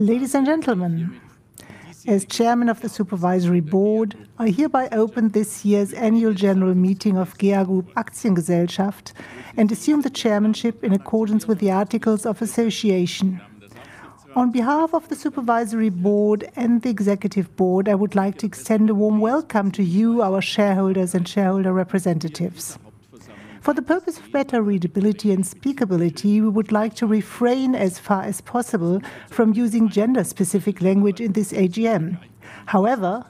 Ladies and gentlemen, as Chairman of the Supervisory Board, I hereby open this year's annual general meeting of GEA Group Aktiengesellschaft and assume the chairmanship in accordance with the articles of association. On behalf of the Supervisory Board and the Executive Board, I would like to extend a warm welcome to you, our shareholders and shareholder representatives. For the purpose of better readability and speakability, we would like to refrain as far as possible from using gender-specific language in this AGM. However,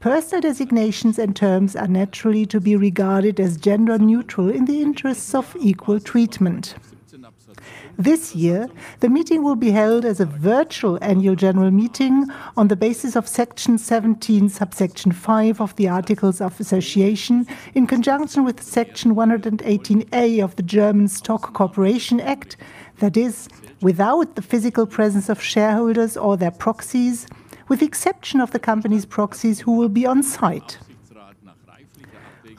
personal designations and terms are naturally to be regarded as gender-neutral in the interests of equal treatment. This year, the meeting will be held as a virtual annual general meeting on the basis of Section 17, Subsection 5 of the articles of association, in conjunction with Section 118A of the German Stock Corporation Act, that is, without the physical presence of shareholders or their proxies, with the exception of the company's proxies who will be on site.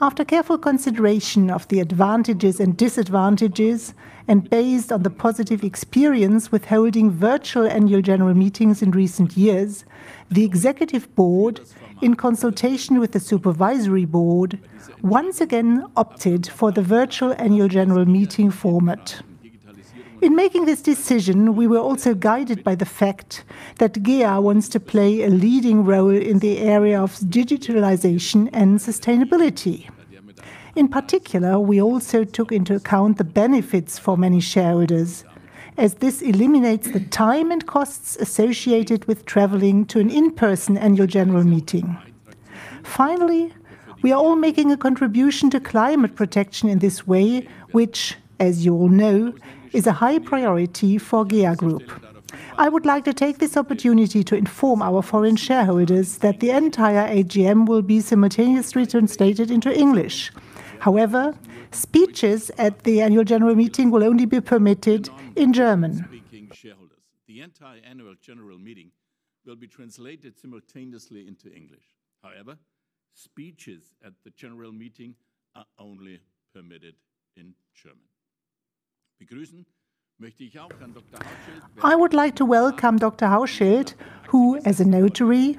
After careful consideration of the advantages and disadvantages, and based on the positive experience with holding virtual annual general meetings in recent years, the Executive Board, in consultation with the Supervisory Board, once again opted for the virtual annual general meeting format. In making this decision, we were also guided by the fact that GEA wants to play a leading role in the area of digitalization and sustainability. In particular, we also took into account the benefits for many shareholders, as this eliminates the time and costs associated with traveling to an in-person annual general meeting. Finally, we are all making a contribution to climate protection in this way, which, as you all know, is a high priority for GEA Group. I would like to take this opportunity to inform our foreign shareholders that the entire AGM will be simultaneously translated into English. However, speeches at the annual general meeting will only be permitted in German. Speaking shareholders, the entire annual general meeting will be translated simultaneously into English. However, speeches at the general meeting are only permitted in German. Begrüßen möchte ich auch Herrn Dr. Hauschild. I would like to welcome Dr. Hauschild, who, as a notary,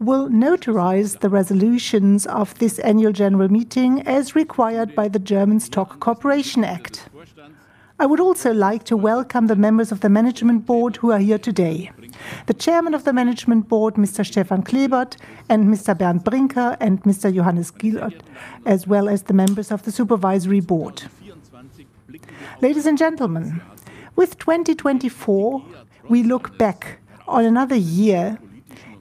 will notarize the resolutions of this annual general meeting as required by the German Stock Corporation Act. I would also like to welcome the members of the Management Board who are here today: the Chairman of the Management Board, Mr. Stefan Klebert, and Mr. Bernd Brinker and Mr. Johannes Giloth, as well as the members of the Supervisory Board. Ladies and gentlemen, with 2024, we look back on another year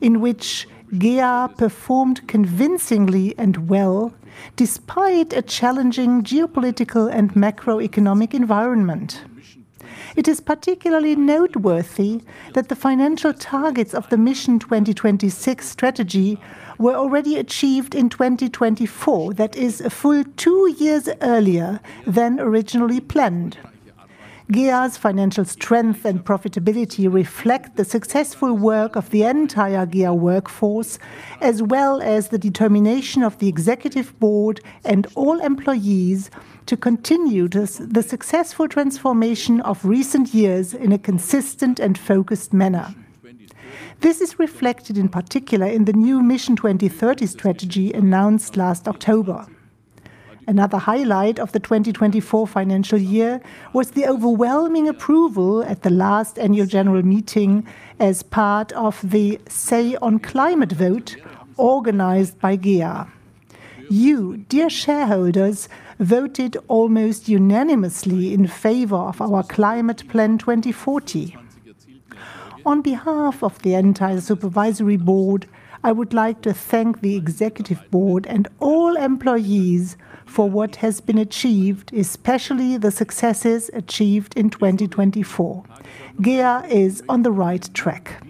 in which GEA performed convincingly and well, despite a challenging geopolitical and macroeconomic environment. It is particularly noteworthy that the financial targets of the Mission 2026 strategy were already achieved in 2024, that is, a full two years earlier than originally planned. GEA's financial strength and profitability reflect the successful work of the entire GEA workforce, as well as the determination of the Executive Board and all employees to continue the successful transformation of recent years in a consistent and focused manner. This is reflected in particular in the new Mission 2030 strategy announced last October. Another highlight of the 2024 financial year was the overwhelming approval at the last annual general meeting as part of the "Say on Climate" vote organized by GEA. You, dear shareholders, voted almost unanimously in favor of our Climate Plan 2040. On behalf of the entire Supervisory Board, I would like to thank the Executive Board and all employees for what has been achieved, especially the successes achieved in 2024. GEA is on the right track.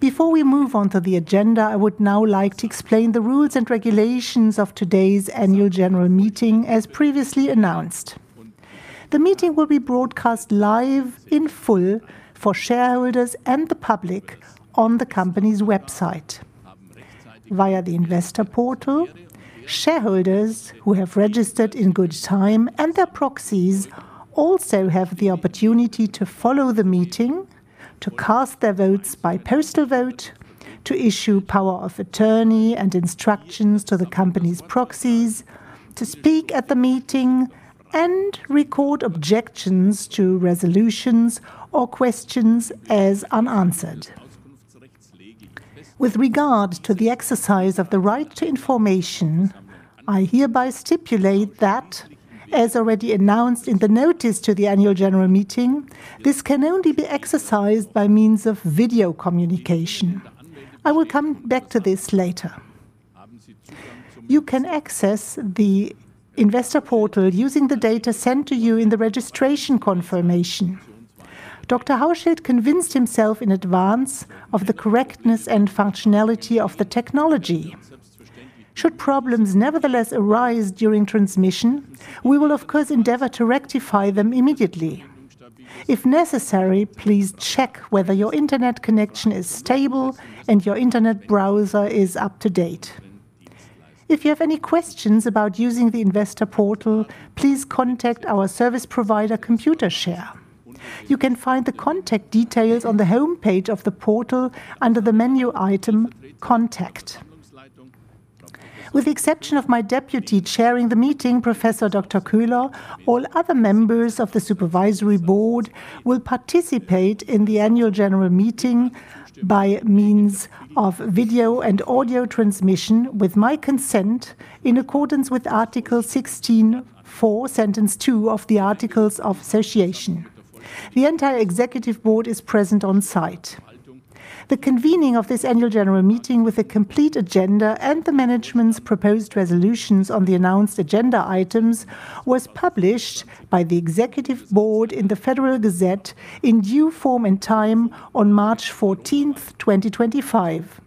Before we move on to the agenda, I would now like to explain the rules and regulations of today's annual general meeting, as previously announced. The meeting will be broadcast live in full for shareholders and the public on the company's website. Via the investor portal, shareholders who have registered in good time and their proxies also have the opportunity to follow the meeting, to cast their votes by postal vote, to issue power of attorney and instructions to the company's proxies, to speak at the meeting and record objections to resolutions or questions as unanswered. With regard to the exercise of the right to information, I hereby stipulate that, as already announced in the notice to the annual general meeting, this can only be exercised by means of video communication. I will come back to this later. You can access the investor portal using the data sent to you in the registration confirmation. Dr. Hauschild convinced himself in advance of the correctness and functionality of the technology. Should problems nevertheless arise during transmission, we will, of course, endeavor to rectify them immediately. If necessary, please check whether your internet connection is stable and your internet browser is up to date. If you have any questions about using the investor portal, please contact our service provider, ComputerShare. You can find the contact details on the homepage of the portal under the menu item "Contact." With the exception of my deputy chairing the meeting, Professor Dr. Köhler, all other members of the Supervisory Board will participate in the annual general meeting by means of video and audio transmission with my consent in accordance with Article 16(4) sentence 2 of the articles of association. The entire Executive Board is present on site. The convening of this annual general meeting with a complete agenda and the management's proposed resolutions on the announced agenda items was published by the Executive Board in the Federal Gazette in due form and time on March 14, 2025.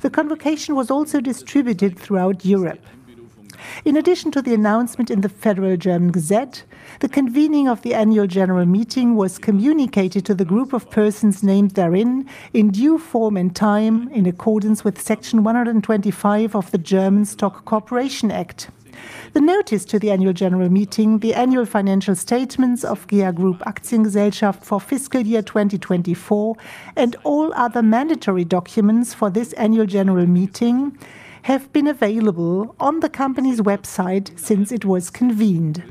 The convocation was also distributed throughout Europe. In addition to the announcement in the Federal German Gazette, the convening of the annual general meeting was communicated to the group of persons named therein in due form and time in accordance with Section 125 of the German Stock Corporation Act. The notice to the annual general meeting, the annual financial statements of GEA Group Aktiengesellschaft for fiscal year 2024, and all other mandatory documents for this annual general meeting have been available on the company's website since it was convened.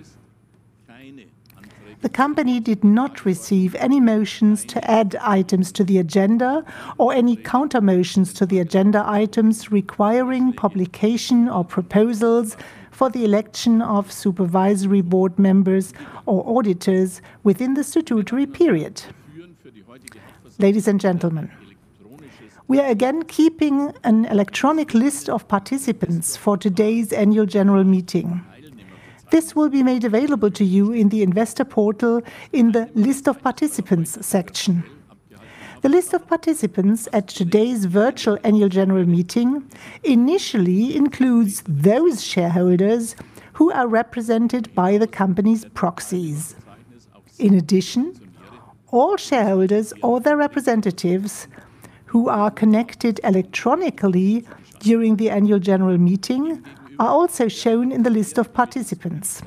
The company did not receive any motions to add items to the agenda or any counter-motions to the agenda items requiring publication or proposals for the election of Supervisory Board members or auditors within the statutory period. Ladies and gentlemen, we are again keeping an electronic list of participants for today's annual general meeting. This will be made available to you in the investor portal in the "List of Participants" section. The list of participants at today's virtual annual general meeting initially includes those shareholders who are represented by the company's proxies. In addition, all shareholders or their representatives who are connected electronically during the annual general meeting are also shown in the list of participants.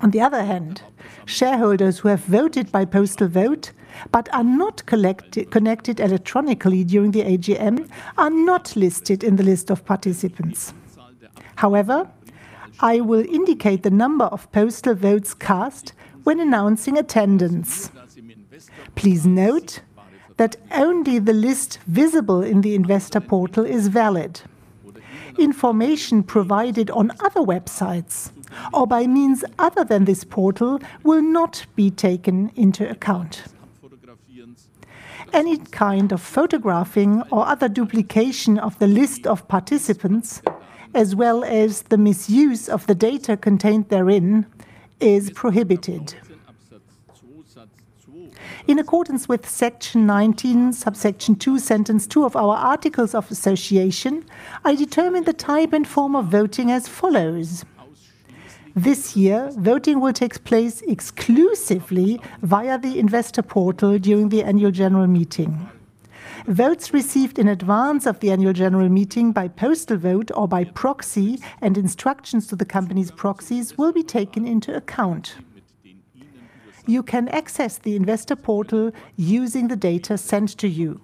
On the other hand, shareholders who have voted by postal vote but are not connected electronically during the AGM are not listed in the list of participants. However, I will indicate the number of postal votes cast when announcing attendance. Please note that only the list visible in the investor portal is valid. Information provided on other websites or by means other than this portal will not be taken into account. Any kind of photographing or other duplication of the list of participants, as well as the misuse of the data contained therein, is prohibited. In accordance with Section 19, Subsection 2, sentence 2 of our articles of association, I determine the type and form of voting as follows. This year, voting will take place exclusively via the investor portal during the annual general meeting. Votes received in advance of the annual general meeting by postal vote or by proxy and instructions to the company's proxies will be taken into account. You can access the investor portal using the data sent to you.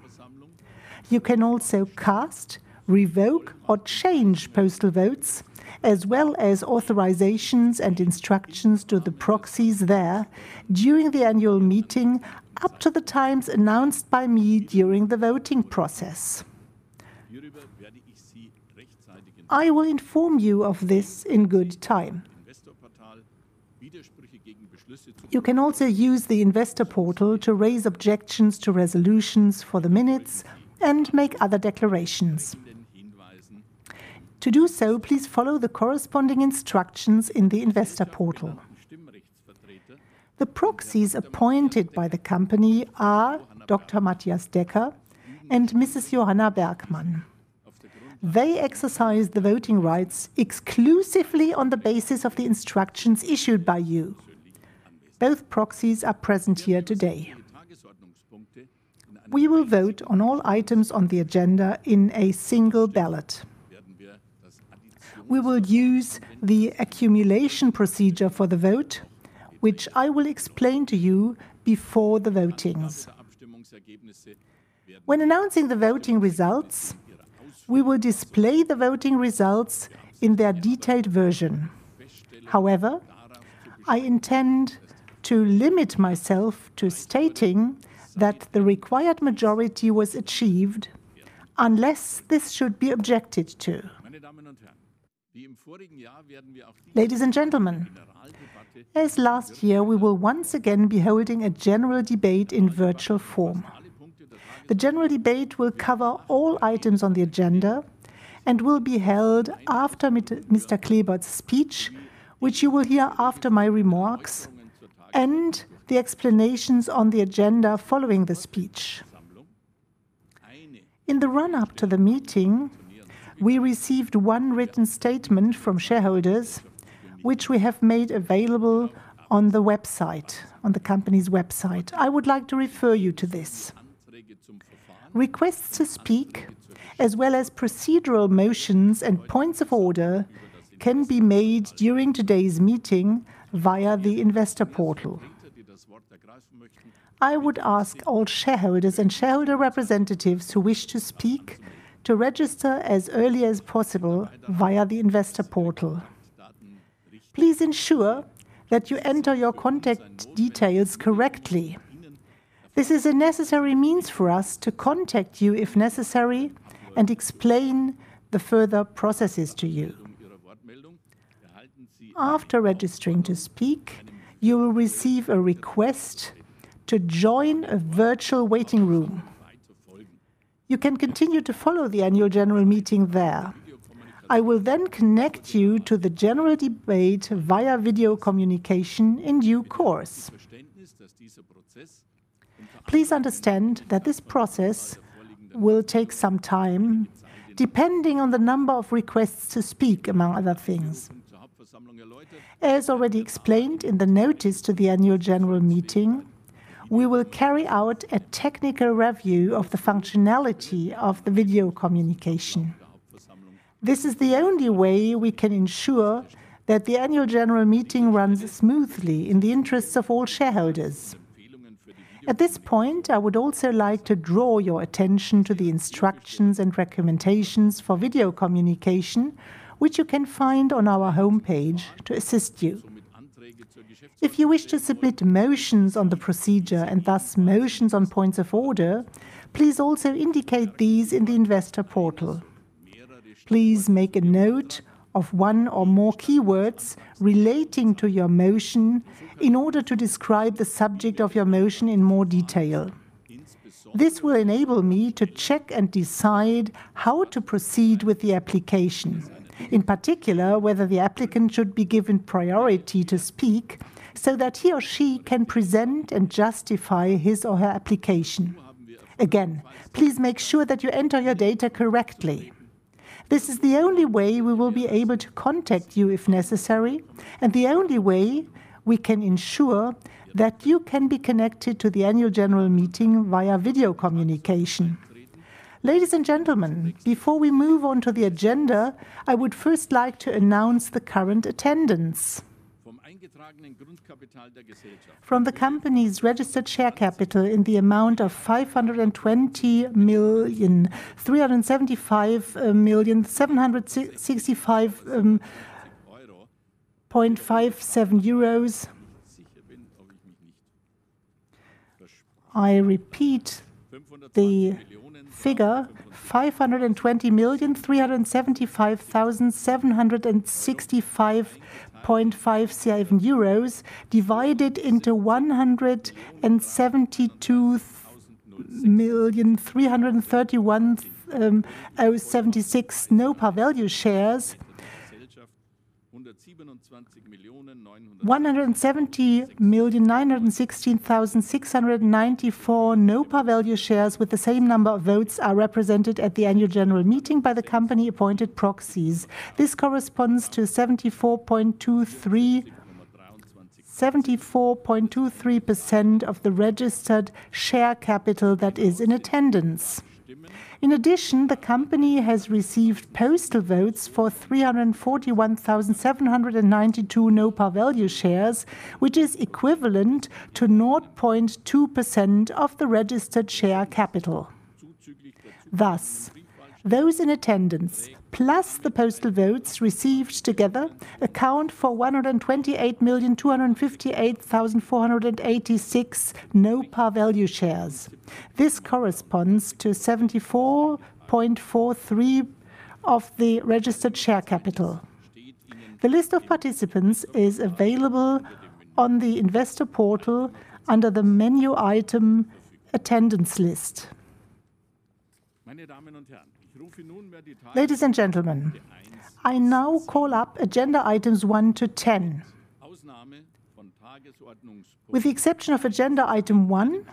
You can also cast, revoke, or change postal votes, as well as authorizations and instructions to the proxies there during the annual meeting up to the times announced by me during the voting process. I will inform you of this in good time. You can also use the investor portal to raise objections to resolutions for the minutes and make other declarations. To do so, please follow the corresponding instructions in the investor portal. The proxies appointed by the company are Dr. Matthias Decker and Mrs. Johanna Bergmann. They exercise the voting rights exclusively on the basis of the instructions issued by you. Both proxies are present here today. We will vote on all items on the agenda in a single ballot. We will use the accumulation procedure for the vote, which I will explain to you before the votings. When announcing the voting results, we will display the voting results in their detailed version. However, I intend to limit myself to stating that the required majority was achieved unless this should be objected to. Ladies and gentlemen, as last year, we will once again be holding a general debate in virtual form. The general debate will cover all items on the agenda and will be held after Mr. Klebert's speech, which you will hear after my remarks and the explanations on the agenda following the speech. In the run-up to the meeting, we received one written statement from shareholders, which we have made available on the website, on the company's website. I would like to refer you to this. Requests to speak, as well as procedural motions and points of order, can be made during today's meeting via the investor portal. I would ask all shareholders and shareholder representatives who wish to speak to register as early as possible via the investor portal. Please ensure that you enter your contact details correctly. This is a necessary means for us to contact you if necessary and explain the further processes to you. After registering to speak, you will receive a request to join a virtual waiting room. You can continue to follow the annual general meeting there. I will then connect you to the general debate via video communication in due course. Please understand that this process will take some time depending on the number of requests to speak, among other things. As already explained in the notice to the annual general meeting, we will carry out a technical review of the functionality of the video communication. This is the only way we can ensure that the annual general meeting runs smoothly in the interests of all shareholders. At this point, I would also like to draw your attention to the instructions and recommendations for video communication, which you can find on our homepage to assist you. If you wish to submit motions on the procedure and thus motions on points of order, please also indicate these in the investor portal. Please make a note of one or more keywords relating to your motion in order to describe the subject of your motion in more detail. This will enable me to check and decide how to proceed with the application, in particular whether the applicant should be given priority to speak so that he or she can present and justify his or her application. Again, please make sure that you enter your data correctly. This is the only way we will be able to contact you if necessary and the only way we can ensure that you can be connected to the annual general meeting via video communication. Ladies and gentlemen, before we move on to the agenda, I would first like to announce the current attendance. From the company's registered share capital in the amount of 575,765,765.57, I repeat, the figure 575,765,765.57 euros divided into 172,331,766 NOPA value shares. 170,916,694 NOPA value shares with the same number of votes are represented at the annual general meeting by the company-appointed proxies. This corresponds to 74.23% of the registered share capital that is in attendance. In addition, the company has received postal votes for 341,792 NOPA value shares, which is equivalent to 0.2% of the registered share capital. Thus, those in attendance plus the postal votes received together account for 128,258,486 NOPA value shares. This corresponds to 74.43% of the registered share capital. The list of participants is available on the investor portal under the menu item "Attendance List." Ladies and gentlemen, I now call up agenda items 1 to 10. With the exception of agenda item 1,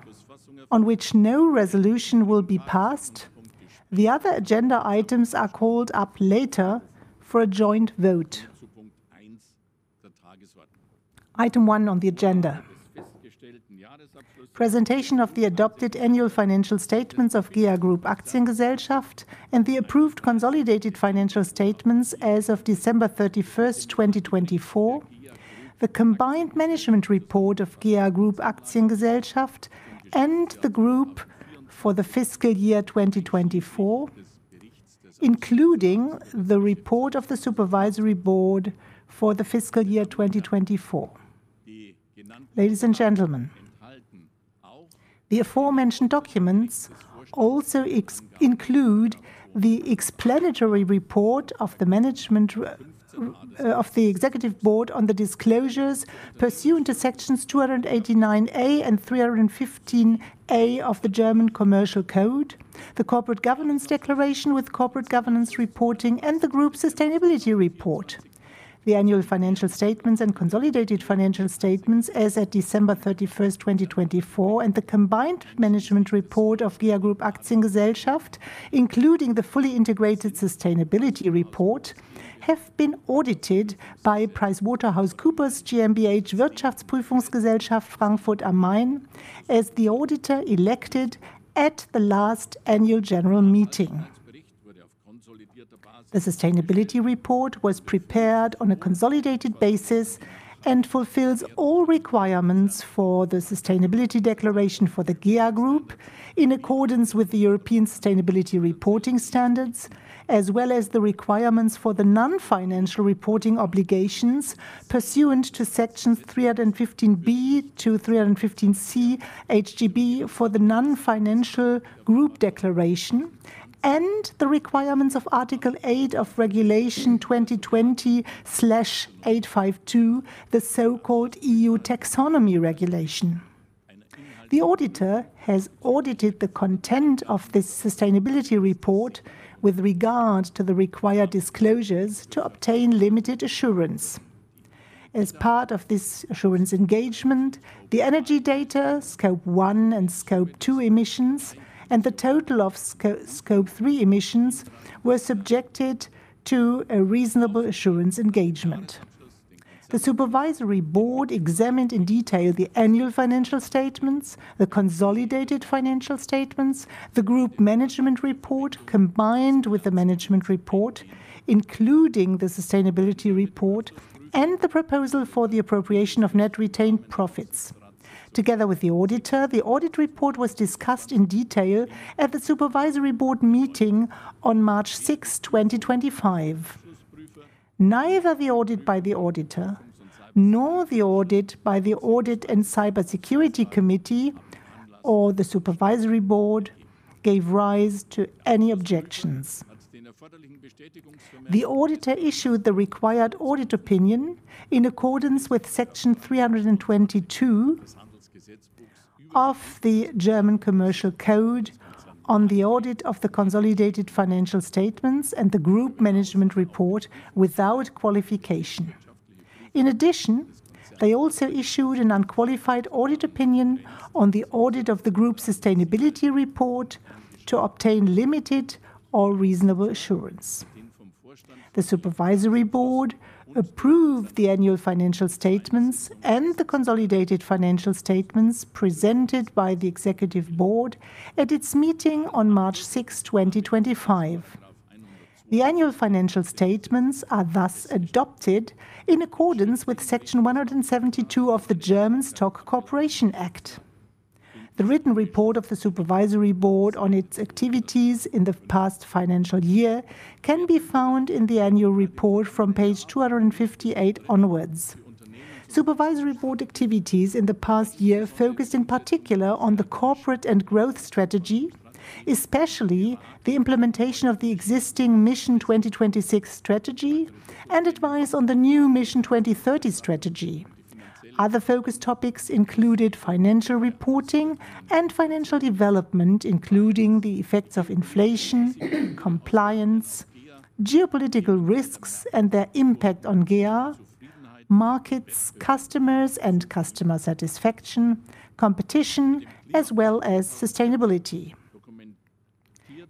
on which no resolution will be passed, the other agenda items are called up later for a joint vote. Item 1 on the agenda: Presentation of the adopted annual financial statements of GEA Group Aktiengesellschaft and the approved consolidated financial statements as of December 31, 2024, the combined management report of GEA Group Aktiengesellschaft and the group for the fiscal year 2024, including the report of the Supervisory Board for the fiscal year 2024. Ladies and gentlemen, the aforementioned documents also include the explanatory report of the management of the Executive Board on the disclosures pursuant to sections 289A and 315A of the German Commercial Code, the corporate governance declaration with corporate governance reporting, and the group sustainability report, the annual financial statements and consolidated financial statements as of December 31st, 2024, and the combined management report of GEA Group Aktiengesellschaft, including the fully integrated sustainability report, have been audited by PricewaterhouseCoopers GmbH Wirtschaftsprüfungsgesellschaft Frankfurt am Main as the auditor elected at the last annual general meeting. The sustainability report was prepared on a consolidated basis and fulfills all requirements for the sustainability declaration for the GEA Group in accordance with the European Sustainability Reporting Standards, as well as the requirements for the non-financial reporting obligations pursuant to sections 315B to 315C HGB for the non-financial group declaration and the requirements of Article 8 of Regulation 2020/852, the so-called EU Taxonomy Regulation. The auditor has audited the content of this sustainability report with regard to the required disclosures to obtain limited assurance. As part of this assurance engagement, the energy data, scope 1 and scope 2 emissions, and the total of scope 3 emissions were subjected to a reasonable assurance engagement. The Supervisory Board examined in detail the annual financial statements, the consolidated financial statements, the group management report combined with the management report, including the sustainability report and the proposal for the appropriation of net retained profits. Together with the auditor, the audit report was discussed in detail at the Supervisory Board meeting on March 6, 2025. Neither the audit by the auditor nor the audit by the Audit and Cybersecurity Committee or the Supervisory Board gave rise to any objections. The auditor issued the required audit opinion in accordance with section 322 of the German Commercial Code on the audit of the consolidated financial statements and the group management report without qualification. In addition, they also issued an unqualified audit opinion on the audit of the group sustainability report to obtain limited or reasonable assurance. The Supervisory Board approved the annual financial statements and the consolidated financial statements presented by the Executive Board at its meeting on March 6, 2025. The annual financial statements are thus adopted in accordance with section 172 of the German Stock Corporation Act. The written report of the Supervisory Board on its activities in the past financial year can be found in the annual report from page 258 onwards. Supervisory Board activities in the past year focused in particular on the corporate and growth strategy, especially the implementation of the existing Mission 2026 strategy and advice on the new Mission 2030 strategy. Other focus topics included financial reporting and financial development, including the effects of inflation, compliance, geopolitical risks and their impact on GEA, markets, customers and customer satisfaction, competition, as well as sustainability.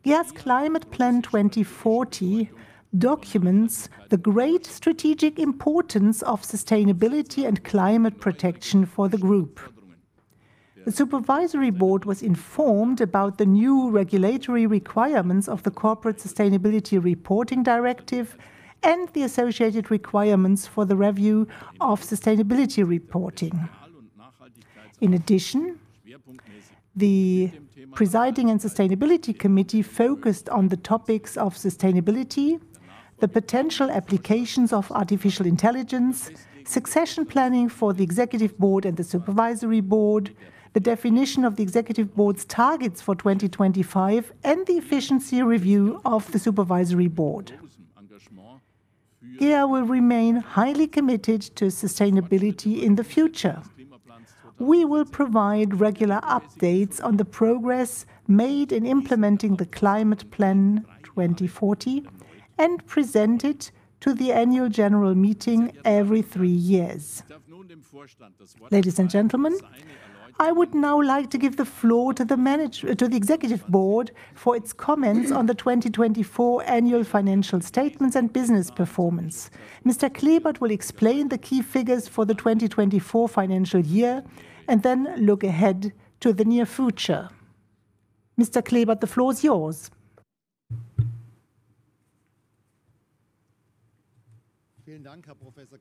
GEA's Climate Plan 2040 documents the great strategic importance of sustainability and climate protection for the group. The Supervisory Board was informed about the new regulatory requirements of the Corporate Sustainability Reporting Directive and the associated requirements for the review of sustainability reporting. In addition, the Presiding and Sustainability Committee focused on the topics of sustainability, the potential applications of artificial intelligence, succession planning for the Executive Board and the Supervisory Board, the definition of the Executive Board's targets for 2025, and the efficiency review of the Supervisory Board. GEA will remain highly committed to sustainability in the future. We will provide regular updates on the progress made in implementing the Climate Plan 2040 and present it to the annual general meeting every three years. Ladies and gentlemen, I would now like to give the floor to the Executive Board for its comments on the 2024 annual financial statements and business performance. Mr. Klebert will explain the key figures for the 2024 financial year and then look ahead to the near future. Mr. Klebert, the floor is yours. Thank you, Professor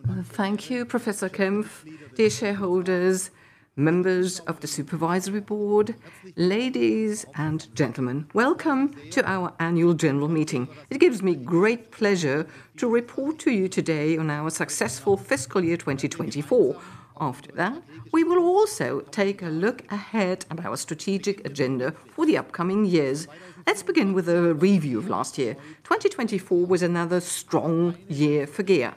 Kempf. Thank you, Professor Kempf, dear shareholders, members of the Supervisory Board, ladies and gentlemen. Welcome to our annual general meeting. It gives me great pleasure to report to you today on our successful fiscal year 2024. After that, we will also take a look ahead at our strategic agenda for the upcoming years. Let's begin with a review of last year. 2024 was another strong year for GEA.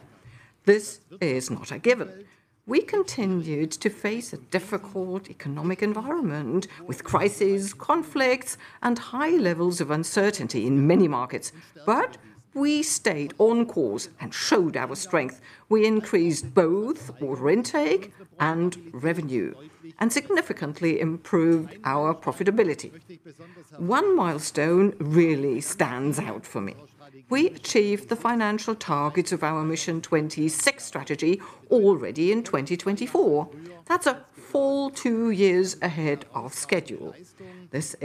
This is not a given. We continued to face a difficult economic environment with crises, conflicts, and high levels of uncertainty in many markets. We stayed on course and showed our strength. We increased both order intake and revenue and significantly improved our profitability. One milestone really stands out for me. We achieved the financial targets of our Mission 26 strategy already in 2024. That is a full two years ahead of schedule. This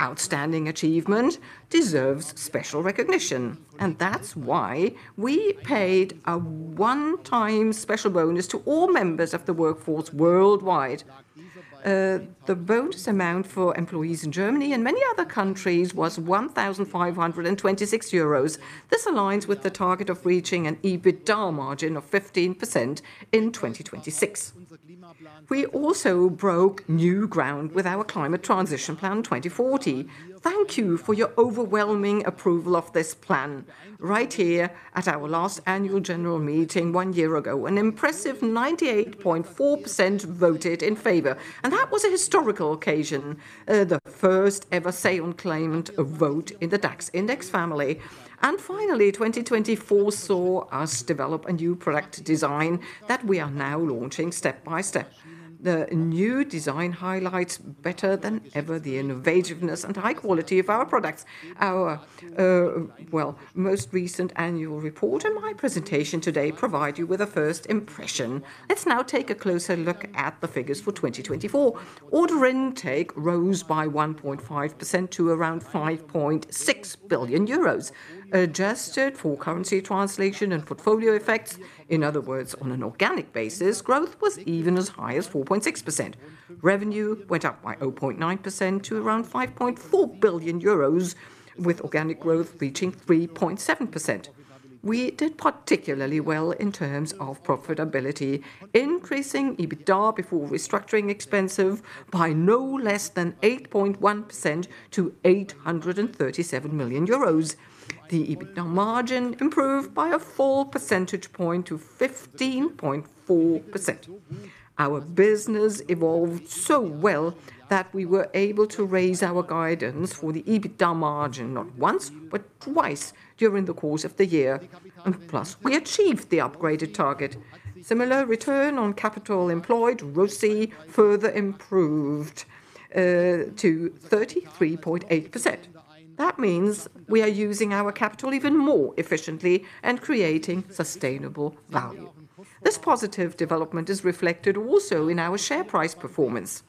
outstanding achievement deserves special recognition, and that is why we paid a one-time special bonus to all members of the workforce worldwide. The bonus amount for employees in Germany and many other countries was 1,526 euros. This aligns with the target of reaching an EBITDA margin of 15% in 2026. We also broke new ground with our Climate Transition Plan 2040. Thank you for your overwhelming approval of this plan. Right here at our last annual general meeting one year ago, an impressive 98.4% voted in favor. That was a historical occasion, the first ever say-on-claimant vote in the DAX index family. Finally, 2024 saw us develop a new product design that we are now launching step by step. The new design highlights better than ever the innovativeness and high quality of our products. Our, well, most recent annual report and my presentation today provide you with a first impression. Let's now take a closer look at the figures for 2024. Order intake rose by 1.5% to around 5.6 billion euros. Adjusted for currency translation and portfolio effects, in other words, on an organic basis, growth was even as high as 4.6%. Revenue went up by 0.9% to around 5.4 billion euros, with organic growth reaching 3.7%. We did particularly well in terms of profitability, increasing EBITDA before restructuring expenses by no less than 8.1% to 837 million euros. The EBITDA margin improved by a full percentage point to 15.4%. Our business evolved so well that we were able to raise our guidance for the EBITDA margin not once, but twice during the course of the year. Plus, we achieved the upgraded target. Similar return on capital employed, ROSI, further improved to 33.8%. That means we are using our capital even more efficiently and creating sustainable value. This positive development is reflected also in our share price performance.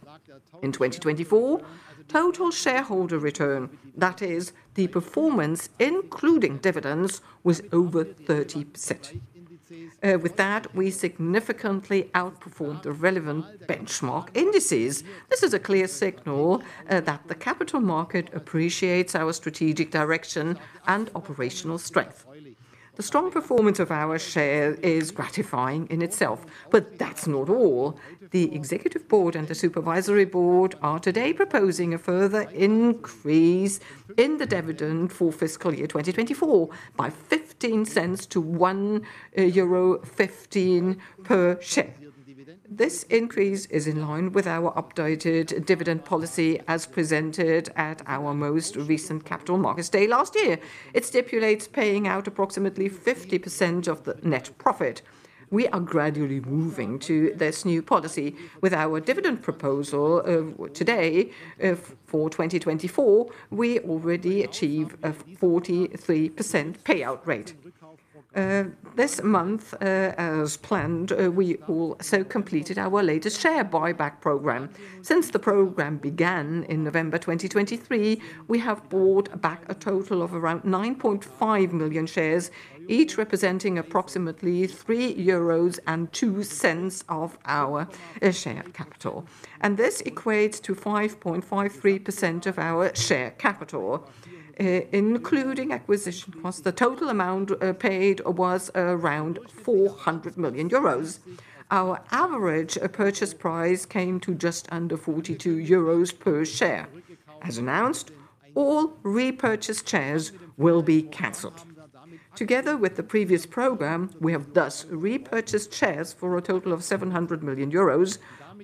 In 2024, total shareholder return, that is, the performance including dividends, was over 30%. With that, we significantly outperformed the relevant benchmark indices. This is a clear signal that the capital market appreciates our strategic direction and operational strength. The strong performance of our share is gratifying in itself. That is not all. The Executive Board and the Supervisory Board are today proposing a further increase in the dividend for fiscal year 2024 by 0.15-1.15 euro per share. This increase is in line with our updated dividend policy as presented at our most recent capital markets day last year. It stipulates paying out approximately 50% of the net profit. We are gradually moving to this new policy. With our dividend proposal today for 2024, we already achieve a 43% payout rate. This month, as planned, we also completed our latest share buyback program. Since the program began in November 2023, we have bought back a total of around 9.5 million shares, each representing approximately 3.02 euros of our share capital. This equates to 5.53% of our share capital, including acquisition costs. The total amount paid was around 400 million euros. Our average purchase price came to just under 42 euros per share. As announced, all repurchased shares will be canceled. Together with the previous program, we have thus repurchased shares for a total of 700 million euros,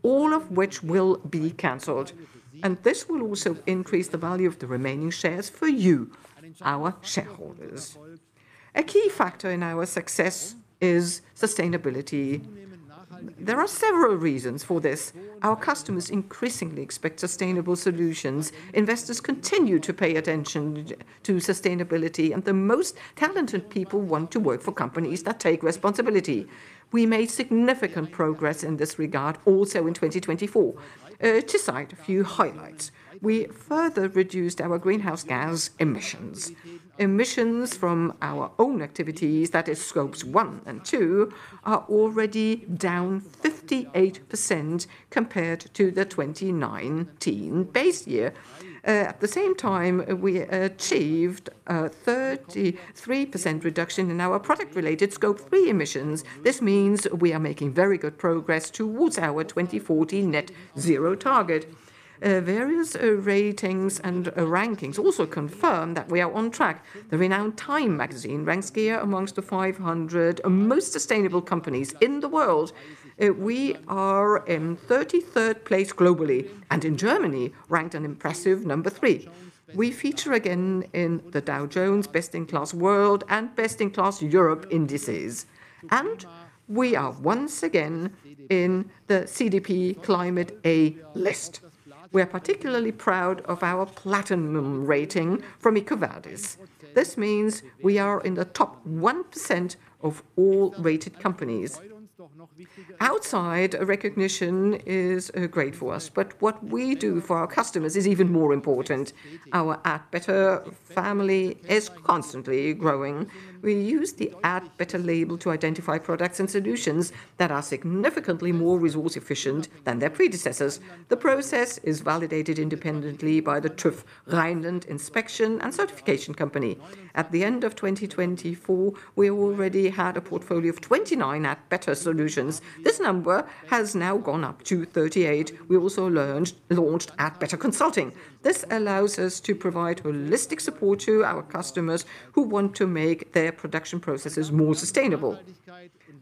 all of which will be canceled. This will also increase the value of the remaining shares for you, our shareholders. A key factor in our success is sustainability. There are several reasons for this. Our customers increasingly expect sustainable solutions. Investors continue to pay attention to sustainability, and the most talented people want to work for companies that take responsibility. We made significant progress in this regard also in 2024. To cite a few highlights, we further reduced our greenhouse gas emissions. Emissions from our own activities, that is, scopes one and two, are already down 58% compared to the 2019 base year. At the same time, we achieved a 33% reduction in our product-related scope 3 emissions. This means we are making very good progress towards our 2040 net zero target. Various ratings and rankings also confirm that we are on track. The renowned Time magazine ranks GEA amongst the 500 most sustainable companies in the world. We are in 33rd place globally and in Germany ranked an impressive number three. We feature again in the Dow Jones Best in Class World and Best in Class Europe indices, and we are once again in the CDP Climate A list. We are particularly proud of our Platinum rating from IQOVERTIS. This means we are in the top 1% of all rated companies. Outside, recognition is great for us, but what we do for our customers is even more important. Our Adbeter family is constantly growing. We use the Adbeter label to identify products and solutions that are significantly more resource-efficient than their predecessors. The process is validated independently by the TÜV Rheinland inspection and certification company. At the end of 2024, we already had a portfolio of 29 Adbeter solutions. This number has now gone up to 38. We also launched Adbeter Consulting. This allows us to provide holistic support to our customers who want to make their production processes more sustainable.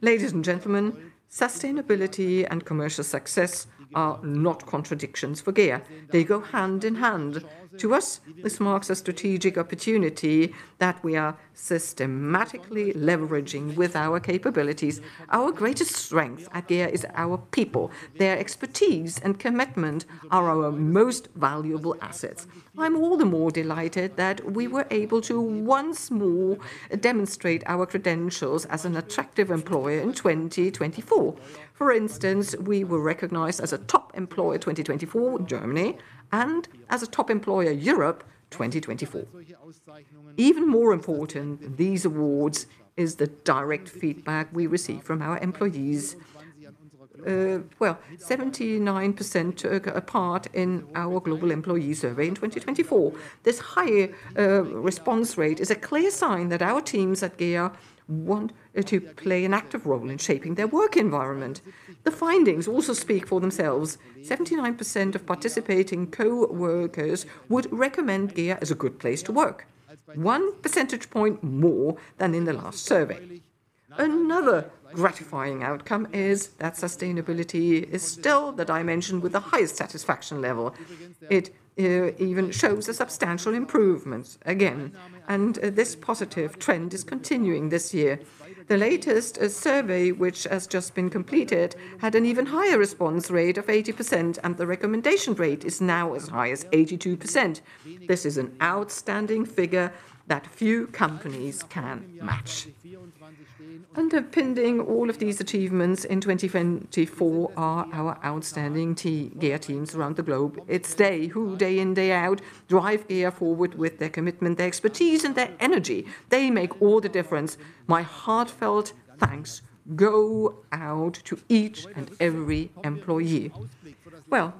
Ladies and gentlemen, sustainability and commercial success are not contradictions for GEA. They go hand in hand. To us, this marks a strategic opportunity that we are systematically leveraging with our capabilities. Our greatest strength at GEA is our people. Their expertise and commitment are our most valuable assets. I'm all the more delighted that we were able to once more demonstrate our credentials as an attractive employer in 2024. For instance, we were recognized as a top employer 2024, Germany, and as a top employer Europe, 2024. Even more important than these awards is the direct feedback we receive from our employees. 79% took a part in our global employee survey in 2024. This high response rate is a clear sign that our teams at GEA want to play an active role in shaping their work environment. The findings also speak for themselves. 79% of participating coworkers would recommend GEA as a good place to work, 1% point more than in the last survey. Another gratifying outcome is that sustainability is still the dimension with the highest satisfaction level. It even shows a substantial improvement again, and this positive trend is continuing this year. The latest survey, which has just been completed, had an even higher response rate of 80%, and the recommendation rate is now as high as 82%. This is an outstanding figure that few companies can match. Underpinning all of these achievements in 2024 are our outstanding GEA teams around the globe. It's they who, day in, day out, drive GEA forward with their commitment, their expertise, and their energy. They make all the difference. My heartfelt thanks go out to each and every employee.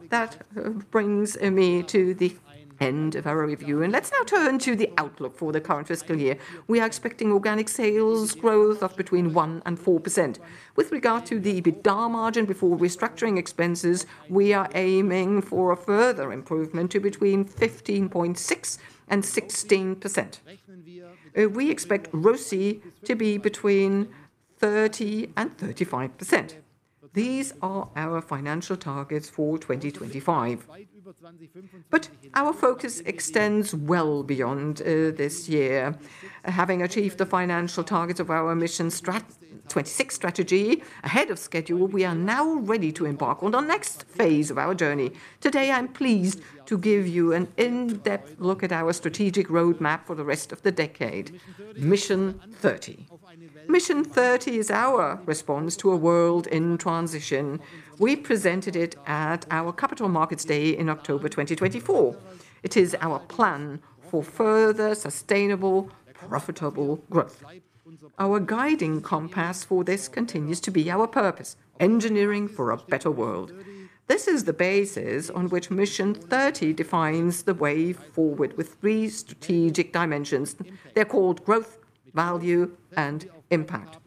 That brings me to the end of our review, and let's now turn to the outlook for the current fiscal year. We are expecting organic sales growth of between 1% and 4%. With regard to the EBITDA margin before restructuring expenses, we are aiming for a further improvement to between 15.6% and 16%. We expect ROSI to be between 30% and 35%. These are our financial targets for 2025. Our focus extends well beyond this year. Having achieved the financial targets of our Mission 206 strategy ahead of schedule, we are now ready to embark on the next phase of our journey. Today, I'm pleased to give you an in-depth look at our strategic roadmap for the rest of the decade. Mission 30. Mission 30 is our response to a world in transition. We presented it at our Capital Markets Day in October 2024. It is our plan for further sustainable, profitable growth. Our guiding compass for this continues to be our purpose: engineering for a better world. This is the basis on which Mission 30 defines the way forward with three strategic dimensions. They're called growth, value, and impact.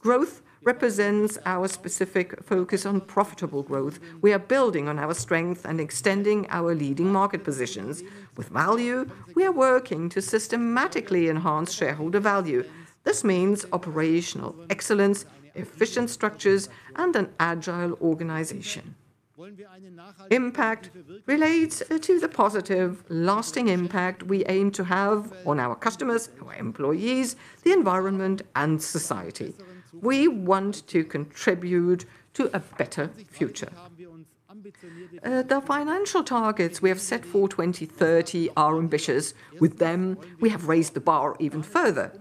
Growth represents our specific focus on profitable growth. We are building on our strength and extending our leading market positions. With value, we are working to systematically enhance shareholder value. This means operational excellence, efficient structures, and an agile organization. Impact relates to the positive, lasting impact we aim to have on our customers, our employees, the environment, and society. We want to contribute to a better future. The financial targets we have set for 2030 are ambitious. With them, we have raised the bar even further.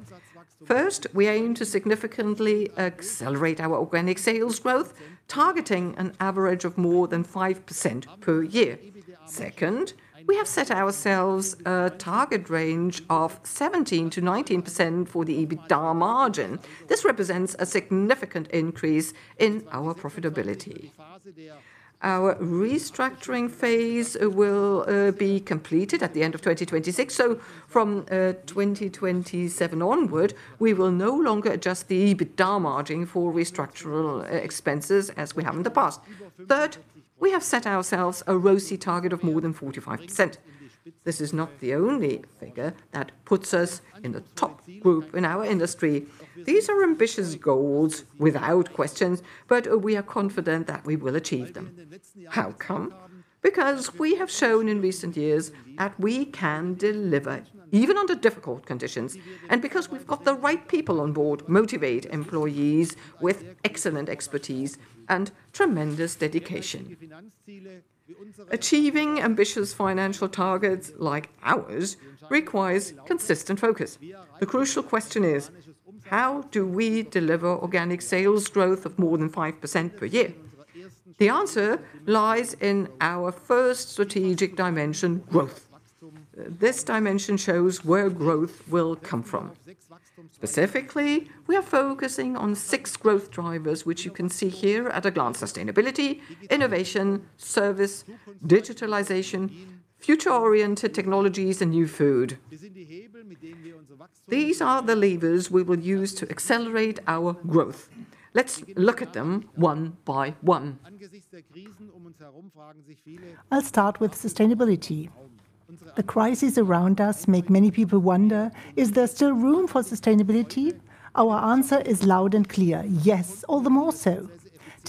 First, we aim to significantly accelerate our organic sales growth, targeting an average of more than 5% per year. Second, we have set ourselves a target range of 17%-19% for the EBITDA margin. This represents a significant increase in our profitability. Our restructuring phase will be completed at the end of 2026. From 2027 onward, we will no longer adjust the EBITDA margin for restructuring expenses as we have in the past. Third, we have set ourselves a ROSI target of more than 45%. This is not the only figure that puts us in the top group in our industry. These are ambitious goals, without question, but we are confident that we will achieve them. How come? Because we have shown in recent years that we can deliver even under difficult conditions, and because we've got the right people on board, motivate employees with excellent expertise and tremendous dedication. Achieving ambitious financial targets like ours requires consistent focus. The crucial question is: how do we deliver organic sales growth of more than 5% per year? The answer lies in our first strategic dimension, growth. This dimension shows where growth will come from. Specifically, we are focusing on six growth drivers, which you can see here at a glance: sustainability, innovation, service, digitalization, future-oriented technologies, and new food. These are the levers we will use to accelerate our growth. Let's look at them one by one. Let's start with sustainability. The crises around us make many people wonder: is there still room for sustainability? Our answer is loud and clear: yes, all the more so.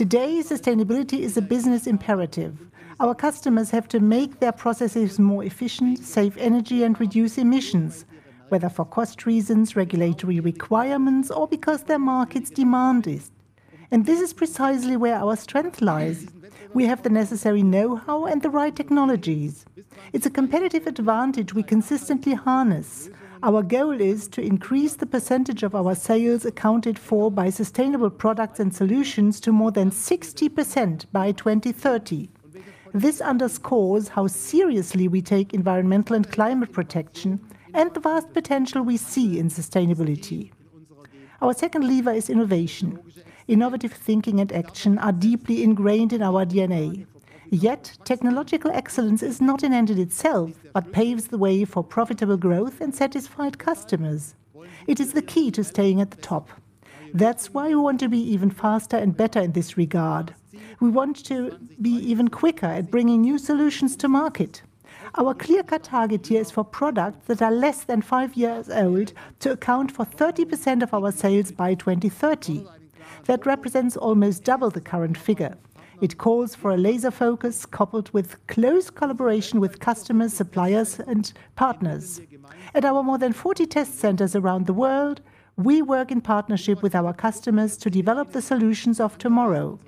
Today, sustainability is a business imperative. Our customers have to make their processes more efficient, save energy, and reduce emissions, whether for cost reasons, regulatory requirements, or because their markets demand it. This is precisely where our strength lies. We have the necessary know-how and the right technologies. It's a competitive advantage we consistently harness. Our goal is to increase the percentage of our sales accounted for by sustainable products and solutions to more than 60% by 2030. This underscores how seriously we take environmental and climate protection and the vast potential we see in sustainability. Our second lever is innovation. Innovative thinking and action are deeply ingrained in our DNA. Yet, technological excellence is not an end in itself, but paves the way for profitable growth and satisfied customers. It is the key to staying at the top. That is why we want to be even faster and better in this regard. We want to be even quicker at bringing new solutions to market. Our clear-cut target here is for products that are less than five years old to account for 30% of our sales by 2030. That represents almost double the current figure. It calls for a laser focus coupled with close collaboration with customers, suppliers, and partners. At our more than 40 test centers around the world, we work in partnership with our customers to develop the solutions of tomorrow.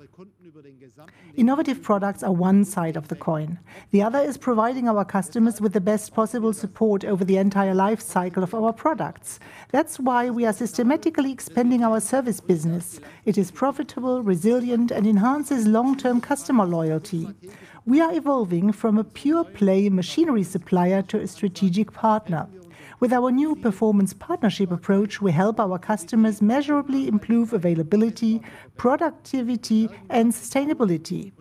Innovative products are one side of the coin. The other is providing our customers with the best possible support over the entire life cycle of our products. That is why we are systematically expanding our service business. It is profitable, resilient, and enhances long-term customer loyalty. We are evolving from a pure-play machinery supplier to a strategic partner. With our new performance partnership approach, we help our customers measurably improve availability, productivity, and sustainability.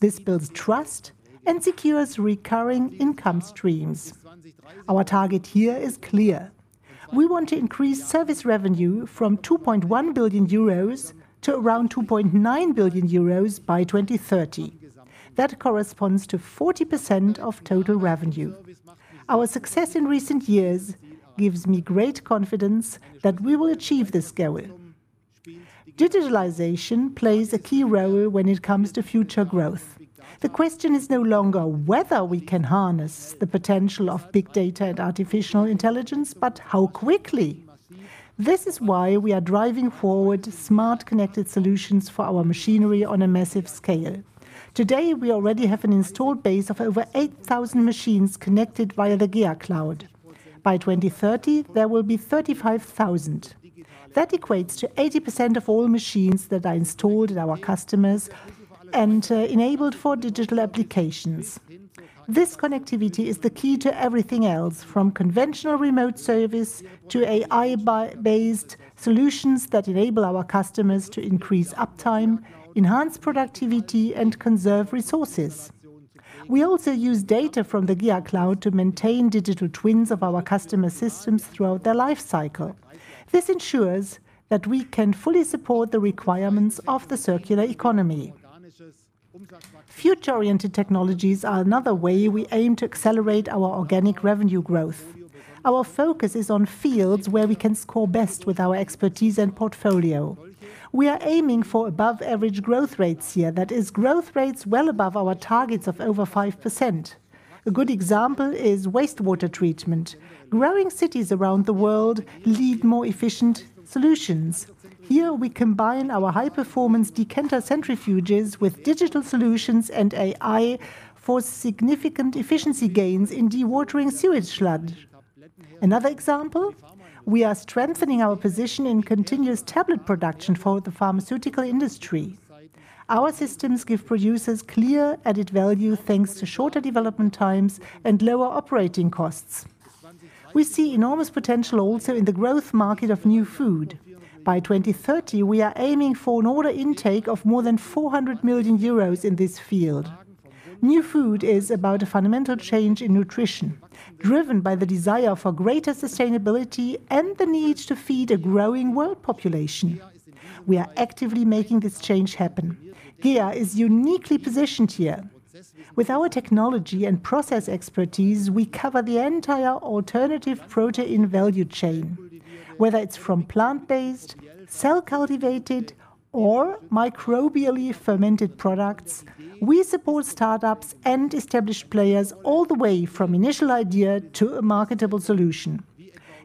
This builds trust and secures recurring income streams. Our target here is clear. We want to increase service revenue from 2.1 billion euros to around 2.9 billion euros by 2030. That corresponds to 40% of total revenue. Our success in recent years gives me great confidence that we will achieve this goal. Digitalization plays a key role when it comes to future growth. The question is no longer whether we can harness the potential of big data and artificial intelligence, but how quickly. This is why we are driving forward smart connected solutions for our machinery on a massive scale. Today, we already have an installed base of over 8,000 machines connected via the GEA cloud. By 2030, there will be 35,000. That equates to 80% of all machines that are installed at our customers and enabled for digital applications. This connectivity is the key to everything else, from conventional remote service to AI-based solutions that enable our customers to increase uptime, enhance productivity, and conserve resources. We also use data from the GEA cloud to maintain digital twins of our customer systems throughout their life cycle. This ensures that we can fully support the requirements of the circular economy. Future-oriented technologies are another way we aim to accelerate our organic revenue growth. Our focus is on fields where we can score best with our expertise and portfolio. We are aiming for above-average growth rates here, that is, growth rates well above our targets of over 5%. A good example is wastewater treatment. Growing cities around the world need more efficient solutions. Here, we combine our high-performance Decanter centrifuges with digital solutions and AI for significant efficiency gains in dewatering sewage flood. Another example: we are strengthening our position in continuous tablet production for the pharmaceutical industry. Our systems give producers clear added value thanks to shorter development times and lower operating costs. We see enormous potential also in the growth market of new food. By 2030, we are aiming for an order intake of more than 400 million euros in this field. New food is about a fundamental change in nutrition, driven by the desire for greater sustainability and the need to feed a growing world population. We are actively making this change happen. GEA is uniquely positioned here. With our technology and process expertise, we cover the entire alternative protein value chain. Whether it is from plant-based, cell-cultivated, or microbially fermented products, we support startups and established players all the way from initial idea to a marketable solution.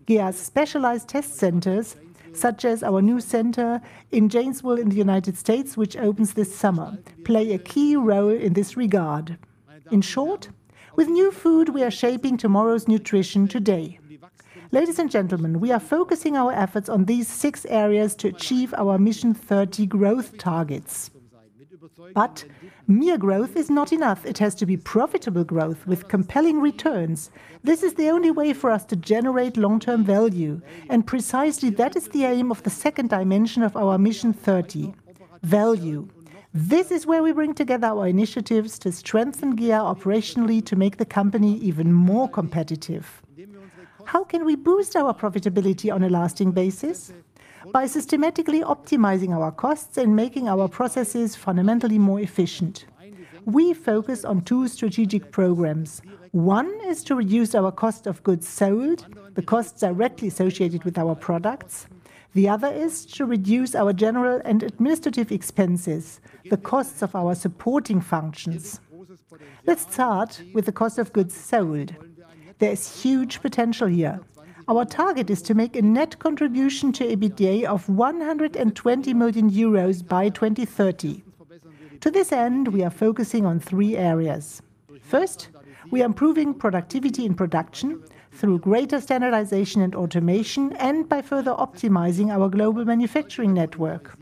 GEA's specialized test centers, such as our new center in Janesville in the United States, which opens this summer, play a key role in this regard. In short, with new food, we are shaping tomorrow's nutrition today. Ladies and gentlemen, we are focusing our efforts on these six areas to achieve our Mission 30 growth targets. Growth is not enough. It has to be profitable growth with compelling returns. This is the only way for us to generate long-term value. Precisely that is the aim of the second dimension of our Mission 30: value. This is where we bring together our initiatives to strengthen GEA operationally to make the company even more competitive. How can we boost our profitability on a lasting basis? By systematically optimizing our costs and making our processes fundamentally more efficient. We focus on two strategic programs. One is to reduce our cost of goods sold, the costs directly associated with our products. The other is to reduce our general and administrative expenses, the costs of our supporting functions. Let's start with the cost of goods sold. There is huge potential here. Our target is to make a net contribution to EBITDA of 120 million euros by 2030. To this end, we are focusing on three areas. First, we are improving productivity in production through greater standardization and automation and by further optimizing our global manufacturing network.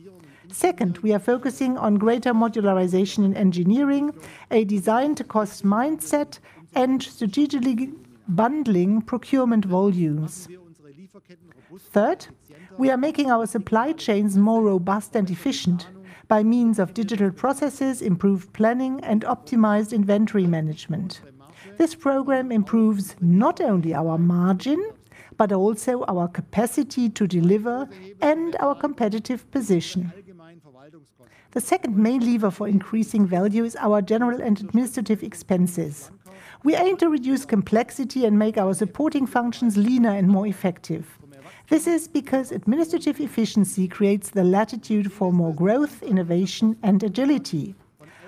Second, we are focusing on greater modularization in engineering, a design-to-cost mindset, and strategically bundling procurement volumes. Third, we are making our supply chains more robust and efficient by means of digital processes, improved planning, and optimized inventory management. This program improves not only our margin but also our capacity to deliver and our competitive position. The second main lever for increasing value is our general and administrative expenses. We aim to reduce complexity and make our supporting functions leaner and more effective. This is because administrative efficiency creates the latitude for more growth, innovation, and agility.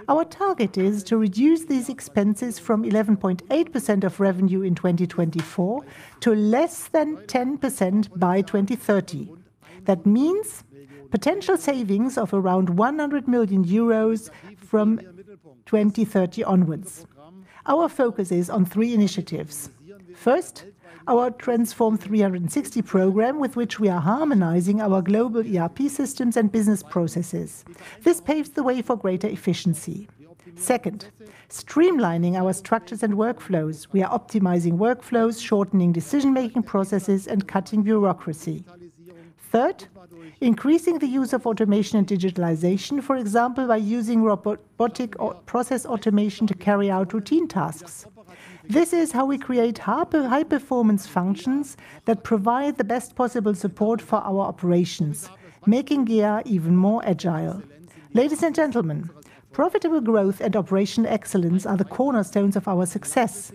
Our target is to reduce these expenses from 11.8% of revenue in 2024 to less than 10% by 2030. That means potential savings of around 100 million euros from 2030 onwards. Our focus is on three initiatives. First, our TRANSFORM360 program, with which we are harmonizing our global ERP systems and business processes. This paves the way for greater efficiency. Second, streamlining our structures and workflows. We are optimizing workflows, shortening decision-making processes, and cutting bureaucracy. Third, increasing the use of automation and digitalization, for example, by using robotic process automation to carry out routine tasks. This is how we create high-performance functions that provide the best possible support for our operations, making GEA even more agile. Ladies and gentlemen, profitable growth and operational excellence are the cornerstones of our success.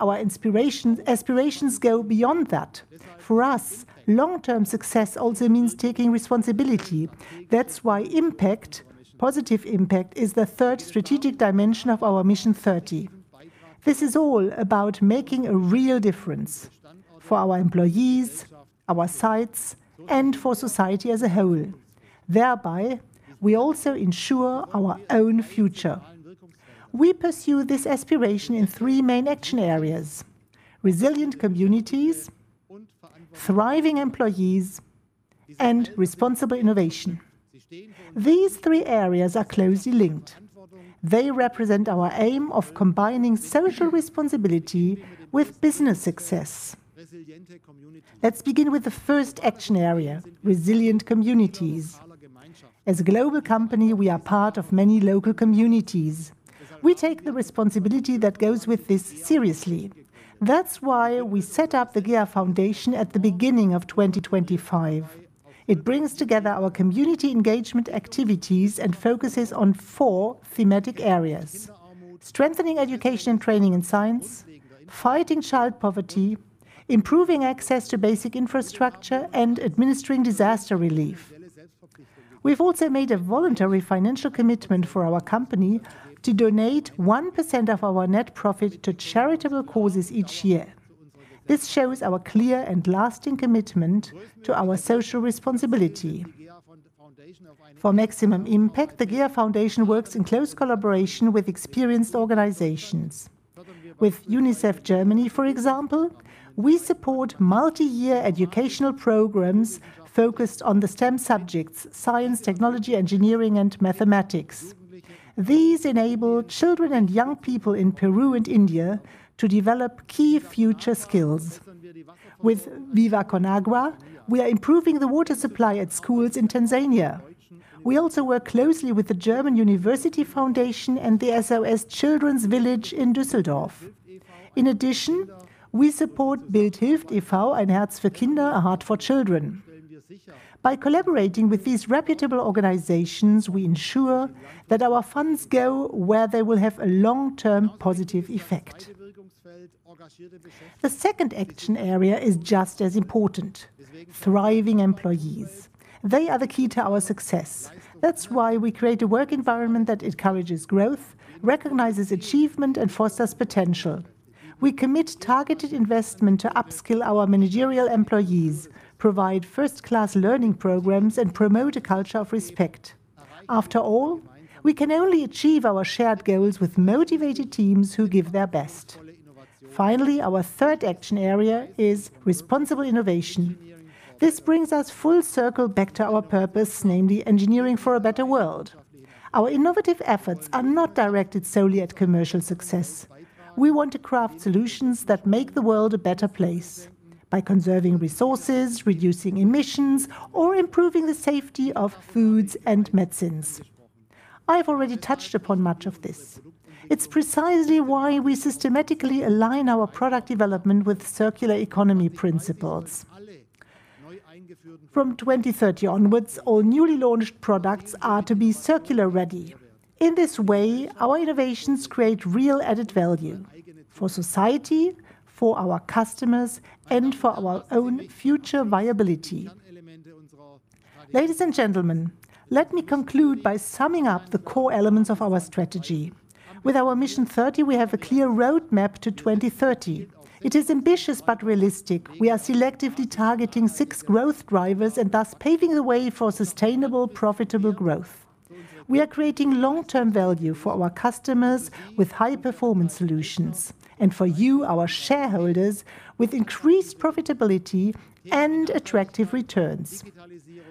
Our aspirations go beyond that. For us, long-term success also means taking responsibility. That is why impact, positive impact, is the third strategic dimension of our Mission 30. This is all about making a real difference for our employees, our sites, and for society as a whole. Thereby, we also ensure our own future. We pursue this aspiration in three main action areas: resilient communities, thriving employees, and responsible innovation. These three areas are closely linked. They represent our aim of combining social responsibility with business success. Let's begin with the first action area: resilient communities. As a global company, we are part of many local communities. We take the responsibility that goes with this seriously. That's why we set up the GEA Foundation at the beginning of 2025. It brings together our community engagement activities and focuses on four thematic areas: strengthening education and training in science, fighting child poverty, improving access to basic infrastructure, and administering disaster relief. We've also made a voluntary financial commitment for our company to donate 1% of our net profit to charitable causes each year. This shows our clear and lasting commitment to our social responsibility. For maximum impact, the GEA Foundation works in close collaboration with experienced organizations. With UNICEF Germany, for example, we support multi-year educational programs focused on the STEM subjects: science, technology, engineering, and mathematics. These enable children and young people in Peru and India to develop key future skills. With Viva ConAgua, we are improving the water supply at schools in Tanzania. We also work closely with the German University Foundation and the SOS Children's Village in Düsseldorf. In addition, we support Bild hilft e.V. and Herz für Kinder, a heart for children. By collaborating with these reputable organizations, we ensure that our funds go where they will have a long-term positive effect. The second action area is just as important: thriving employees. They are the key to our success. That's why we create a work environment that encourages growth, recognizes achievement, and fosters potential. We commit targeted investment to upskill our managerial employees, provide first-class learning programs, and promote a culture of respect. After all, we can only achieve our shared goals with motivated teams who give their best. Finally, our third action area is responsible innovation. This brings us full circle back to our purpose, namely engineering for a better world. Our innovative efforts are not directed solely at commercial success. We want to craft solutions that make the world a better place by conserving resources, reducing emissions, or improving the safety of foods and medicines. I've already touched upon much of this. It's precisely why we systematically align our product development with circular economy principles. From 2030 onwards, all newly launched products are to be circular-ready. In this way, our innovations create real added value for society, for our customers, and for our own future viability. Ladies and gentlemen, let me conclude by summing up the core elements of our strategy. With our Mission 30, we have a clear roadmap to 2030. It is ambitious but realistic. We are selectively targeting six growth drivers and thus paving the way for sustainable, profitable growth. We are creating long-term value for our customers with high-performance solutions and for you, our shareholders, with increased profitability and attractive returns.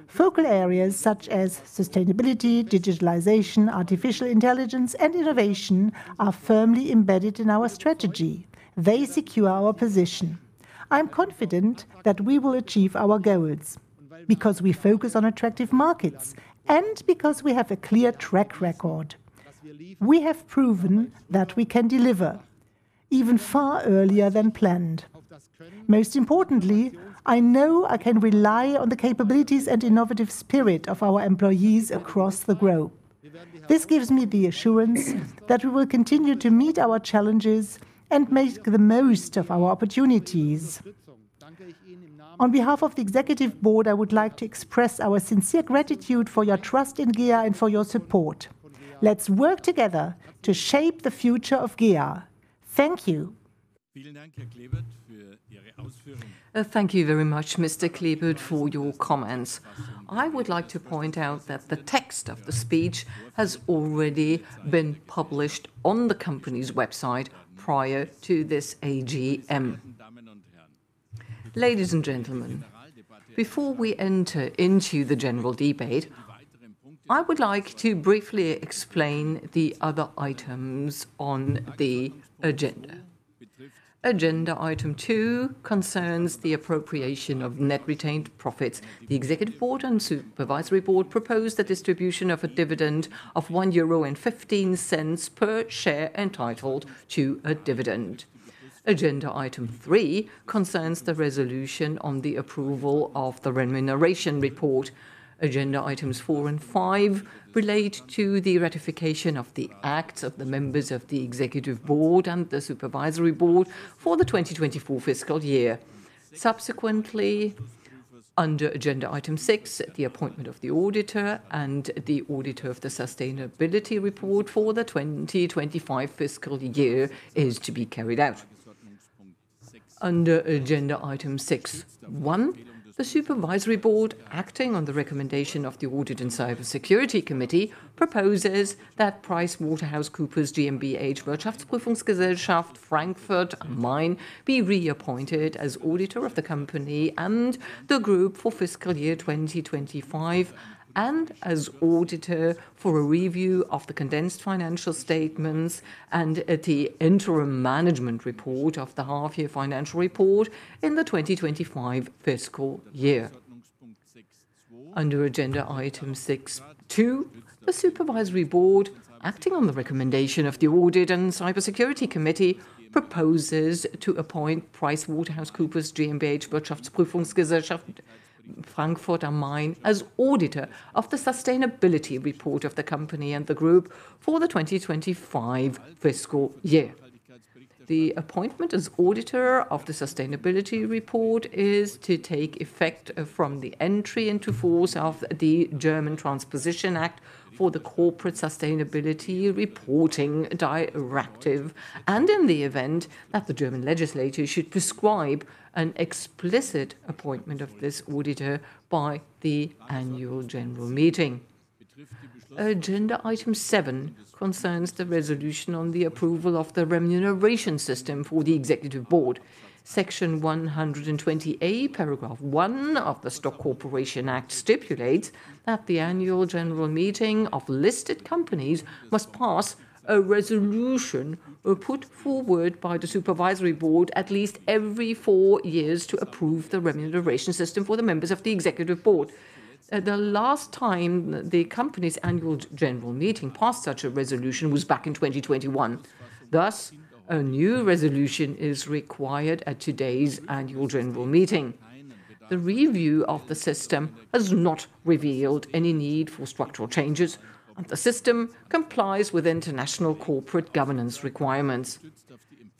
Focal areas such as sustainability, digitalization, artificial intelligence, and innovation are firmly embedded in our strategy. They secure our position. I'm confident that we will achieve our goals because we focus on attractive markets and because we have a clear track record. We have proven that we can deliver even far earlier than planned. Most importantly, I know I can rely on the capabilities and innovative spirit of our employees across the globe. This gives me the assurance that we will continue to meet our challenges and make the most of our opportunities. On behalf of the Executive Board, I would like to express our sincere gratitude for your trust in GEA and for your support. Let's work together to shape the future of GEA. Thank you. Thank you very much, Mr. Klebert, for your comments. I would like to point out that the text of the speech has already been published on the company's website prior to this AGM. Ladies and gentlemen, before we enter into the general debate, I would like to briefly explain the other items on the agenda. Agenda item two concerns the appropriation of net retained profits. The Executive Board and Supervisory Board propose the distribution of a dividend of 1.15 euro per share entitled to a dividend. Agenda item three concerns the resolution on the approval of the remuneration report. Agenda items four and five relate to the ratification of the acts of the members of the Executive Board and the Supervisory Board for the 2024 fiscal year. Subsequently, under agenda item six, the appointment of the auditor and the auditor of the sustainability report for the 2025 fiscal year is to be carried out. Under agenda item six, one, the Supervisory Board, acting on the recommendation of the Audit and Cybersecurity Committee, proposes that PricewaterhouseCoopers GmbH, Wirtschaftsprüfungsgesellschaft Frankfurt am Main, be reappointed as auditor of the company and the group for fiscal year 2025 and as auditor for a review of the condensed financial statements and the interim management report of the half-year financial report in the 2025 fiscal year. Under agenda item six, two, the Supervisory Board, acting on the recommendation of the Audit and Cybersecurity Committee, proposes to appoint PricewaterhouseCoopers GmbH, Wirtschaftsprüfungsgesellschaft Frankfurt am Main, as auditor of the sustainability report of the company and the group for the 2025 fiscal year. The appointment as auditor of the sustainability report is to take effect from the entry into force of the German Transposition Act for the Corporate Sustainability Reporting Directive, and in the event that the German legislature should prescribe an explicit appointment of this auditor by the annual general meeting. Agenda item seven concerns the resolution on the approval of the remuneration system for the Executive Board. Section 120A, paragraph one of the Stock Corporation Act stipulates that the annual general meeting of listed companies must pass a resolution put forward by the Supervisory Board at least every four years to approve the remuneration system for the members of the Executive Board. The last time the company's annual general meeting passed such a resolution was back in 2021. Thus, a new resolution is required at today's annual general meeting. The review of the system has not revealed any need for structural changes, and the system complies with international corporate governance requirements.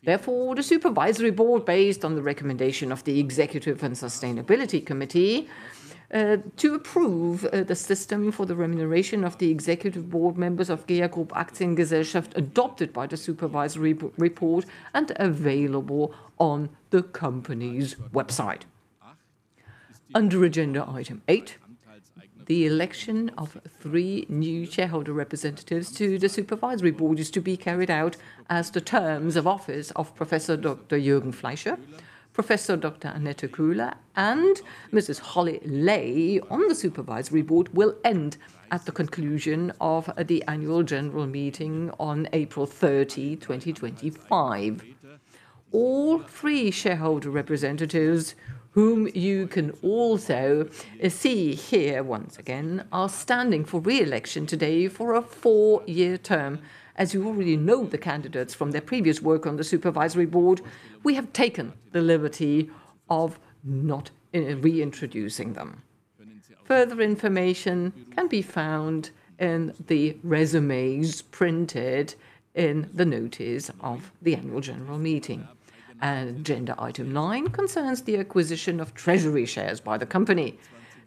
Therefore, the Supervisory Board, based on the recommendation of the Executive and Sustainability Committee, to approve the system for the remuneration of the Executive Board members of GEA Group, adopted by the Supervisory Report and available on the company's website. Under agenda item eight, the election of three new shareholder representatives to the Supervisory Board is to be carried out as the terms of office of Professor Dr. Jürgen Fleischer, Professor Dr. Annette Köhler, and Mrs. Holly Ley on the Supervisory Board will end at the conclusion of the annual general meeting on April 30, 2025. All three shareholder representatives, whom you can also see here once again, are standing for re-election today for a four-year term. As you already know the candidates from their previous work on the Supervisory Board, we have taken the liberty of not reintroducing them. Further information can be found in the resumes printed in the notice of the annual general meeting. Agenda item nine concerns the acquisition of treasury shares by the company.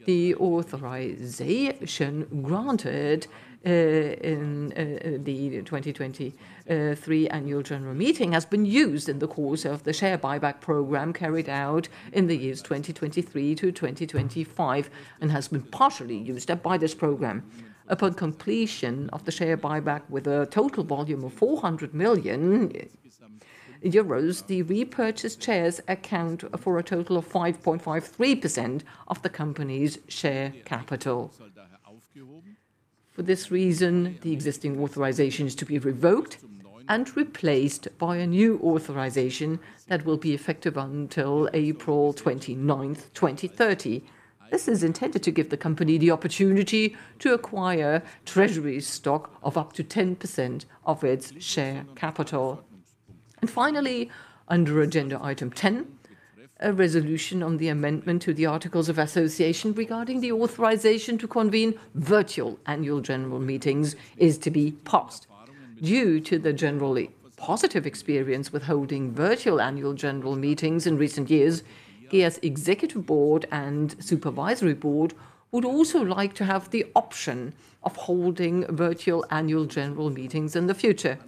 The authorization granted in the 2023 annual general meeting has been used in the course of the share buyback program carried out in the years 2023-2025 and has been partially used by this program. Upon completion of the share buyback with a total volume of 400 million euros, the repurchased shares account for a total of 5.53% of the company's share capital. For this reason, the existing authorization is to be revoked and replaced by a new authorization that will be effective until April 29th, 2030. This is intended to give the company the opportunity to acquire treasury stock of up to 10% of its share capital. Finally, under agenda item ten, a resolution on the amendment to the Articles of Association regarding the authorization to convene virtual annual general meetings is to be passed. Due to the generally positive experience with holding virtual annual general meetings in recent years, GEA's Executive Board and Supervisory Board would also like to have the option of holding virtual annual general meetings in the future.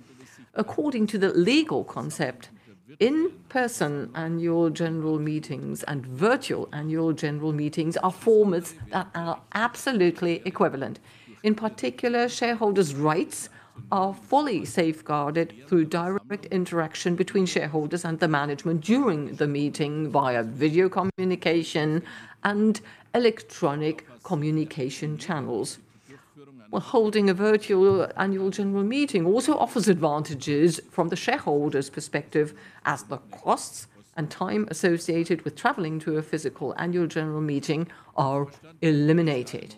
According to the legal concept, in-person annual general meetings and virtual annual general meetings are formats that are absolutely equivalent. In particular, shareholders' rights are fully safeguarded through direct interaction between shareholders and the management during the meeting via video communication and electronic communication channels. Holding a virtual annual general meeting also offers advantages from the shareholders' perspective, as the costs and time associated with traveling to a physical annual general meeting are eliminated.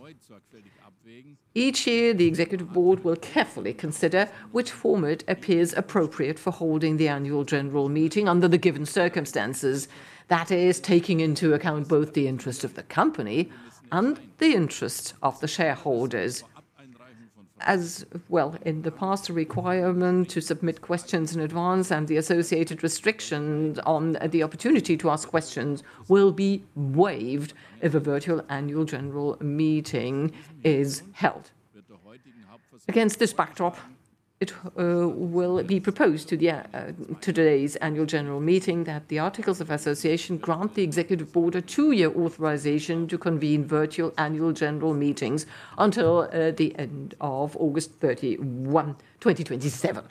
Each year, the Executive Board will carefully consider which format appears appropriate for holding the annual general meeting under the given circumstances, that is, taking into account both the interest of the company and the interest of the shareholders. As well, in the past, a requirement to submit questions in advance and the associated restriction on the opportunity to ask questions will be waived if a virtual annual general meeting is held. Against this backdrop, it will be proposed to today's annual general meeting that the Articles of Association grant the Executive Board a two-year authorization to convene virtual annual general meetings until the end of August 31, 2027.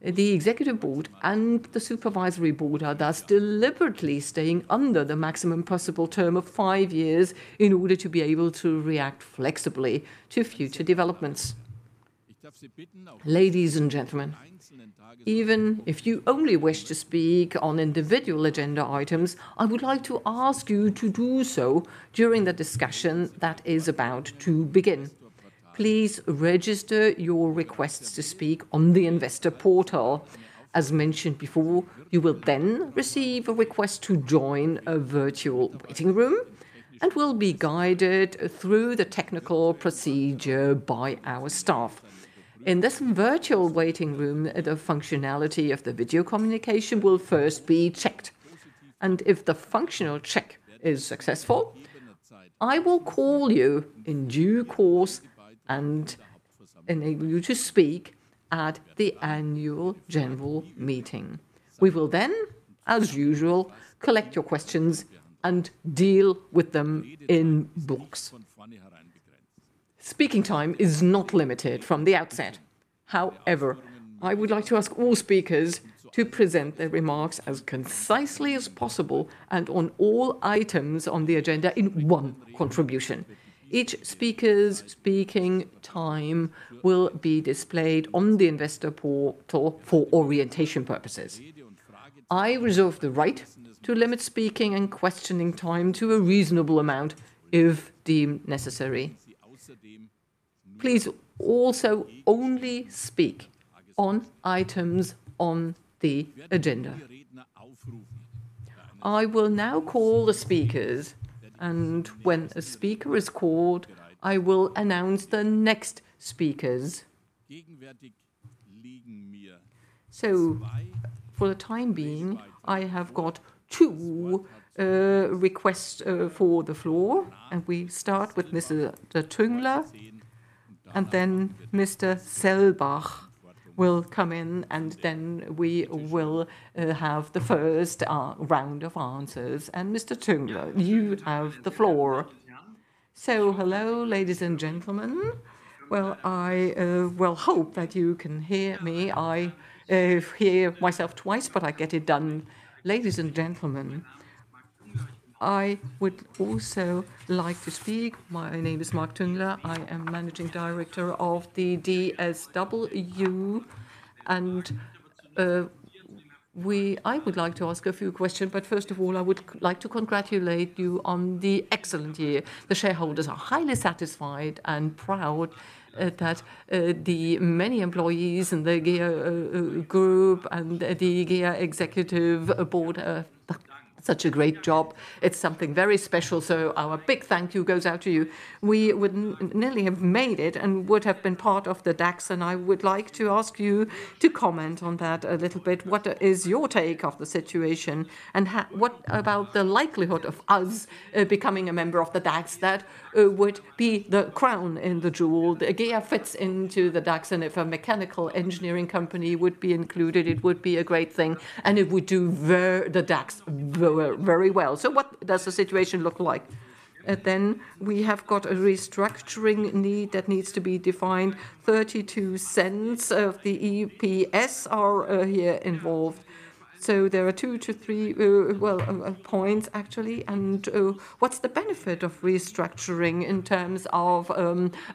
The Executive Board and the Supervisory Board are thus deliberately staying under the maximum possible term of five years in order to be able to react flexibly to future developments. Ladies and gentlemen, even if you only wish to speak on individual agenda items, I would like to ask you to do so during the discussion that is about to begin. Please register your requests to speak on the investor portal. As mentioned before, you will then receive a request to join a virtual waiting room and will be guided through the technical procedure by our staff. In this virtual waiting room, the functionality of the video communication will first be checked. If the functional check is successful, I will call you in due course and enable you to speak at the annual general meeting. We will then, as usual, collect your questions and deal with them in books. Speaking time is not limited from the outset. However, I would like to ask all speakers to present their remarks as concisely as possible and on all items on the agenda in one contribution. Each speaker's speaking time will be displayed on the investor portal for orientation purposes. I reserve the right to limit speaking and questioning time to a reasonable amount if deemed necessary. Please also only speak on items on the agenda. I will now call the speakers, and when a speaker is called, I will announce the next speakers. For the time being, I have got two requests for the floor, and we start with Mr. Tüngler, and then Mr. Selbach will come in, and then we will have the first round of answers. Mr. Tüngler, you have the floor. Hello, ladies and gentlemen. I hope that you can hear me. I hear myself twice, but I get it done. Ladies and gentlemen, I would also like to speak. My name is Mark Tüngler. I am Managing Director of the DSW, and I would like to ask a few questions. First of all, I would like to congratulate you on the excellent year. The shareholders are highly satisfied and proud that the many employees in the GEA Group and the GEA Executive Board have done such a great job. It's something very special, so our big thank you goes out to you. We would nearly have made it and would have been part of the DAX, and I would like to ask you to comment on that a little bit. What is your take on the situation, and what about the likelihood of us becoming a member of the DAX that would be the crown in the jewel? The GEA fits into the DAX, and if a mechanical engineering company would be included, it would be a great thing, and it would do the DAX very well. What does the situation look like? We have got a restructuring need that needs to be defined. Thirty-two cents of the EPS are here involved. There are two to three, well, points actually. What is the benefit of restructuring in terms of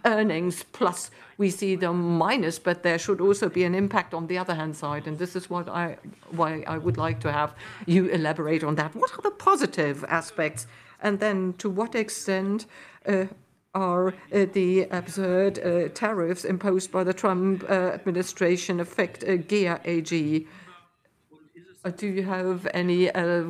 earnings? Plus, we see the minus, but there should also be an impact on the other hand side. This is why I would like to have you elaborate on that. What are the positive aspects? To what extent are the absurd tariffs imposed by the Trump administration affecting GEA Group? Do you have any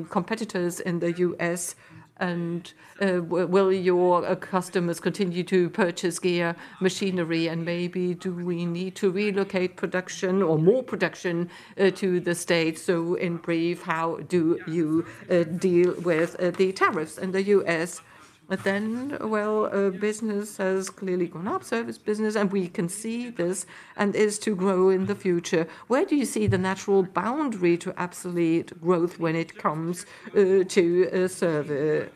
competitors in the U.S., and will your customers continue to purchase GEA machinery? Maybe, do we need to relocate production or more production to the States? In brief, how do you deal with the tariffs in the U.S.? Business has clearly gone up, service business, and we can see this and is to grow in the future. Where do you see the natural boundary to absolute growth when it comes to service?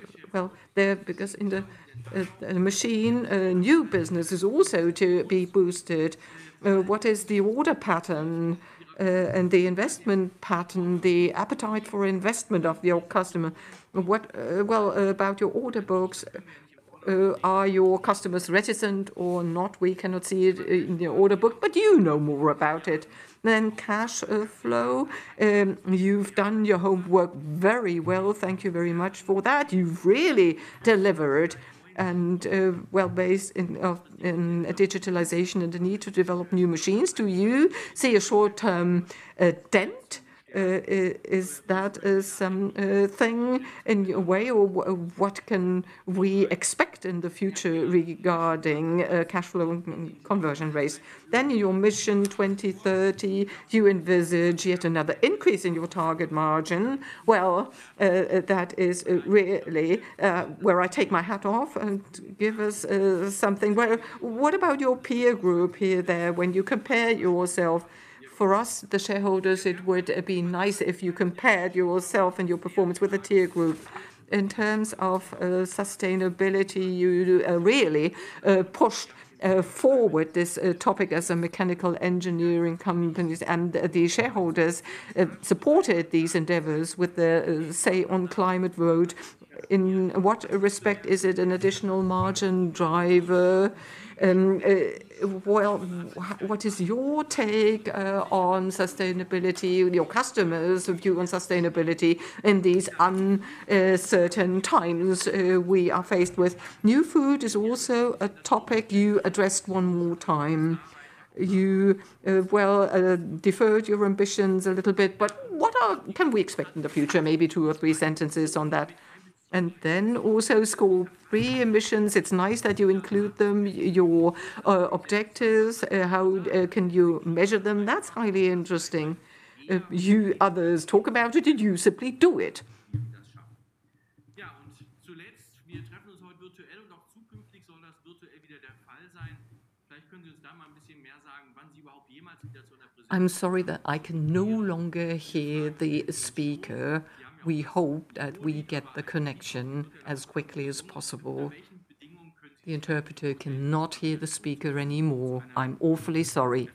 There, because in the machine, new business is also to be boosted. What is the order pattern and the investment pattern, the appetite for investment of your customer? What about your order books, are your customers reticent or not? We cannot see it in the order book, but you know more about it. Then cash flow, you have done your homework very well. Thank you very much for that. You really deliver it. Based in digitalization and the need to develop new machines, do you see a short-term dent? Is that something in your way, or what can we expect in the future regarding cash flow and conversion rates? Your mission 2030, you envisage yet another increase in your target margin. That is really where I take my hat off and give us something. What about your peer group here when you compare yourself? For us, the shareholders, it would be nice if you compared yourself and your performance with the peer group. In terms of sustainability, you really pushed forward this topic as a mechanical engineering company, and the shareholders supported these endeavors with the say on climate road. In what respect is it an additional margin driver? What is your take on sustainability? Your customers' view on sustainability in these uncertain times we are faced with? New food is also a topic you addressed one more time. You deferred your ambitions a little bit, but what can we expect in the future? Maybe two or three sentences on that. Also, scope three emissions. It's nice that you include them, your objectives. How can you measure them? That's highly interesting. You others talk about it, and you simply do it. I'm sorry that I can no longer hear the speaker. We hope that we get the connection as quickly as possible. The interpreter cannot hear the speaker anymore. I'm awfully sorry.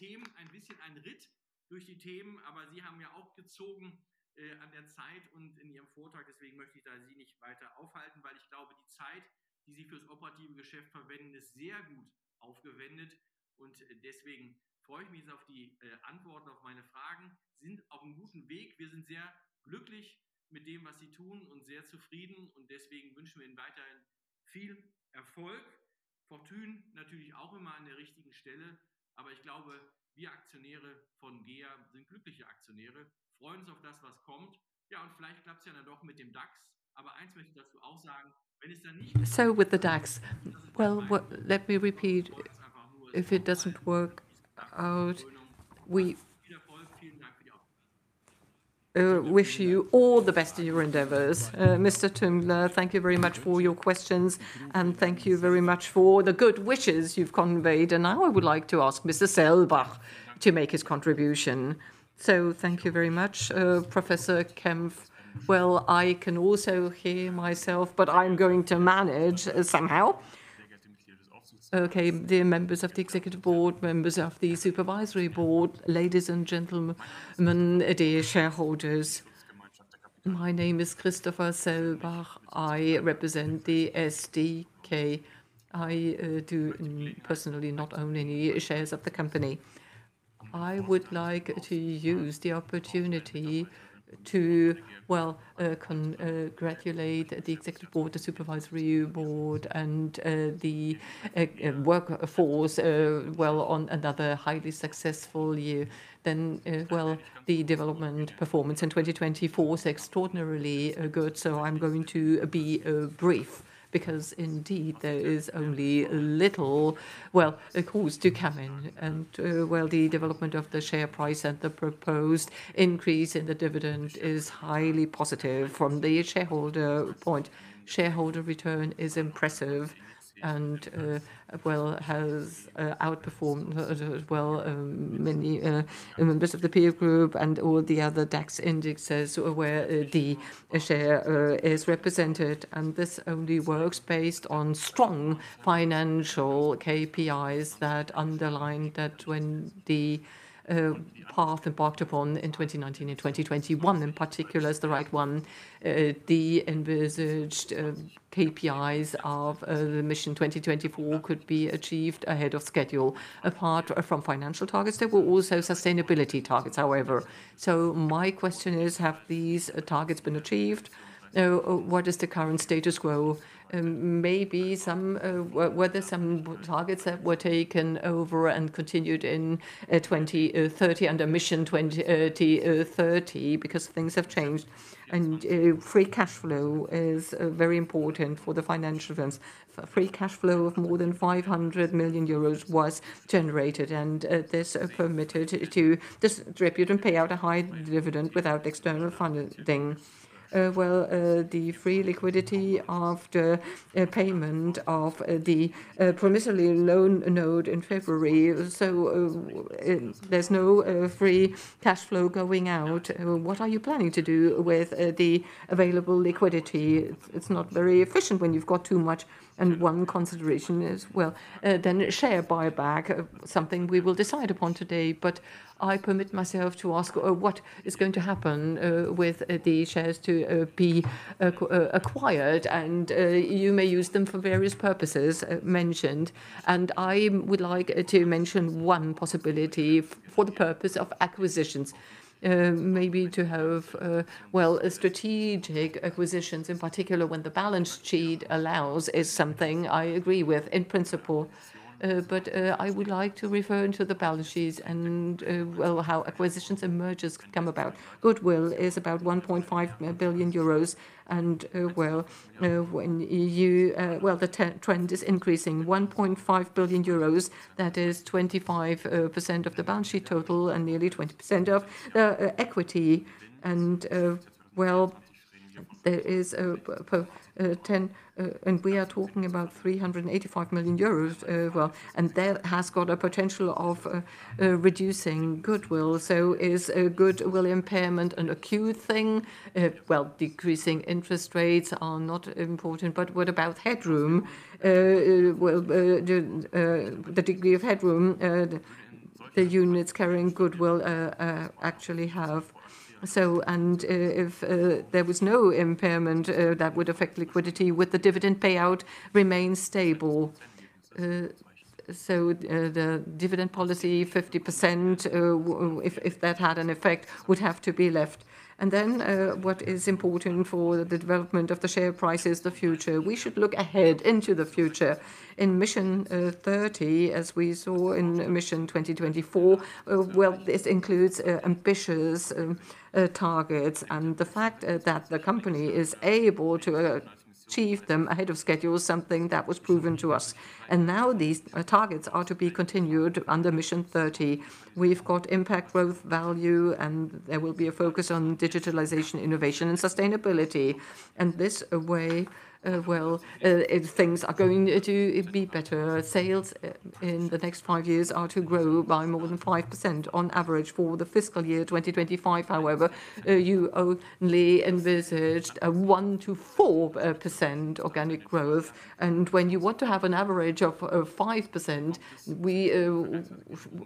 Meine Ritze durch die Themen, aber Sie haben ja auch gezogen an der Zeit und in Ihrem Vortrag, deswegen möchte ich da Sie nicht weiter aufhalten, weil ich glaube, die Zeit, die Sie für das operative Geschäft verwenden, ist sehr gut aufgewendet. Und deswegen freue ich mich jetzt auf die Antworten auf meine Fragen. Sie sind auf einem guten Weg. Wir sind sehr glücklich mit dem, was Sie tun, und sehr zufrieden. Und deswegen wünschen wir Ihnen weiterhin viel Erfolg. Fortune natürlich auch immer an der richtigen Stelle, aber ich glaube, wir Aktionäre von GEA sind glückliche Aktionäre. Freuen uns auf das, was kommt. Ja, und vielleicht klappt es ja dann doch mit dem DAX, aber eins möchte ich dazu auch sagen: Wenn es dann nicht wird. With the DAX, let me repeat. If it doesn't work out, we wish you all the best in your endeavors. Mr. Tüngler, thank you very much for your questions, and thank you very much for the good wishes you've conveyed. Now I would like to ask Mr. Selbach to make his contribution. Thank you very much. Professor Kempf, I can also hear myself, but I'm going to manage somehow. The members of the Executive Board, members of the Supervisory Board, ladies and gentlemen, the shareholders. My name is Christopher Selbach. I represent the SDK. I do personally not own any shares of the company. I would like to use the opportunity to, well, congratulate the Executive Board, the Supervisory Board, and the workforce, well, on another highly successful year. The development performance in 2024 is extraordinarily good, so I'm going to be brief because indeed there is only little, well, accords to come in. The development of the share price and the proposed increase in the dividend is highly positive from the shareholder point. Shareholder return is impressive and, well, has outperformed as well many members of the peer group and all the other DAX indices where the share is represented. This only works based on strong financial KPIs that underline that when the path embarked upon in 2019 and 2021, in particular, is the right one, the envisaged KPIs of the mission 2024 could be achieved ahead of schedule, apart from financial targets. There were also sustainability targets, however. My question is, have these targets been achieved? What is the current status quo? Maybe some were there, some targets that were taken over and continued in 2030 under Mission 2030 because things have changed. Free cash flow is very important for the financial firms. Free cash flow of more than 500 million euros was generated, and this permitted to distribute and pay out a high dividend without external funding. The free liquidity after payment of the provisional loan note in February, so there's no free cash flow going out. What are you planning to do with the available liquidity? It's not very efficient when you've got too much. One consideration is, share buyback, something we will decide upon today. I permit myself to ask what is going to happen with the shares to be acquired, and you may use them for various purposes mentioned. I would like to mention one possibility for the purpose of acquisitions, maybe to have, well, strategic acquisitions, in particular when the balance sheet allows is something I agree with in principle. I would like to refer to the balance sheets and, well, how acquisitions and mergers come about. Goodwill is about 1.5 billion euros, and, well, the trend is increasing. 1.5 billion euros, that is 25% of the balance sheet total and nearly 20% of the equity. There is a, and we are talking about 385 million euros, and that has got a potential of reducing goodwill. Is goodwill impairment an acute thing? Decreasing interest rates are not important, but what about headroom? The degree of headroom the units carrying goodwill actually have. And if there was no impairment that would affect liquidity, would the dividend payout remain stable? The dividend policy, 50%, if that had an effect, would have to be left. What is important for the development of the share price is the future. We should look ahead into the future. In mission 30, as we saw in mission 2024, this includes ambitious targets, and the fact that the company is able to achieve them ahead of schedule is something that was proven to us. Now these targets are to be continued under mission 30. We've got impact, growth, value, and there will be a focus on digitalization, innovation, and sustainability. In this way, things are going to be better. Sales in the next five years are to grow by more than 5% on average for the fiscal year 2025. However, you only envisaged a 1-4% organic growth. When you want to have an average of 5%, we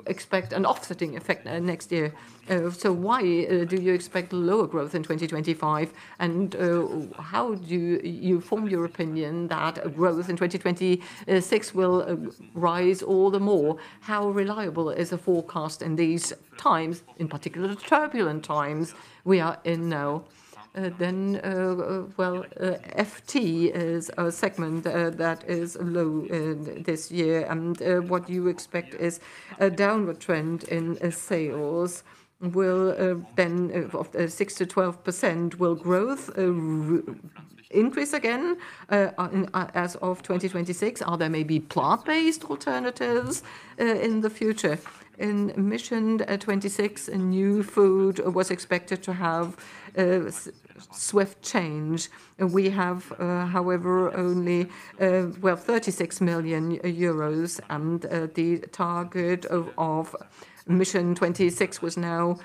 expect an offsetting effect next year. Why do you expect lower growth in 2025? How do you form your opinion that growth in 2026 will rise all the more? How reliable is a forecast in these times, in particular turbulent times we are in now? FT is a segment that is low this year, and what you expect is a downward trend in sales. Will 6-12% growth increase again as of 2026? Are there maybe plant-based alternatives in the future? In mission 26, new food was expected to have swift change. We have, however, only, well, 36 million euros, and the target of mission 26 was now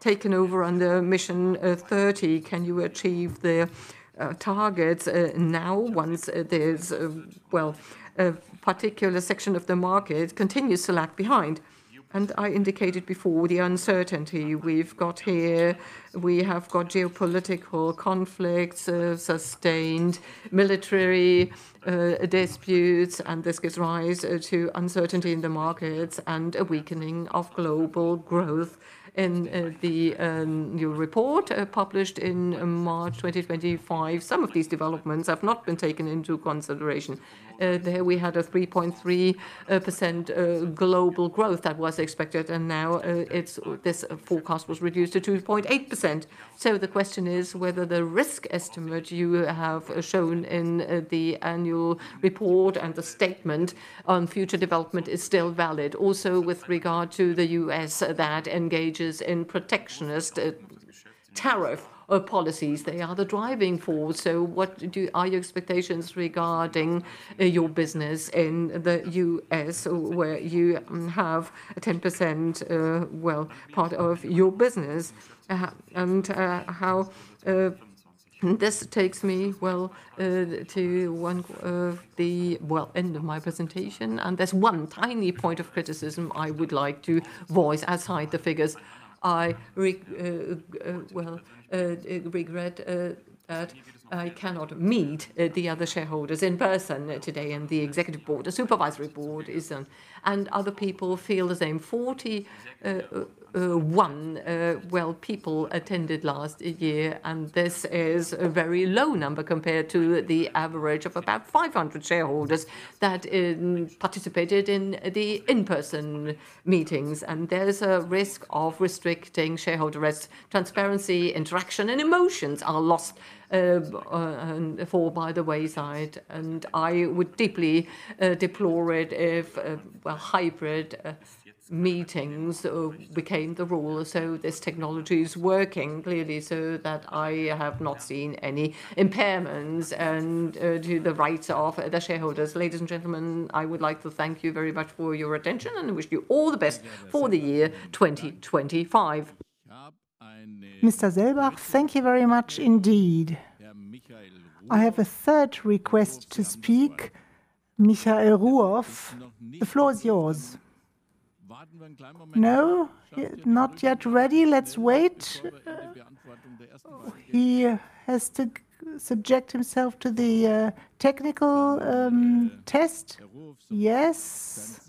taken over under mission 30. Can you achieve the targets now once there's, well, a particular section of the market continues to lag behind? I indicated before the uncertainty we've got here. We have got geopolitical conflicts, sustained military disputes, and this gives rise to uncertainty in the markets and a weakening of global growth. In the new report published in March 2025, some of these developments have not been taken into consideration. There we had a 3.3% global growth that was expected, and now this forecast was reduced to 2.8%. The question is whether the risk estimate you have shown in the annual report and the statement on future development is still valid. Also, with regard to the U.S. that engages in protectionist tariff policies, they are the driving force. What are your expectations regarding your business in the US where you have a 10% part of your business? This takes me to one of the end points of my presentation. There is one tiny point of criticism I would like to voice outside the figures. I regret that I cannot meet the other shareholders in person today, and the Executive Board, the Supervisory Board is not here, and other people feel the same. Forty-one people attended last year, and this is a very low number compared to the average of about 500 shareholders that participated in the in-person meetings. There is a risk of restricting shareholder rights, transparency, interaction, and emotions are lost by the wayside. I would deeply deplore it if hybrid meetings became the rule. This technology is working clearly, so that I have not seen any impairments to the rights of the shareholders. Ladies and gentlemen, I would like to thank you very much for your attention, and I wish you all the best for the year 2025. Mr. Selbach, thank you very much indeed. I have a third request to speak, Michael Ruoff. The floor is yours. No, not yet ready. Let's wait. He has to subject himself to the technical test. Yes.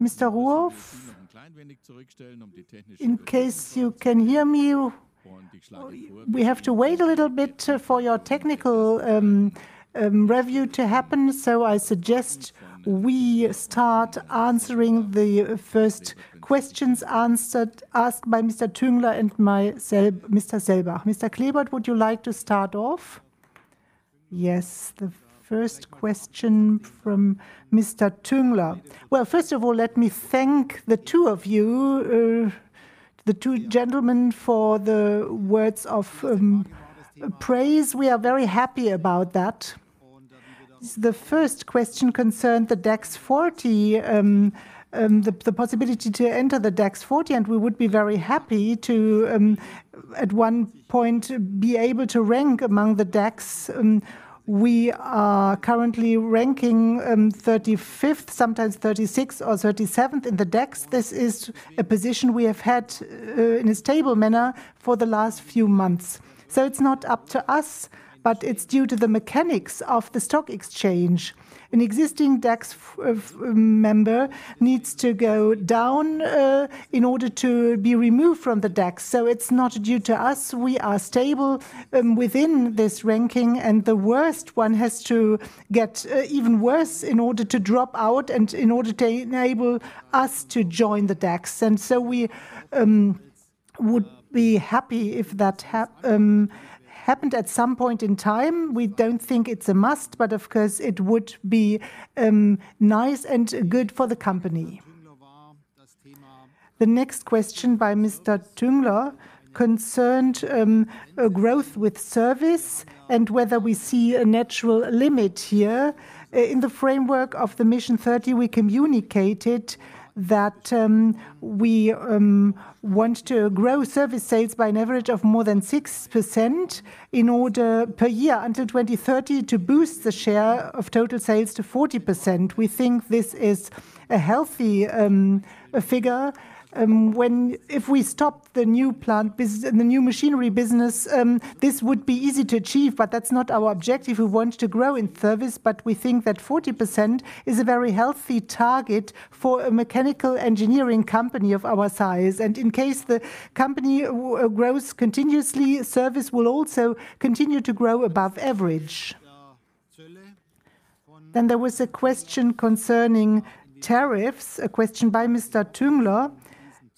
Mr. Ruoff, in case you can hear me, we have to wait a little bit for your technical review to happen. I suggest we start answering the first questions asked by Mr. Tüngler and Mr. Selbach. Mr. Klebert, would you like to start off? Yes, the first question from Mr. Tüngler. First of all, let me thank the two of you, the two gentlemen, for the words of praise. We are very happy about that. The first question concerned the DAX 40, the possibility to enter the DAX 40, and we would be very happy to, at one point, be able to rank among the DAX. We are currently ranking 35th, sometimes 36th or 37th in the DAX. This is a position we have had in a stable manner for the last few months. It is not up to us, but it is due to the mechanics of the stock exchange. An existing DAX member needs to go down in order to be removed from the DAX. It is not due to us. We are stable within this ranking, and the worst one has to get even worse in order to drop out in order to enable us to join the DAX. We would be happy if that happened at some point in time. We do not think it is a must, but of course, it would be nice and good for the company. The next question by Mr. Tüngler concerned growth with service and whether we see a natural limit here. In the framework of the mission 30, we communicated that we want to grow service sales by an average of more than 6% per year until 2030 to boost the share of total sales to 40%. We think this is a healthy figure. If we stop the new plant business and the new machinery business, this would be easy to achieve, but that is not our objective. We want to grow in service, but we think that 40% is a very healthy target for a mechanical engineering company of our size. In case the company grows continuously, service will also continue to grow above average. There was a question concerning tariffs, a question by Mr. Tüngler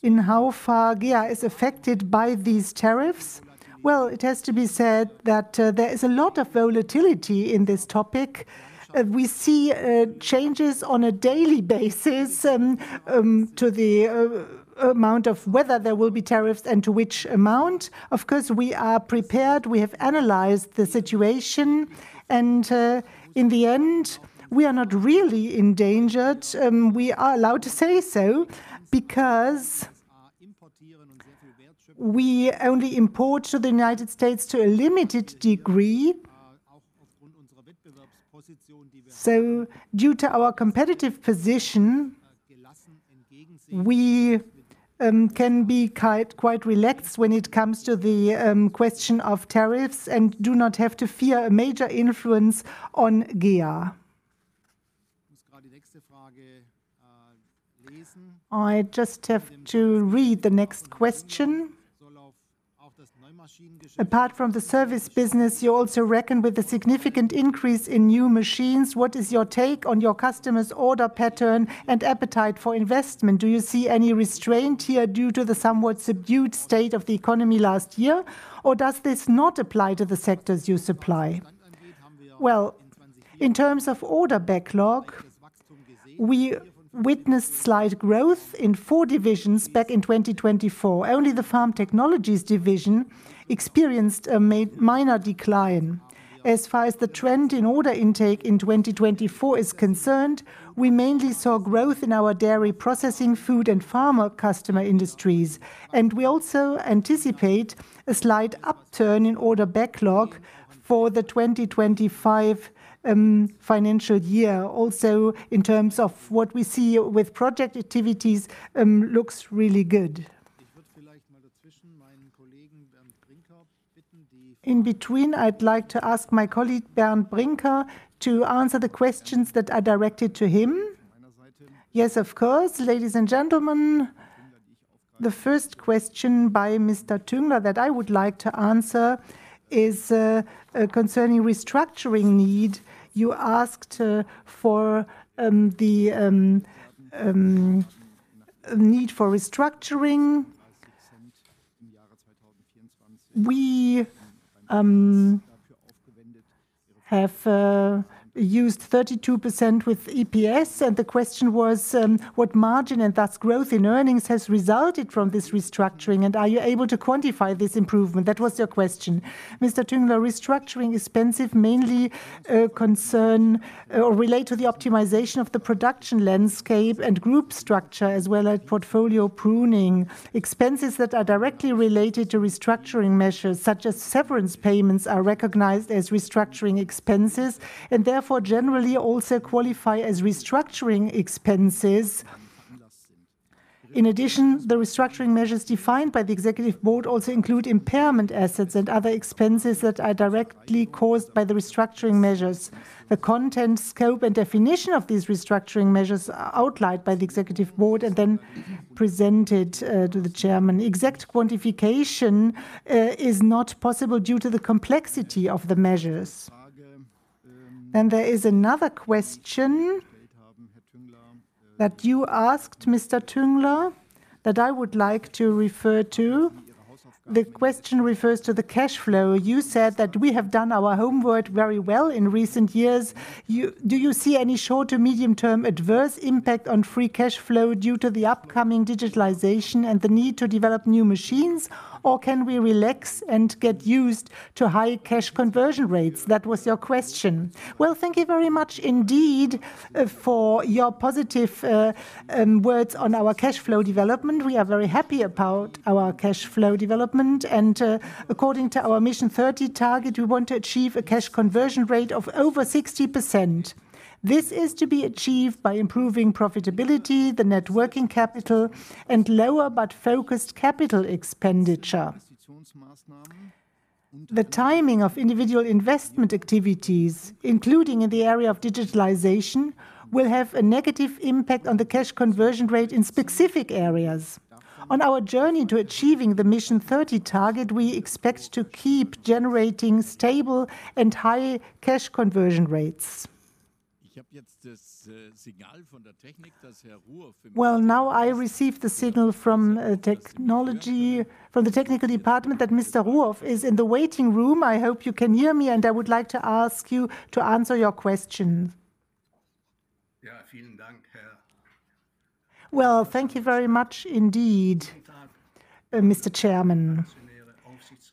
in how far GEA is affected by these tariffs. It has to be said that there is a lot of volatility in this topic. We see changes on a daily basis to the amount of whether there will be tariffs and to which amount. Of course, we are prepared. We have analyzed the situation, and in the end, we are not really endangered. We are allowed to say so because we only import to the United States to a limited degree. Due to our competitive position, we can be quite relaxed when it comes to the question of tariffs and do not have to fear a major influence on GEA. I just have to read the next question. Apart from the service business, you also reckon with a significant increase in new machines. What is your take on your customers' order pattern and appetite for investment? Do you see any restraint here due to the somewhat subdued state of the economy last year, or does this not apply to the sectors you supply? In terms of order backlog, we witnessed slight growth in four divisions back in 2024. Only the farm technologies division experienced a minor decline. As far as the trend in order intake in 2024 is concerned, we mainly saw growth in our dairy processing, food, and pharma customer industries. We also anticipate a slight upturn in order backlog for the 2025 financial year. Also, in terms of what we see with project activities, it looks really good. In between, I'd like to ask my colleague Bernd Brinker to answer the questions that are directed to him. Yes, of course. Ladies and gentlemen, the first question by Mr. Tüngler that I would like to answer is concerning restructuring need. You asked for the need for restructuring. We have used 32% with EPS, and the question was what margin and thus growth in earnings has resulted from this restructuring, and are you able to quantify this improvement? That was your question. Mr. Tüngler, restructuring is expensive, mainly concerned or related to the optimization of the production landscape and group structure, as well as portfolio pruning. Expenses that are directly related to restructuring measures, such as severance payments, are recognized as restructuring expenses and therefore generally also qualify as restructuring expenses. In addition, the restructuring measures defined by the Executive Board also include impairment assets and other expenses that are directly caused by the restructuring measures. The content, scope, and definition of these restructuring measures are outlined by the Executive Board and then presented to the Chairman. Exact quantification is not possible due to the complexity of the measures. There is another question that you asked Mr. Tüngler that I would like to refer to. The question refers to the cash flow. You said that we have done our homework very well in recent years. Do you see any short to medium-term adverse impact on free cash flow due to the upcoming digitalization and the need to develop new machines, or can we relax and get used to high cash conversion rates? That was your question. Thank you very much indeed for your positive words on our cash flow development. We are very happy about our cash flow development, and according to our Mission 30 target, we want to achieve a cash conversion rate of over 60%. This is to be achieved by improving profitability, the net working capital, and lower but focused capital expenditure. The timing of individual investment activities, including in the area of digitalization, will have a negative impact on the cash conversion rate in specific areas. On our journey to achieving the Mission 30 target, we expect to keep generating stable and high cash conversion rates. Now I received the signal from the technical department that Mr. Ruoff is in the waiting room. I hope you can hear me, and I would like to ask you to answer your question. Thank you very much indeed, Mr. Chairman.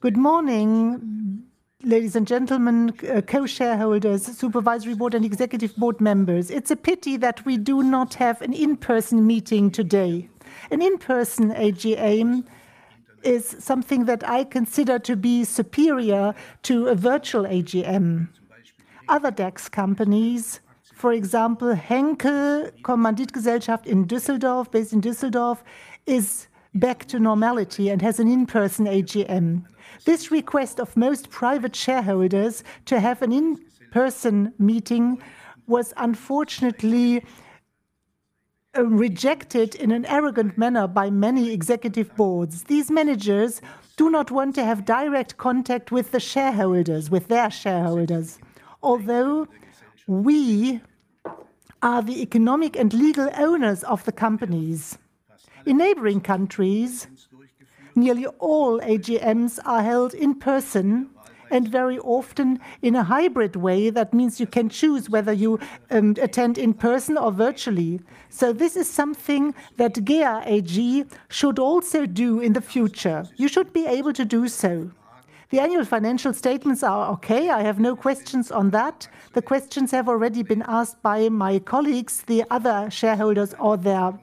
Good morning, ladies and gentlemen, co-shareholders, Supervisory Board, and Executive Board members. It's a pity that we do not have an in-person meeting today. An in-person AGM is something that I consider to be superior to a virtual AGM. Other DAX companies, for example, Henkel Kommanditgesellschaft in Düsseldorf, based in Düsseldorf, are back to normality and have an in-person AGM. This request of most private shareholders to have an in-person meeting was unfortunately rejected in an arrogant manner by many Executive Boards. These managers do not want to have direct contact with the shareholders, with their shareholders, although we are the economic and legal owners of the companies. In neighboring countries, nearly all AGMs are held in person and very often in a hybrid way. That means you can choose whether you attend in person or virtually. This is something that GEA AG should also do in the future. You should be able to do so. The annual financial statements are okay. I have no questions on that. The questions have already been asked by my colleagues, the other shareholders, or their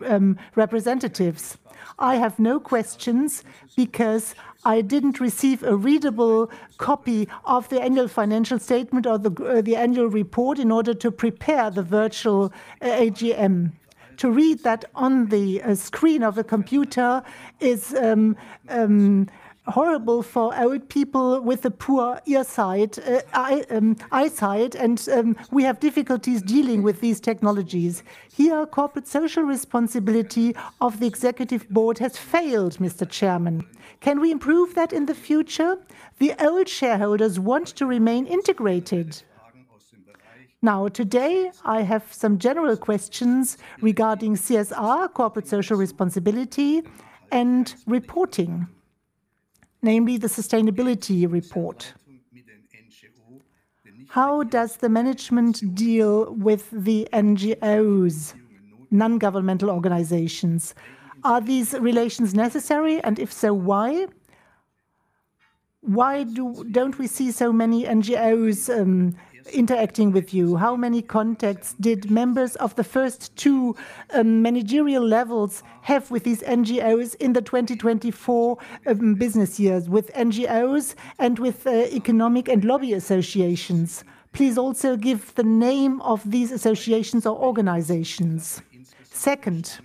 representatives. I have no questions because I did not receive a readable copy of the annual financial statement or the annual report in order to prepare the virtual AGM. To read that on the screen of a computer is horrible for our people with poor eyesight, and we have difficulties dealing with these technologies. Here, corporate social responsibility of the Executive Board has failed, Mr. Chairman. Can we improve that in the future? The old shareholders want to remain integrated. Now, today, I have some general questions regarding CSR, corporate social responsibility, and reporting, namely the sustainability report. How does the management deal with the NGOs, non-governmental organizations? Are these relations necessary, and if so, why? Why do not we see so many NGOs interacting with you? How many contacts did members of the first two managerial levels have with these NGOs in the 2024 business years with NGOs and with economic and lobby associations? Please also give the name of these associations or organizations. Second,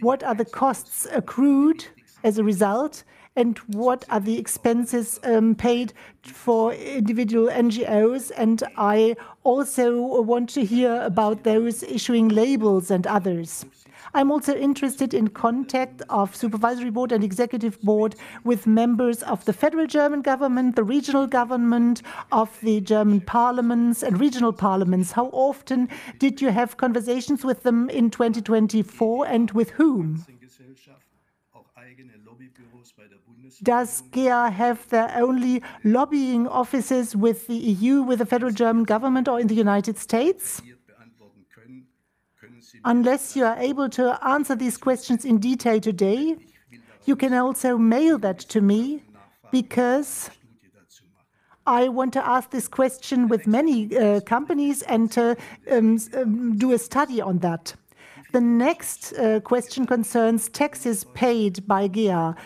what are the costs accrued as a result, and what are the expenses paid for individual NGOs? I also want to hear about those issuing labels and others. I'm also interested in contact of Supervisory Board and Executive Board with members of the federal German government, the regional government, of the German parliaments and regional parliaments. How often did you have conversations with them in 2024, and with whom? Does GEA have their own lobbying offices with the EU, with the federal German government, or in the United States? Unless you are able to answer these questions in detail today, you can also mail that to me because I want to ask this question with many companies and do a study on that. The next question concerns taxes paid by GEA.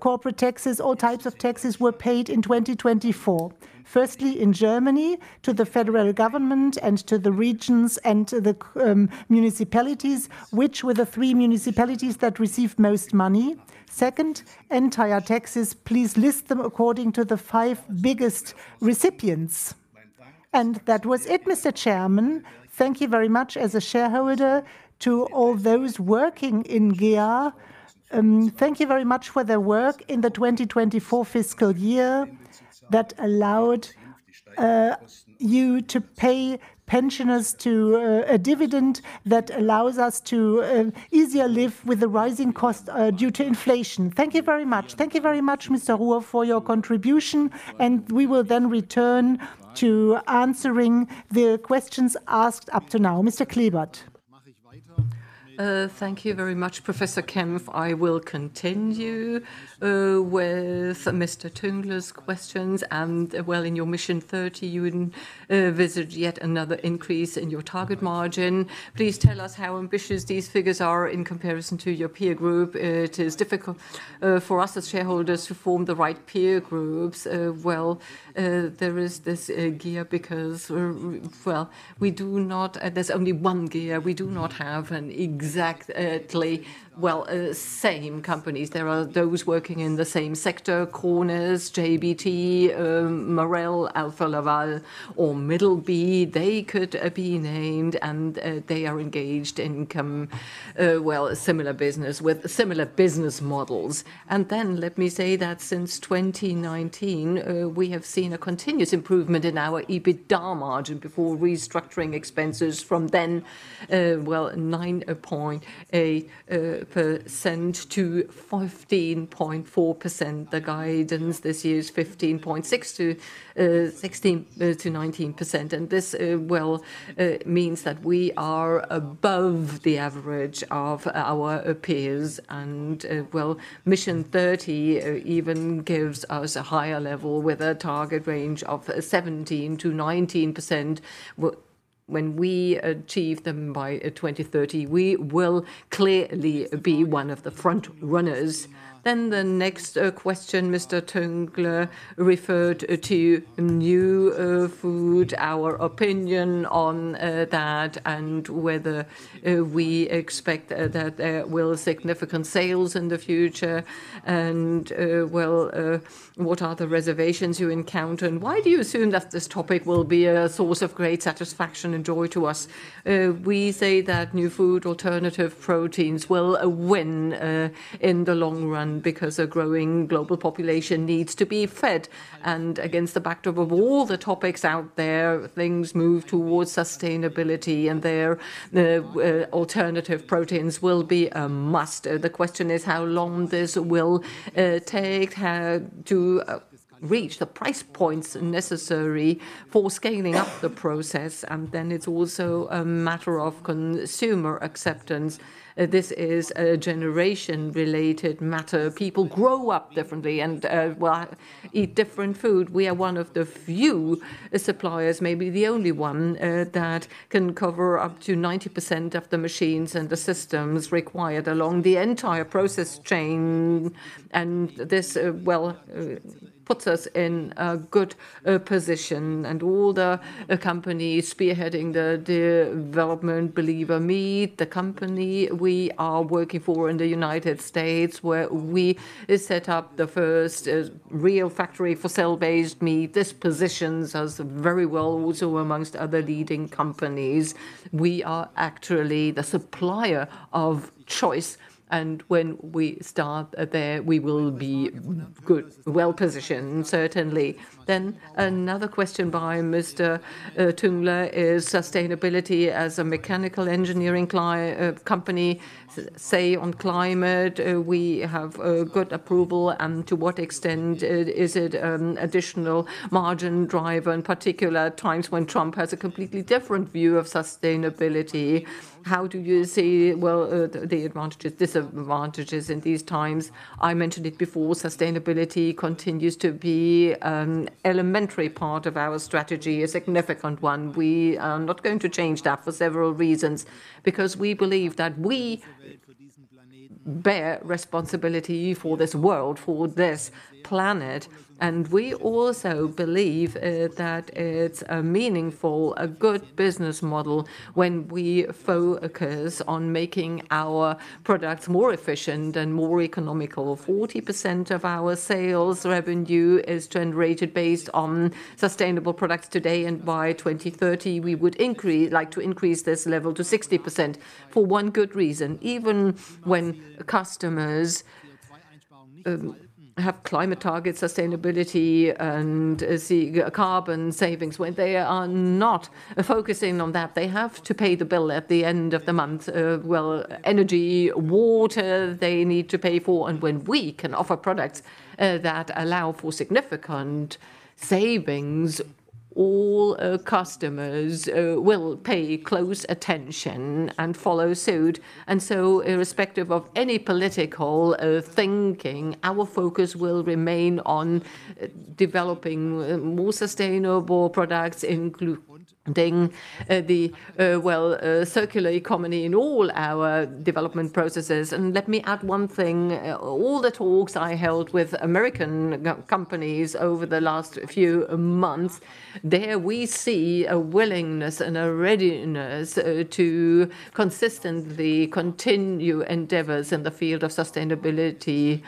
Corporate taxes, all types of taxes, were paid in 2024. Firstly, in Germany, to the federal government and to the regions and the municipalities, which were the three municipalities that received most money. Second, entire taxes, please list them according to the five biggest recipients. That was it, Mr. Chairman. Thank you very much as a shareholder to all those working in GEA. Thank you very much for their work in the 2024 fiscal year that allowed you to pay pensioners a dividend that allows us to easier live with the rising cost due to inflation. Thank you very much. Thank you very much, Mr. Ruoff, for your contribution, and we will then return to answering the questions asked up to now. Mr. Klebert. Thank you very much, Professor Kempf. I will continue with Mr. Tüngler's questions. While in your mission 30, you visited yet another increase in your target margin. Please tell us how ambitious these figures are in comparison to your peer group. It is difficult for us as shareholders to form the right peer groups. There is this GEA because, we do not, there is only one GEA. We do not have exactly the same companies. There are those working in the same sector, Corners, JBT, Marel, Alfa Laval, or Middleby. They could be named, and they are engaged in similar business with similar business models. Let me say that since 2019, we have seen a continuous improvement in our EBITDA margin before restructuring expenses from 9.8%-15.4%. The guidance this year is 15.6%-16% to 19%. This means that we are above the average of our peers. Mission 30 even gives us a higher level with a target range of 17%-19%. When we achieve them by 2030, we will clearly be one of the front runners. The next question, Mr. Tüngler referred to new food, our opinion on that and whether we expect that there will be significant sales in the future. What are the reservations you encounter? Why do you assume that this topic will be a source of great satisfaction and joy to us? We say that new food, alternative proteins will win in the long run because a growing global population needs to be fed. Against the backdrop of all the topics out there, things move towards sustainability, and there alternative proteins will be a must. The question is how long this will take to reach the price points necessary for scaling up the process. It is also a matter of consumer acceptance. This is a generation-related matter. People grow up differently and, well, eat different food. We are one of the few suppliers, maybe the only one that can cover up to 90% of the machines and the systems required along the entire process chain. This puts us in a good position. All the companies spearheading the development believe in meat. The company we are working for in the United States, where we set up the first real factory for cell-based meat, this positions us very well also amongst other leading companies. We are actually the supplier of choice. When we start there, we will be good, well positioned, certainly. Another question by Mr. Tüngler is sustainability as a mechanical engineering company. Say on climate, we have good approval. To what extent is it an additional margin driver in particular times when Trump has a completely different view of sustainability? How do you see, well, the advantages, disadvantages in these times? I mentioned it before. Sustainability continues to be an elementary part of our strategy, a significant one. We are not going to change that for several reasons because we believe that we bear responsibility for this world, for this planet. We also believe that it's a meaningful, a good business model when we focus on making our products more efficient and more economical. 40% of our sales revenue is generated based on sustainable products today. By 2030, we would like to increase this level to 60% for one good reason. Even when customers have climate targets, sustainability, and carbon savings, when they are not focusing on that, they have to pay the bill at the end of the month. Energy, water, they need to pay for. When we can offer products that allow for significant savings, all customers will pay close attention and follow suit. Irrespective of any political thinking, our focus will remain on developing more sustainable products, including the circular economy in all our development processes. Let me add one thing. All the talks I held with American companies over the last few months, there we see a willingness and a readiness to consistently continue endeavors in the field of sustainability.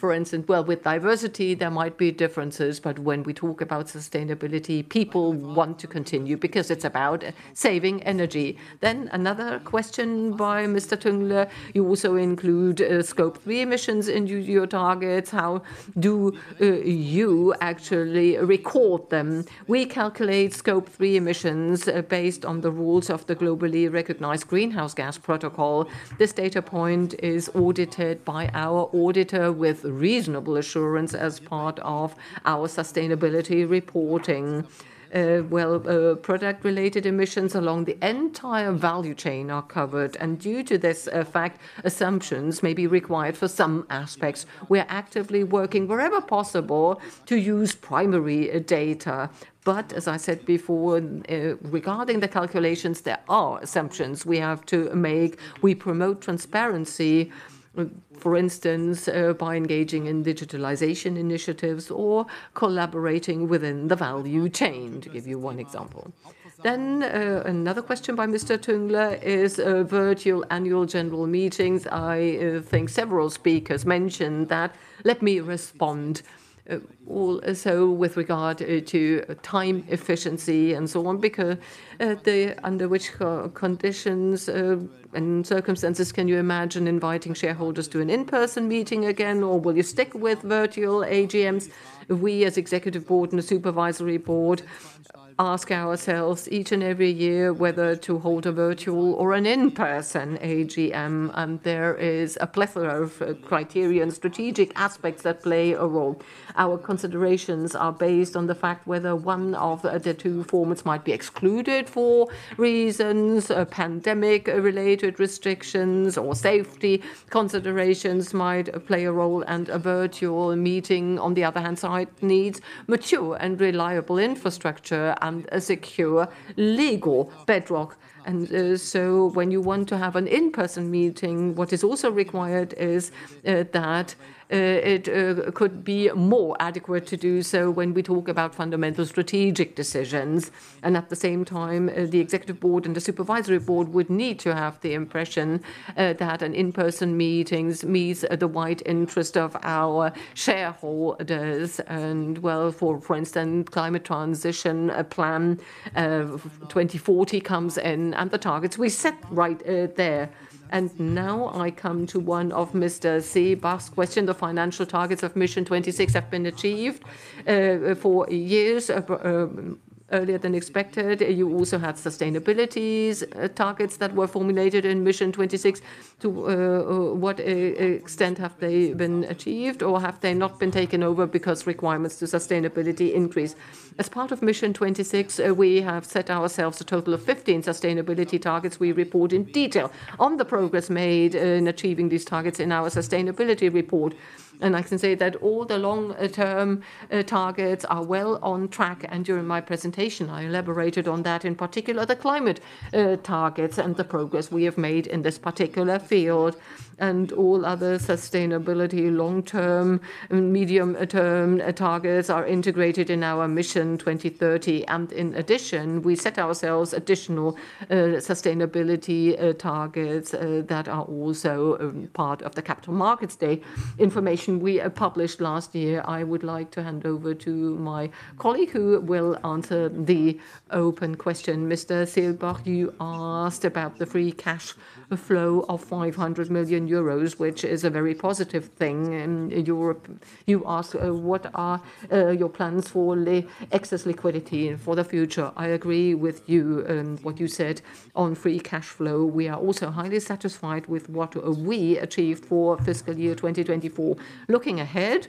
For instance, with diversity, there might be differences, but when we talk about sustainability, people want to continue because it's about saving energy. Another question by Mr. Tüngler. You also include scope 3 emissions in your targets. How do you actually record them? We calculate scope 3 emissions based on the rules of the globally recognized greenhouse gas protocol. This data point is audited by our auditor with reasonable assurance as part of our sustainability reporting. Product-related emissions along the entire value chain are covered. Due to this fact, assumptions may be required for some aspects. We are actively working wherever possible to use primary data. As I said before, regarding the calculations, there are assumptions we have to make. We promote transparency, for instance, by engaging in digitalization initiatives or collaborating within the value chain, to give you one example. Another question by Mr. Tüngler is virtual annual general meetings. I think several speakers mentioned that. Let me respond also with regard to time efficiency and so on. Under which conditions and circumstances can you imagine inviting shareholders to an in-person meeting again, or will you stick with virtual AGMs? We, as Executive Board and a Supervisory Board, ask ourselves each and every year whether to hold a virtual or an in-person AGM. There is a plethora of criteria and strategic aspects that play a role. Our considerations are based on the fact whether one of the two formats might be excluded for reasons, pandemic-related restrictions, or safety considerations might play a role. A virtual meeting, on the other hand, needs mature and reliable infrastructure and a secure legal bedrock. When you want to have an in-person meeting, what is also required is that it could be more adequate to do so when we talk about fundamental strategic decisions. At the same time, the Executive Board and the Supervisory Board would need to have the impression that an in-person meeting meets the wide interest of our shareholders. For instance, climate transition plan 2040 comes in, and the targets we set right there. Now I come to one of Mr. Selbach's questions. The financial targets of mission 26 have been achieved four years earlier than expected. You also have sustainability targets that were formulated in mission 26. To what extent have they been achieved, or have they not been taken over because requirements to sustainability increase? As part of mission 26, we have set ourselves a total of 15 sustainability targets. We report in detail on the progress made in achieving these targets in our sustainability report. I can say that all the long-term targets are well on track. During my presentation, I elaborated on that, in particular the climate targets and the progress we have made in this particular field. All other sustainability long-term and medium-term targets are integrated in our Mission 2030. In addition, we set ourselves additional sustainability targets that are also part of the Capital Markets Day information we published last year. I would like to hand over to my colleague who will answer the open question. Mr. Selbach, you asked about the free cash flow of 500 million euros, which is a very positive thing in Europe. You asked what are your plans for excess liquidity for the future. I agree with you what you said on free cash flow. We are also highly satisfied with what we achieved for fiscal year 2024. Looking ahead,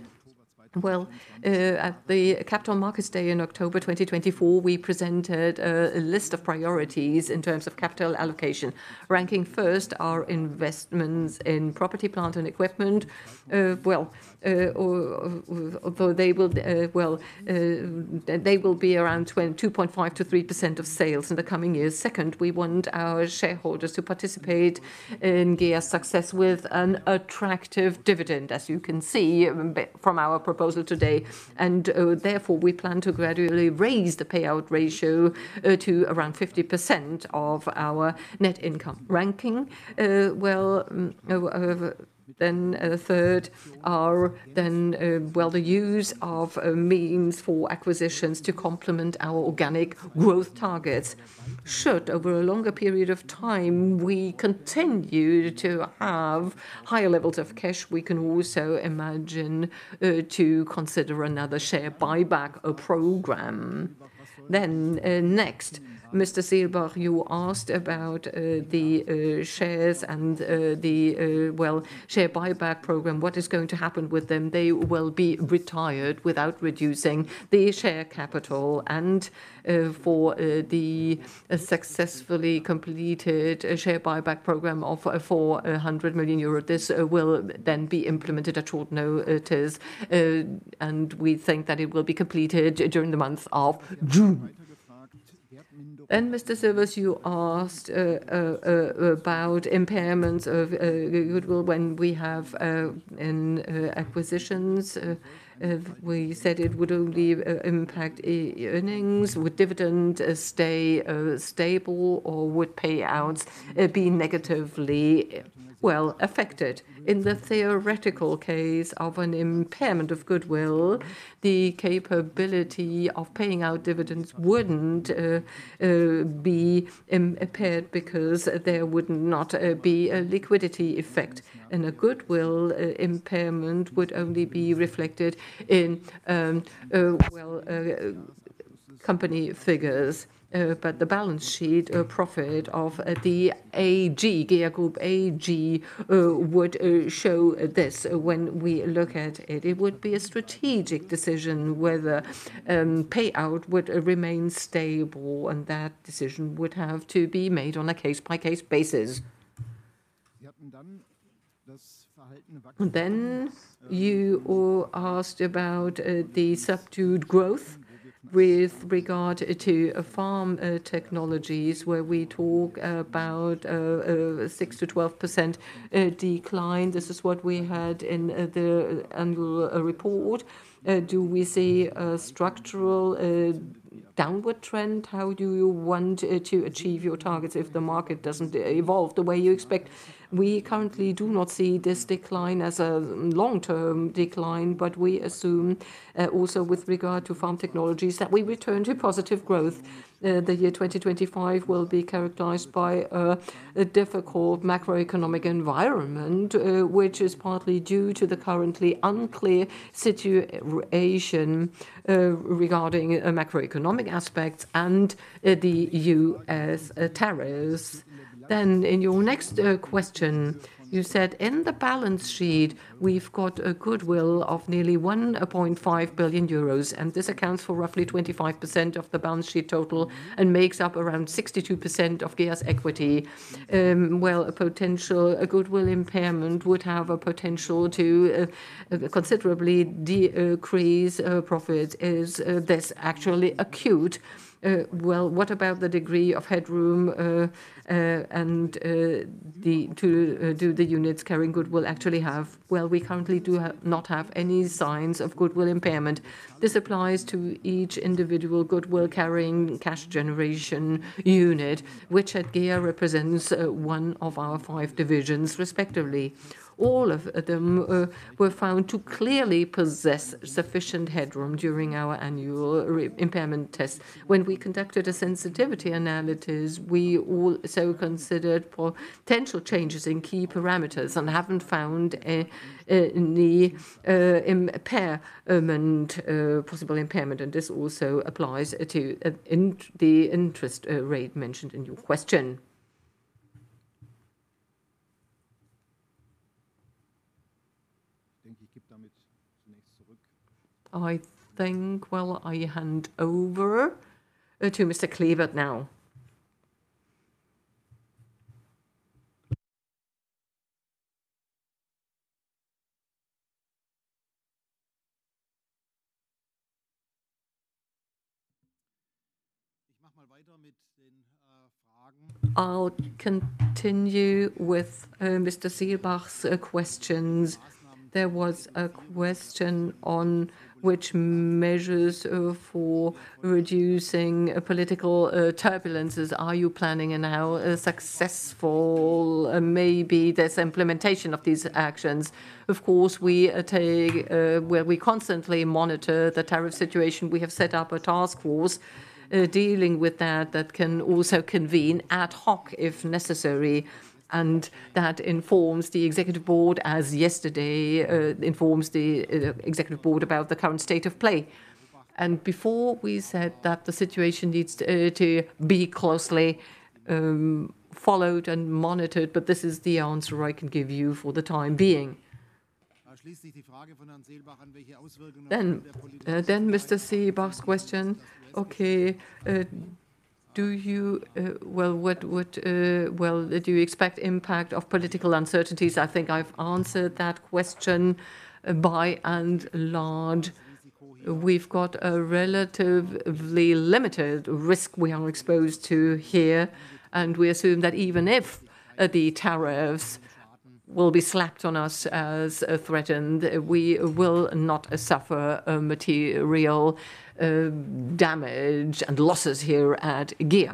at the Capital Markets Day in October 2024, we presented a list of priorities in terms of capital allocation. Ranking first are investments in property, plant, and equipment. They will be around 2.5%-3% of sales in the coming years. Second, we want our shareholders to participate in GEA's success with an attractive dividend, as you can see from our proposal today. Therefore, we plan to gradually raise the payout ratio to around 50% of our net income. Ranking, then third are the use of means for acquisitions to complement our organic growth targets. Should over a longer period of time we continue to have higher levels of cash, we can also imagine to consider another share buyback program. Next, Mr. Selbach, you asked about the shares and the share buyback program. What is going to happen with them? They will be retired without reducing the share capital. For the successfully completed share buyback program of 400 million euros, this will then be implemented at all notice. We think that it will be completed during the month of June. Mr. Selbach, you asked about impairments of goodwill. When we have acquisitions, we said it would only impact earnings. Would dividends stay stable, or would payouts be negatively, well, affected? In the theoretical case of an impairment of goodwill, the capability of paying out dividends would not be impaired because there would not be a liquidity effect. A goodwill impairment would only be reflected in, well, company figures. The balance sheet profit of the AG, GEA Group AG, would show this when we look at it. It would be a strategic decision whether payout would remain stable. That decision would have to be made on a case-by-case basis. You asked about the subdued growth with regard to farm technologies, where we talk about a 6-12% decline. This is what we had in the annual report. Do we see a structural downward trend? How do you want to achieve your targets if the market does not evolve the way you expect? We currently do not see this decline as a long-term decline, but we assume also with regard to farm technologies that we return to positive growth. The year 2025 will be characterized by a difficult macroeconomic environment, which is partly due to the currently unclear situation regarding macroeconomic aspects and the U.S. tariffs. In your next question, you said in the balance sheet, we have a goodwill of nearly 1.5 billion euros. This accounts for roughly 25% of the balance sheet total and makes up around 62% of GEA's equity. A potential goodwill impairment would have a potential to considerably decrease profits. Is this actually acute? What about the degree of headroom and do the units carrying goodwill actually have? We currently do not have any signs of goodwill impairment. This applies to each individual goodwill carrying cash generation unit, which at GEA represents one of our five divisions respectively. All of them were found to clearly possess sufficient headroom during our annual impairment test. When we conducted a sensitivity analysis, we also considered potential changes in key parameters and have not found any impairment, possible impairment. This also applies to the interest rate mentioned in your question. I think I hand over to Mr. Klebert now. I'll continue with Mr. Selbach's questions. There was a question on which measures for reducing political turbulences are you planning and how successful may be this implementation of these actions. Of course, we constantly monitor the tariff situation. We have set up a task force dealing with that that can also convene ad hoc if necessary. That informs the Executive Board, as yesterday informs the Executive Board about the current state of play. Before, we said that the situation needs to be closely followed and monitored, but this is the answer I can give you for the time being. Mr. Selbach's question, okay, do you, what do you expect impact of political uncertainties? I think I have answered that question by and large. We have got a relatively limited risk we are exposed to here. We assume that even if the tariffs will be slapped on us as threatened, we will not suffer material damage and losses here at GEA.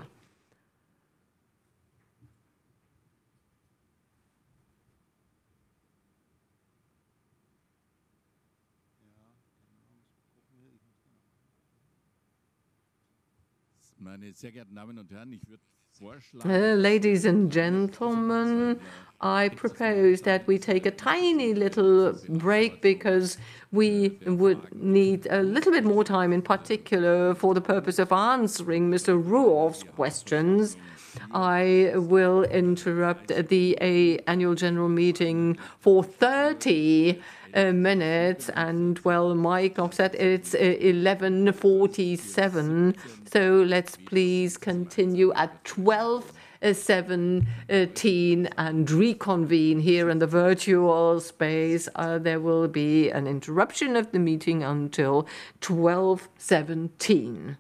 Ladies and gentlemen, I propose that we take a tiny little break because we would need a little bit more time in particular for the purpose of answering Mr. Rohr's questions. I will interrupt the annual general meeting for 30 minutes. Mike said it's 11:47, so let's please continue at 12:17 and reconvene here in the virtual space. There will be an interruption of the meeting until 12:17. Meine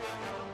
sehr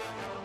geehrten Damen und Herren,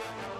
ich hatte die Hauptversammlung...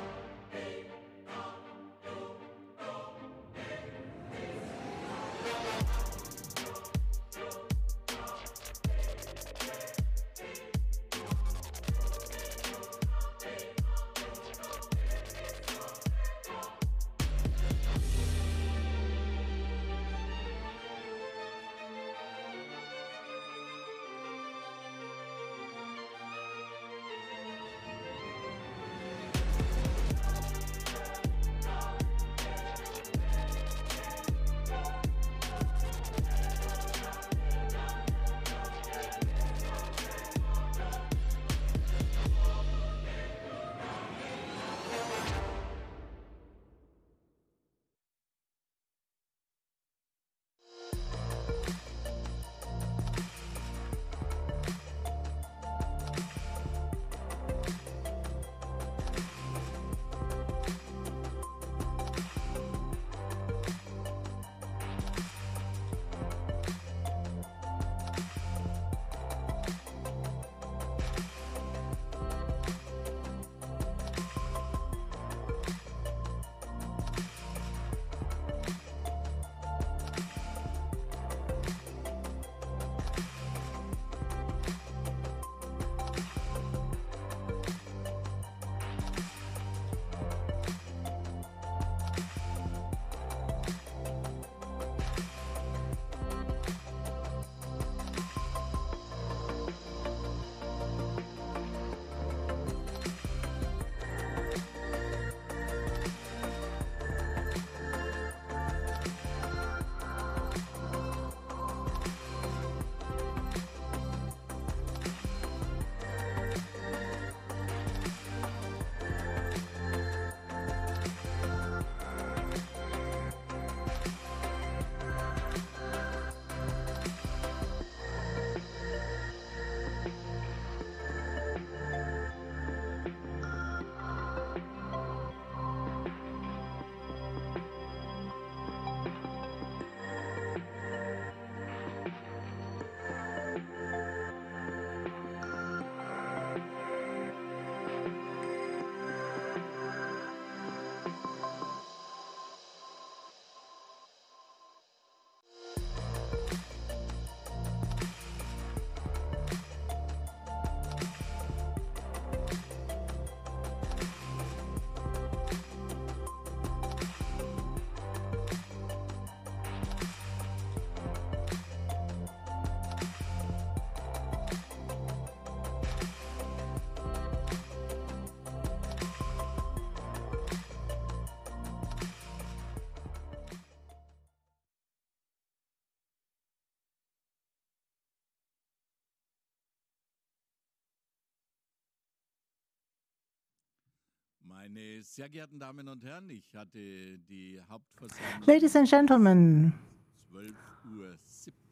Ladies and gentlemen...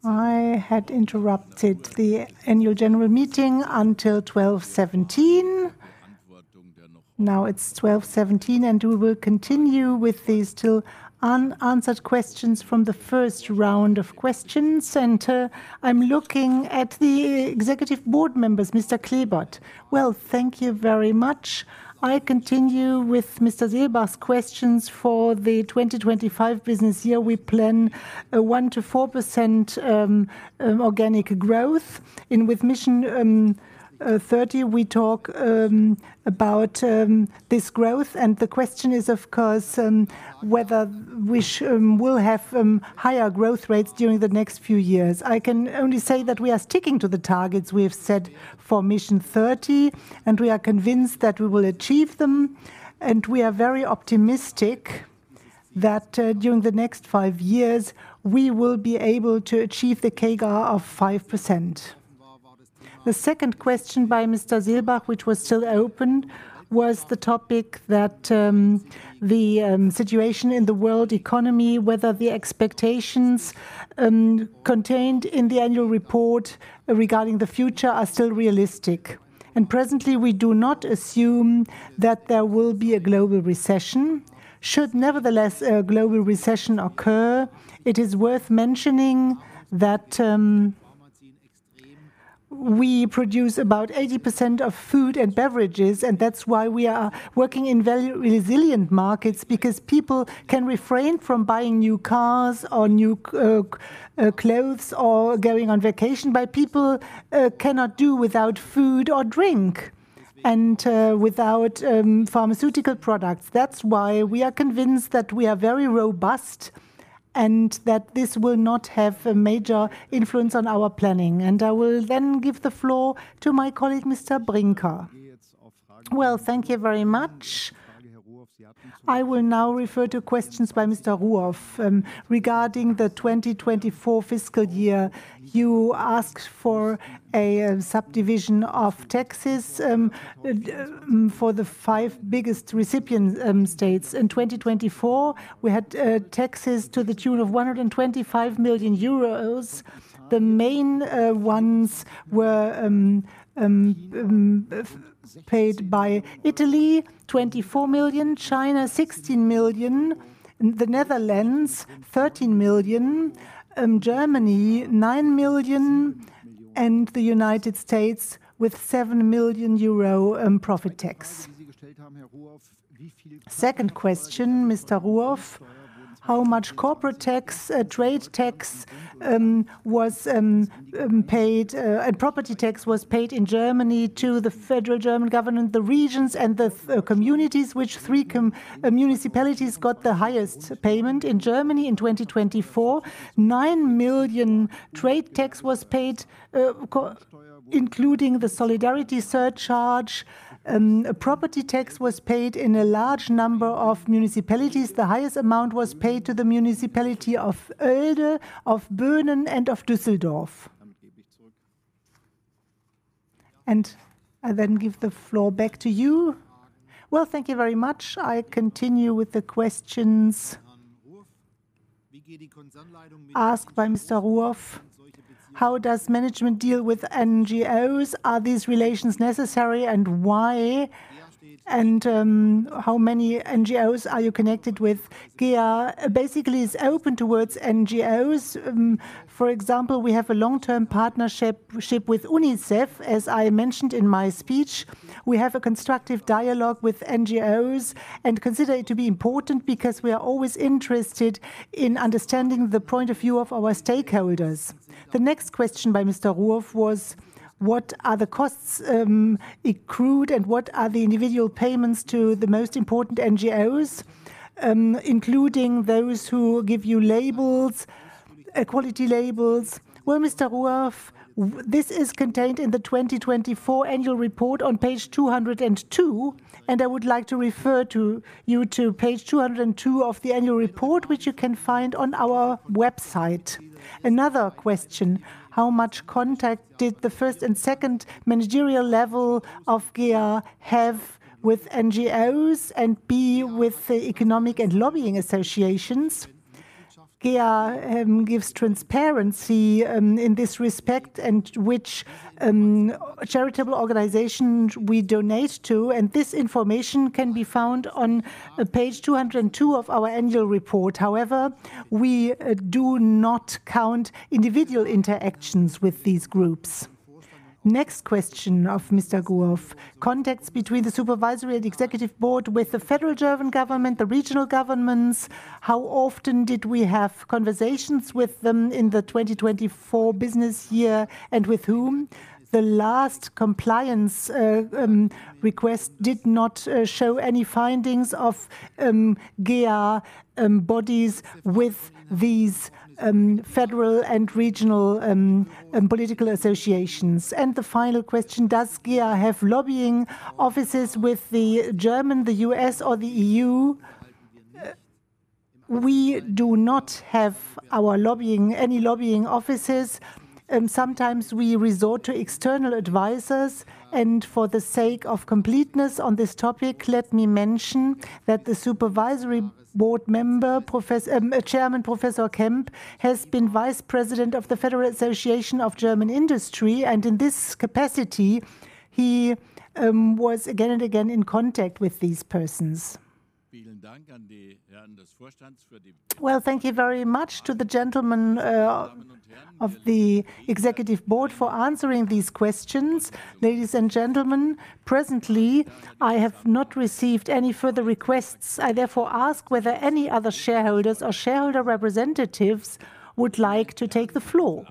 I had interrupted the annual general meeting until 12:17. Now it's 12:17, and we will continue with these still unanswered questions from the first round of questions. I'm looking at the Executive Board members, Mr. Klebert. Thank you very much. I continue with Mr. Silbers' questions for the 2025 business year. We plan a 1-4% organic growth. With mission 30, we talk about this growth. The question is, of course, whether we will have higher growth rates during the next few years. I can only say that we are sticking to the targets we have set for mission 30, and we are convinced that we will achieve them. We are very optimistic that during the next five years, we will be able to achieve the CAGR of 5%. The second question by Mr. Klebert, which was still open, was the topic that the situation in the world economy, whether the expectations contained in the annual report regarding the future are still realistic. Presently, we do not assume that there will be a global recession. Should nevertheless a global recession occur, it is worth mentioning that we produce about 80% of food and beverages, and that's why we are working in very resilient markets, because people can refrain from buying new cars or new clothes or going on vacation, but people cannot do without food or drink and without pharmaceutical products. That is why we are convinced that we are very robust and that this will not have a major influence on our planning. I will then give the floor to my colleague, Mr. Brinker. Thank you very much. I will now refer to questions by Mr. Ruoff regarding the 2024 fiscal year. You asked for a subdivision of taxes for the five biggest recipient states. In 2024, we had taxes to the tune of 125 million euros. The main ones were paid by Italy, 24 million, China, 16 million, the Netherlands, 13 million, Germany, 9 million, and the United States with 7 million euro profit tax. Second question, Mr. Ruoff, how much corporate tax, trade tax, was paid, and property tax was paid in Germany to the federal German government, the regions, and the communities, which three municipalities got the highest payment in Germany in 2024? 9 million trade tax was paid, including the solidarity surcharge. Property tax was paid in a large number of municipalities. The highest amount was paid to the municipality of Oelde, of Böhnen, and of Düsseldorf. I then give the floor back to you. Thank you very much. I continue with the questions asked by Mr. Ruoff. How does management deal with NGOs? Are these relations necessary and why? How many NGOs are you connected with? GEA basically is open towards NGOs. For example, we have a long-term partnership with UNICEF, as I mentioned in my speech. We have a constructive dialogue with NGOs and consider it to be important because we are always interested in understanding the point of view of our stakeholders. The next question by Mr. Ruoff was, what are the costs accrued and what are the individual payments to the most important NGOs, including those who give you labels, quality labels? Mr. Ruoff, this is contained in the 2024 annual report on page 202, and I would like to refer you to page 202 of the annual report, which you can find on our website. Another question, how much contact did the first and second managerial level of GEA have with NGOs and be with the economic and lobbying associations? GEA gives transparency in this respect and which charitable organizations we donate to, and this information can be found on page 202 of our annual report. However, we do not count individual interactions with these groups. Next question of Mr. Ruoff, contacts between the Supervisory and Executive Board with the federal German government, the regional governments. How often did we have conversations with them in the 2024 business year and with whom? The last compliance request did not show any findings of GEA bodies with these federal and regional political associations. The final question, does GEA have lobbying offices with the German, the U.S., or the EU? We do not have our lobbying, any lobbying offices. Sometimes we resort to external advisors. For the sake of completeness on this topic, let me mention that the Supervisory Board member, Chairman Professor Kemp, has been Vice President of the Federal Association of German Industry, and in this capacity, he was again and again in contact with these persons. Thank you very much to the gentlemen of the Executive Board for answering these questions. Ladies and gentlemen, presently, I have not received any further requests. I therefore ask whether any other shareholders or shareholder representatives would like to take the floor.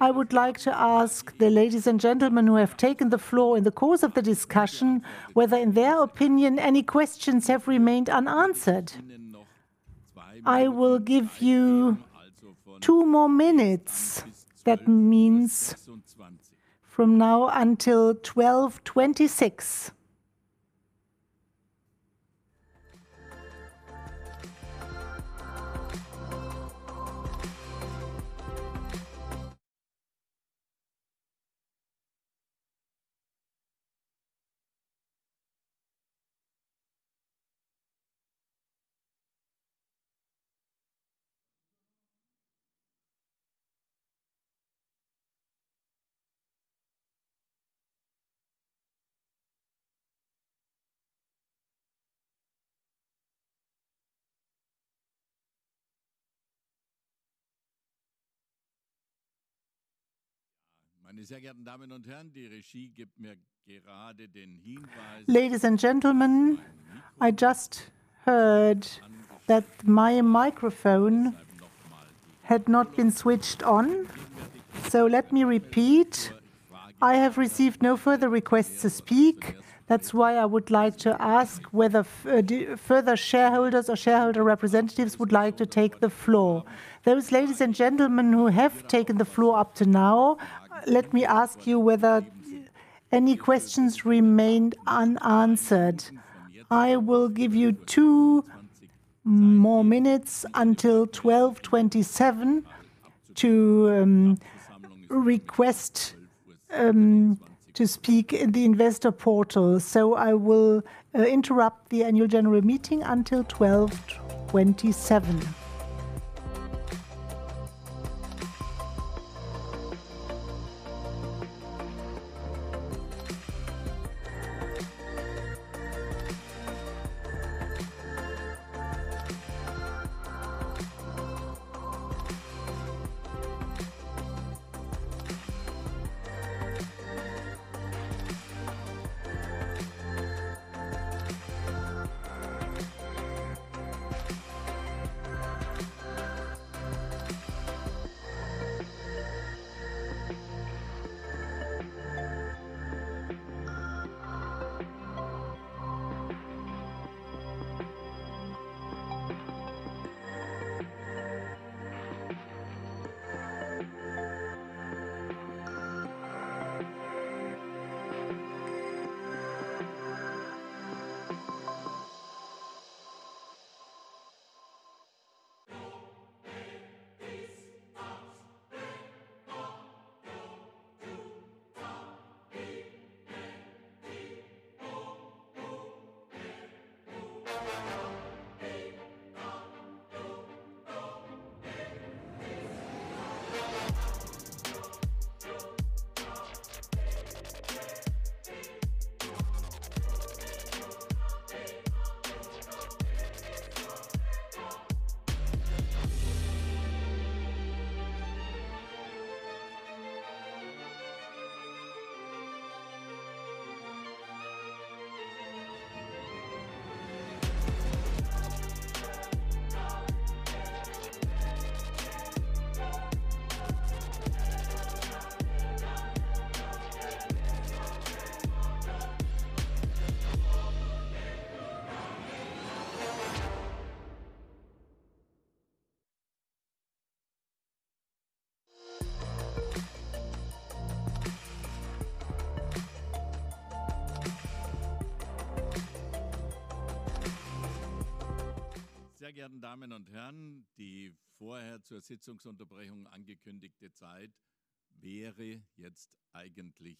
I would like to ask the ladies and gentlemen who have taken the floor in the course of the discussion whether, in their opinion, any questions have remained unanswered. I will give you two more minutes. That means from now until 12:26. Ja, meine sehr geehrten Damen und Herren, die Regie gibt mir gerade den Hinweis. Ladies and gentlemen, I just heard that my microphone had not been switched on. Let me repeat, I have received no further requests to speak. That is why I would like to ask whether further shareholders or shareholder representatives would like to take the floor. Those ladies and gentlemen who have taken the floor up to now, let me ask you whether any questions remained unanswered. I will give you two more minutes until 12:27 P.M. to request to speak in the investor portal. I will interrupt the annual general meeting until 12:27 P.M. Sehr geehrte Damen und Herren, die vorher zur Sitzungsunterbrechung angekündigte Zeit wäre jetzt eigentlich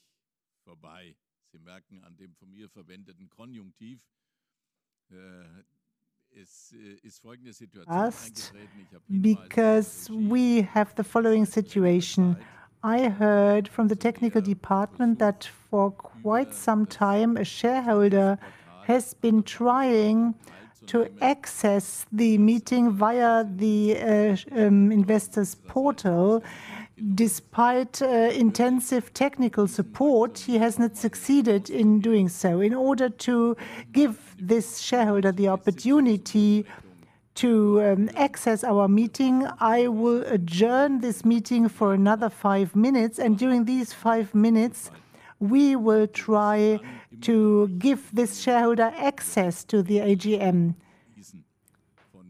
vorbei. Sie merken an dem von mir verwendeten Konjunktiv. Es ist folgende Situation eingetreten. Because we have the following situation. I heard from the technical department that for quite some time a shareholder has been trying to access the meeting via the investor's portal. Despite intensive technical support, he has not succeeded in doing so. In order to give this shareholder the opportunity to access our meeting, I will adjourn this meeting for another five minutes. During these five minutes, we will try to give this shareholder access to the AGM.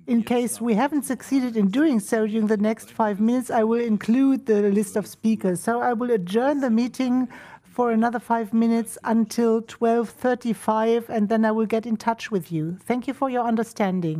In case we haven't succeeded in doing so during the next five minutes, I will include the list of speakers. I will adjourn the meeting for another five minutes until 12:35 P.M., and then I will get in touch with you. Thank you for your understanding.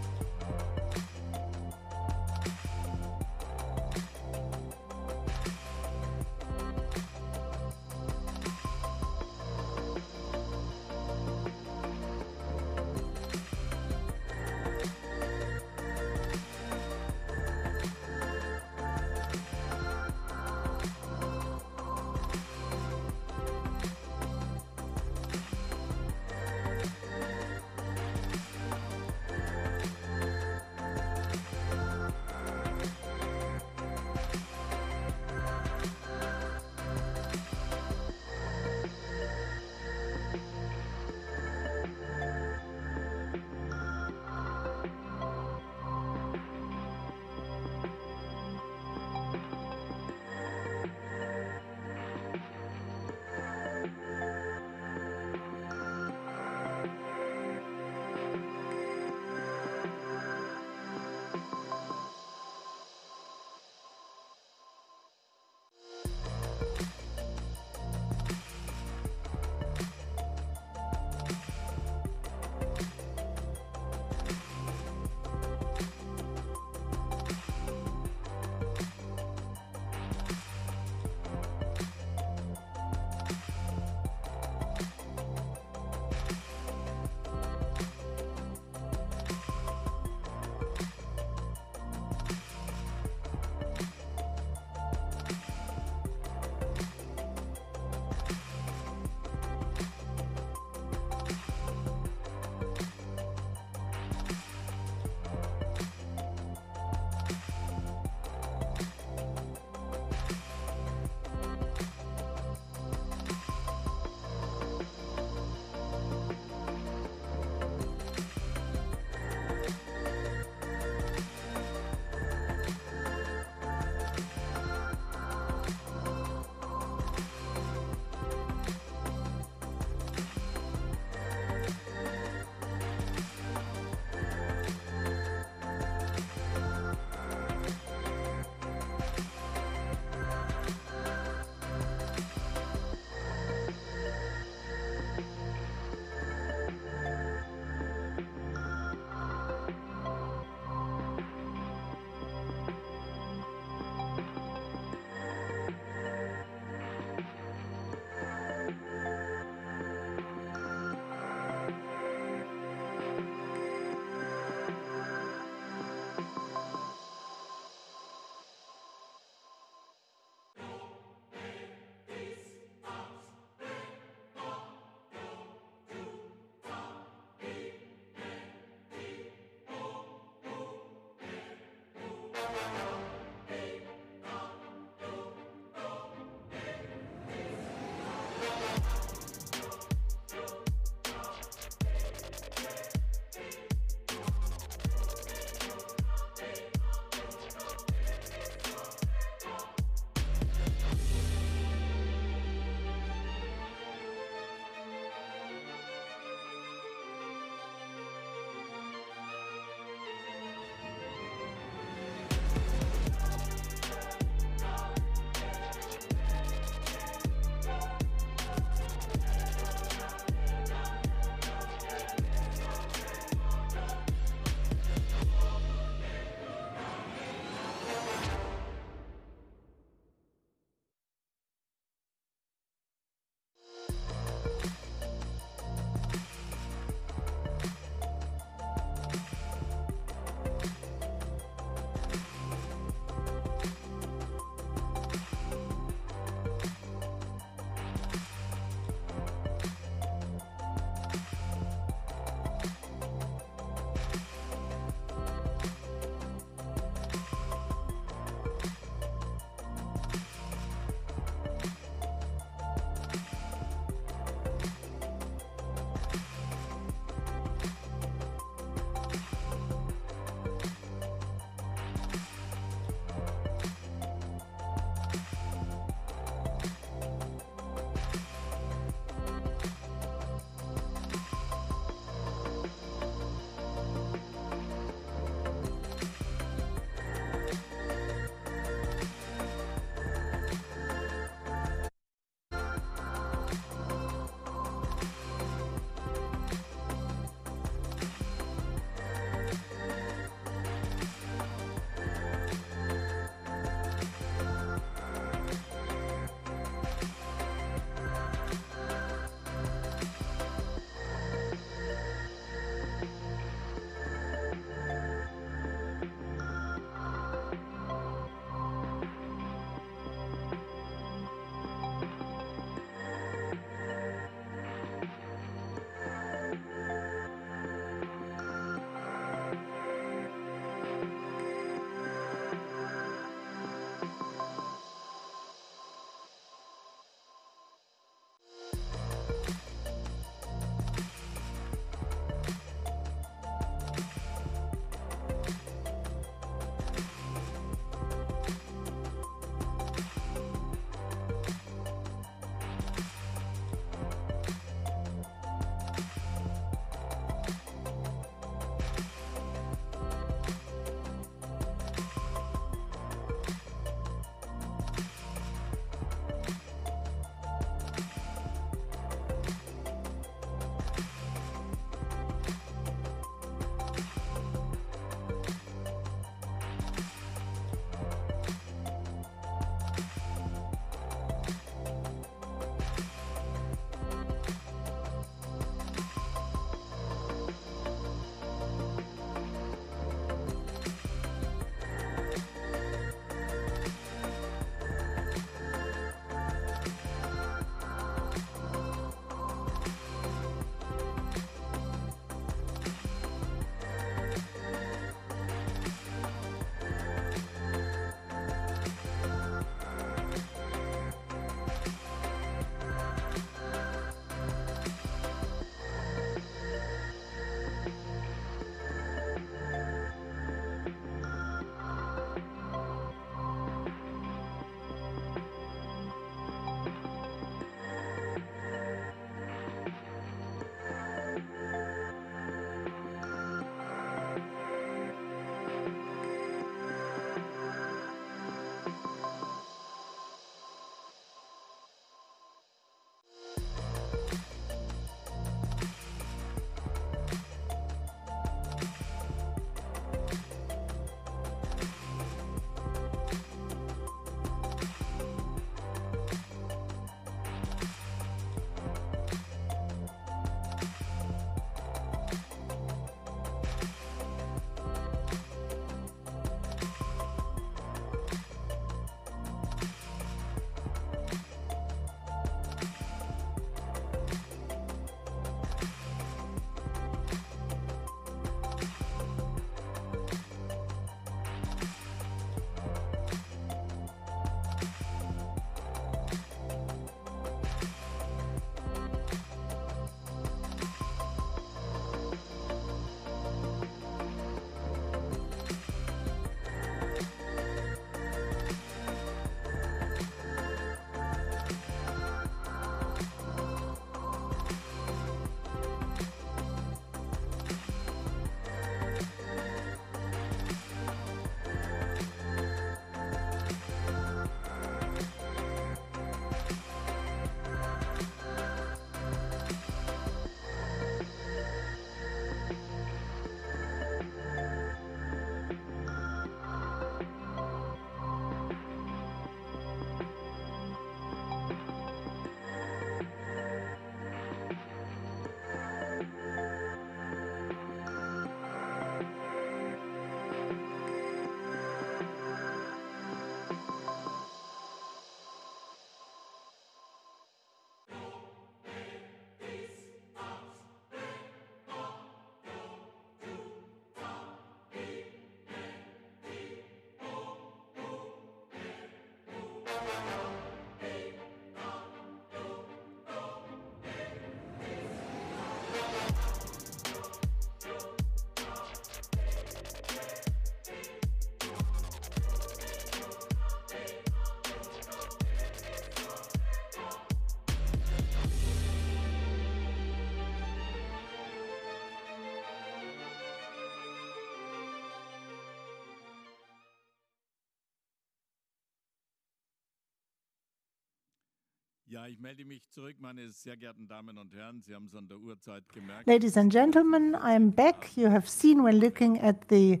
Ladies and gentlemen, I am back. You have seen we're looking at the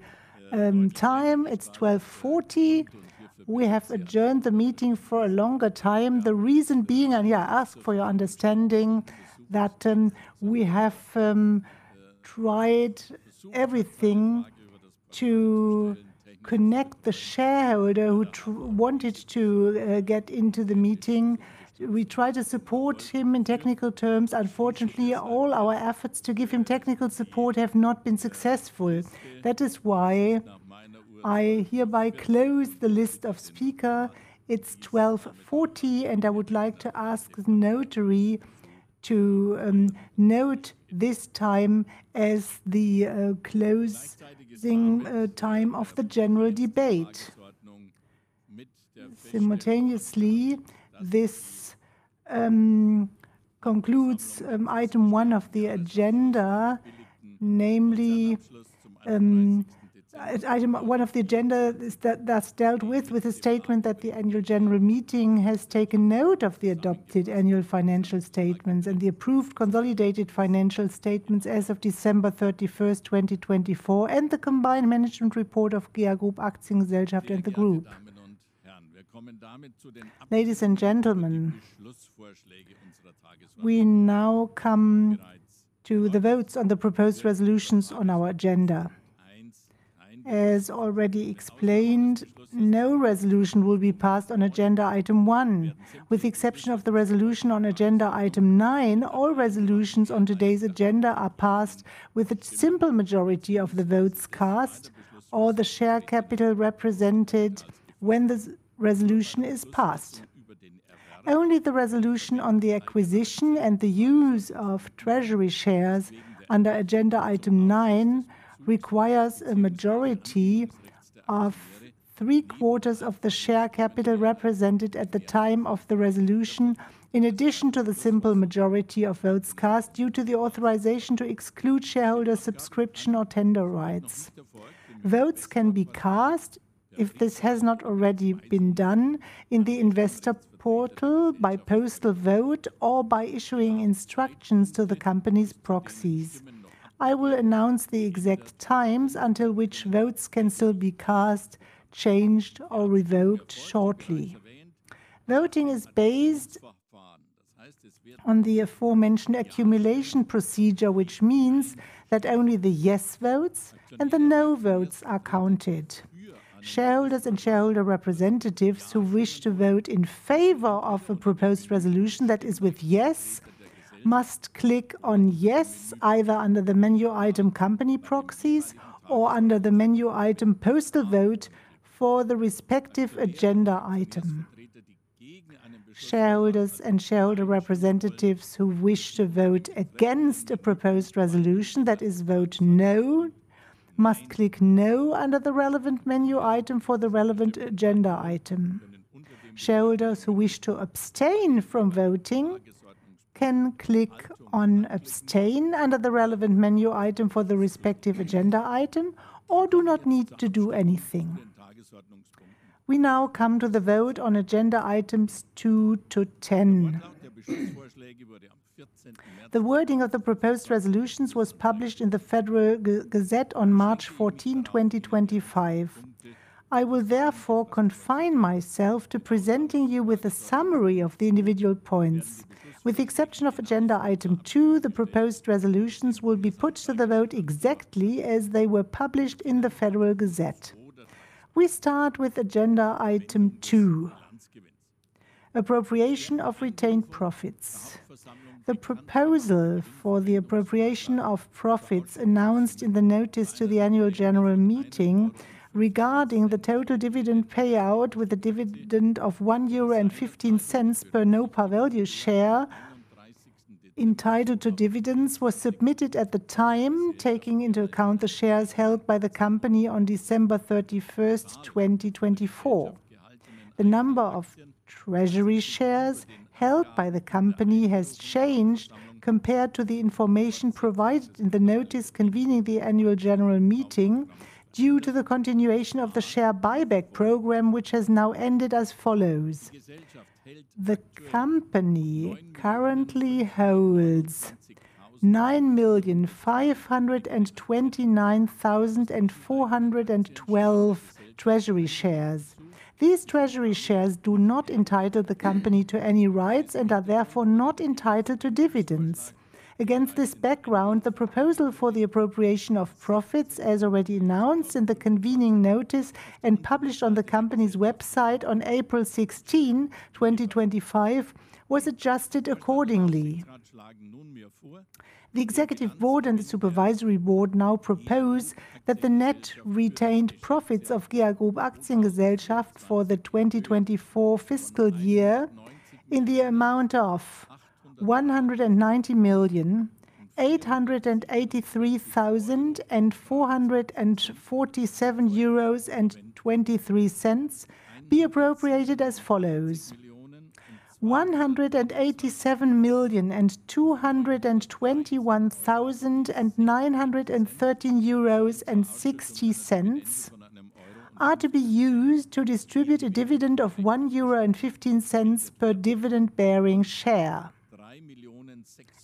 time. It's 12:40. We have adjourned the meeting for a longer time. The reason being, and yeah, I ask for your understanding, that we have tried everything to connect the shareholder who wanted to get into the meeting. We tried to support him in technical terms. Unfortunately, all our efforts to give him technical support have not been successful. That is why I hereby close the list of speakers. It's 12:40, and I would like to ask the notary to note this time as the closing time of the general debate. Simultaneously, this concludes item one of the agenda, namely, item one of the agenda that's dealt with, with the statement that the annual general meeting has taken note of the adopted annual financial statements and the approved consolidated financial statements as of December 31, 2024, and the combined management report of GEA Group Aktiengesellschaft und der Gruppe. Ladies and gentlemen, we now come to the votes on the proposed resolutions on our agenda. As already explained, no resolution will be passed on agenda item one. With the exception of the resolution on agenda item nine, all resolutions on today's agenda are passed with a simple majority of the votes cast or the share capital represented when the resolution is passed. Only the resolution on the acquisition and the use of treasury shares under agenda item nine requires a majority of three quarters of the share capital represented at the time of the resolution, in addition to the simple majority of votes cast due to the authorization to exclude shareholder subscription or tender rights. Votes can be cast, if this has not already been done, in the investor portal by postal vote or by issuing instructions to the company's proxies. I will announce the exact times until which votes can still be cast, changed, or revoked shortly. Voting is based on the aforementioned accumulation procedure, which means that only the yes votes and the no votes are counted. Shareholders and shareholder representatives who wish to vote in favor of a proposed resolution that is with yes must click on yes either under the menu item company proxies or under the menu item postal vote for the respective agenda item. Shareholders and shareholder representatives who wish to vote against a proposed resolution that is vote no must click no under the relevant menu item for the relevant agenda item. Shareholders who wish to abstain from voting can click on abstain under the relevant menu item for the respective agenda item or do not need to do anything. We now come to the vote on agenda items 2-10. The wording of the proposed resolutions was published in the Federal Gazette on March 1414th, 2025. I will therefore confine myself to presenting you with a summary of the individual points. With the exception of agenda item two, the proposed resolutions will be put to the vote exactly as they were published in the Federal Gazette. We start with agenda item two. Appropriation of retained profits. The proposal for the appropriation of profits announced in the notice to the annual general meeting regarding the total dividend payout with a dividend of 1.15 euro per no par value share entitled to dividends was submitted at the time, taking into account the shares held by the company on December 31st, 2024. The number of treasury shares held by the company has changed compared to the information provided in the notice convening the annual general meeting due to the continuation of the share buyback program, which has now ended as follows. The company currently holds 9,529,412 treasury shares. These treasury shares do not entitle the company to any rights and are therefore not entitled to dividends. Against this background, the proposal for the appropriation of profits, as already announced in the convening notice and published on the company's website on April 16th, 2025, was adjusted accordingly. The Executive Board and the Supervisory Board now propose that the net retained profits of GEA Group Aktiengesellschaft for the 2024 fiscal year in the amount of 190,883,447.23 euros be appropriated as follows: 187,221,913.60 euros are to be used to distribute a dividend of 1.15 euro per dividend-bearing share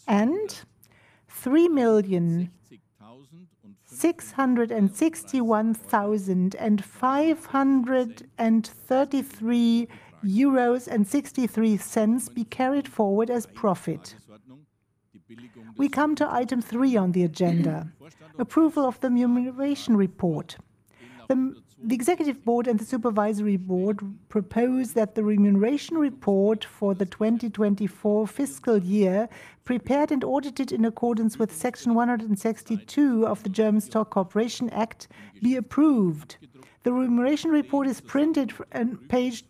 and 3,661,533.63 be carried forward as profit. We come to item three on the agenda: approval of the remuneration report. The Executive Board and the Supervisory Board propose that the remuneration report for the 2024 fiscal year prepared and audited in accordance with section 162 of the German Stock Corporation Act be approved. The remuneration report is printed on page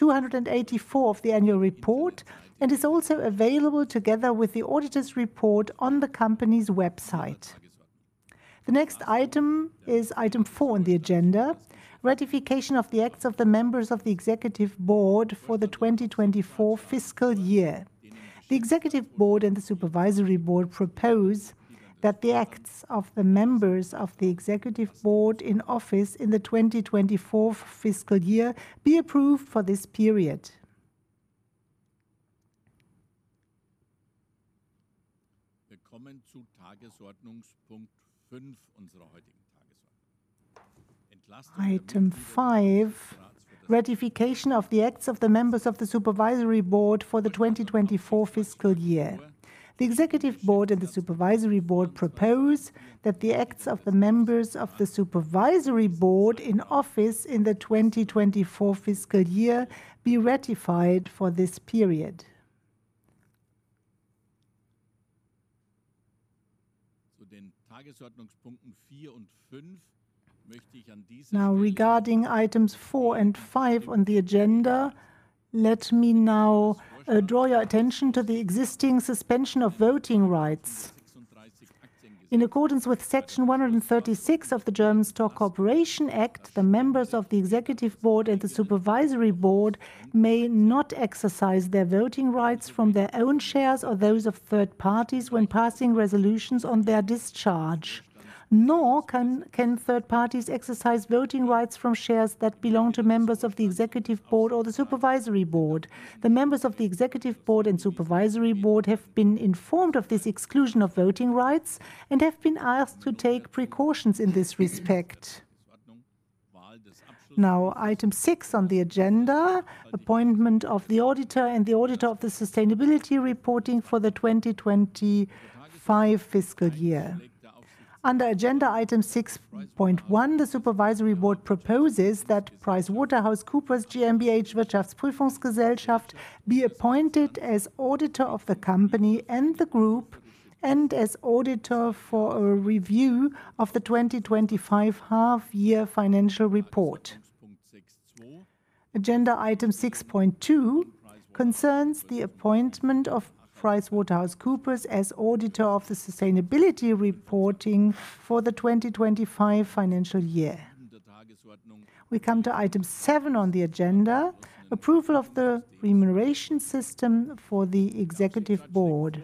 284 of the annual report and is also available together with the auditor's report on the company's website. The next item is item four on the agenda: ratification of the acts of the members of the Executive Board for the 2024 fiscal year. The Executive Board and the Supervisory Board propose that the acts of the members of the Executive Board in office in the 2024 fiscal year be approved for this period. Item five: ratification of the acts of the members of the Supervisory Board for the 2024 fiscal year. The Executive Board and the Supervisory Board propose that the acts of the members of the Supervisory Board in office in the 2024 fiscal year be ratified for this period. Now, regarding items four and five on the agenda, let me now draw your attention to the existing suspension of voting rights. In accordance with section 136 of the German Stock Corporation Act, the members of the Executive Board and the Supervisory Board may not exercise their voting rights from their own shares or those of third parties when passing resolutions on their discharge. Nor can third parties exercise voting rights from shares that belong to members of the Executive Board or the Supervisory Board. The members of the Executive Board and Supervisory Board have been informed of this exclusion of voting rights and have been asked to take precautions in this respect. Now, item six on the agenda: appointment of the auditor and the auditor of the sustainability reporting for the 2025 fiscal year. Under agenda item six point one, the Supervisory Board proposes that PricewaterhouseCoopers GmbH Wirtschaftsprüfungsgesellschaft be appointed as auditor of the company and the group and as auditor for a review of the 2025 half-year financial report. Agenda item six point two concerns the appointment of PricewaterhouseCoopers as auditor of the sustainability reporting for the 2025 financial year. We come to item seven on the agenda: approval of the remuneration system for the Executive Board.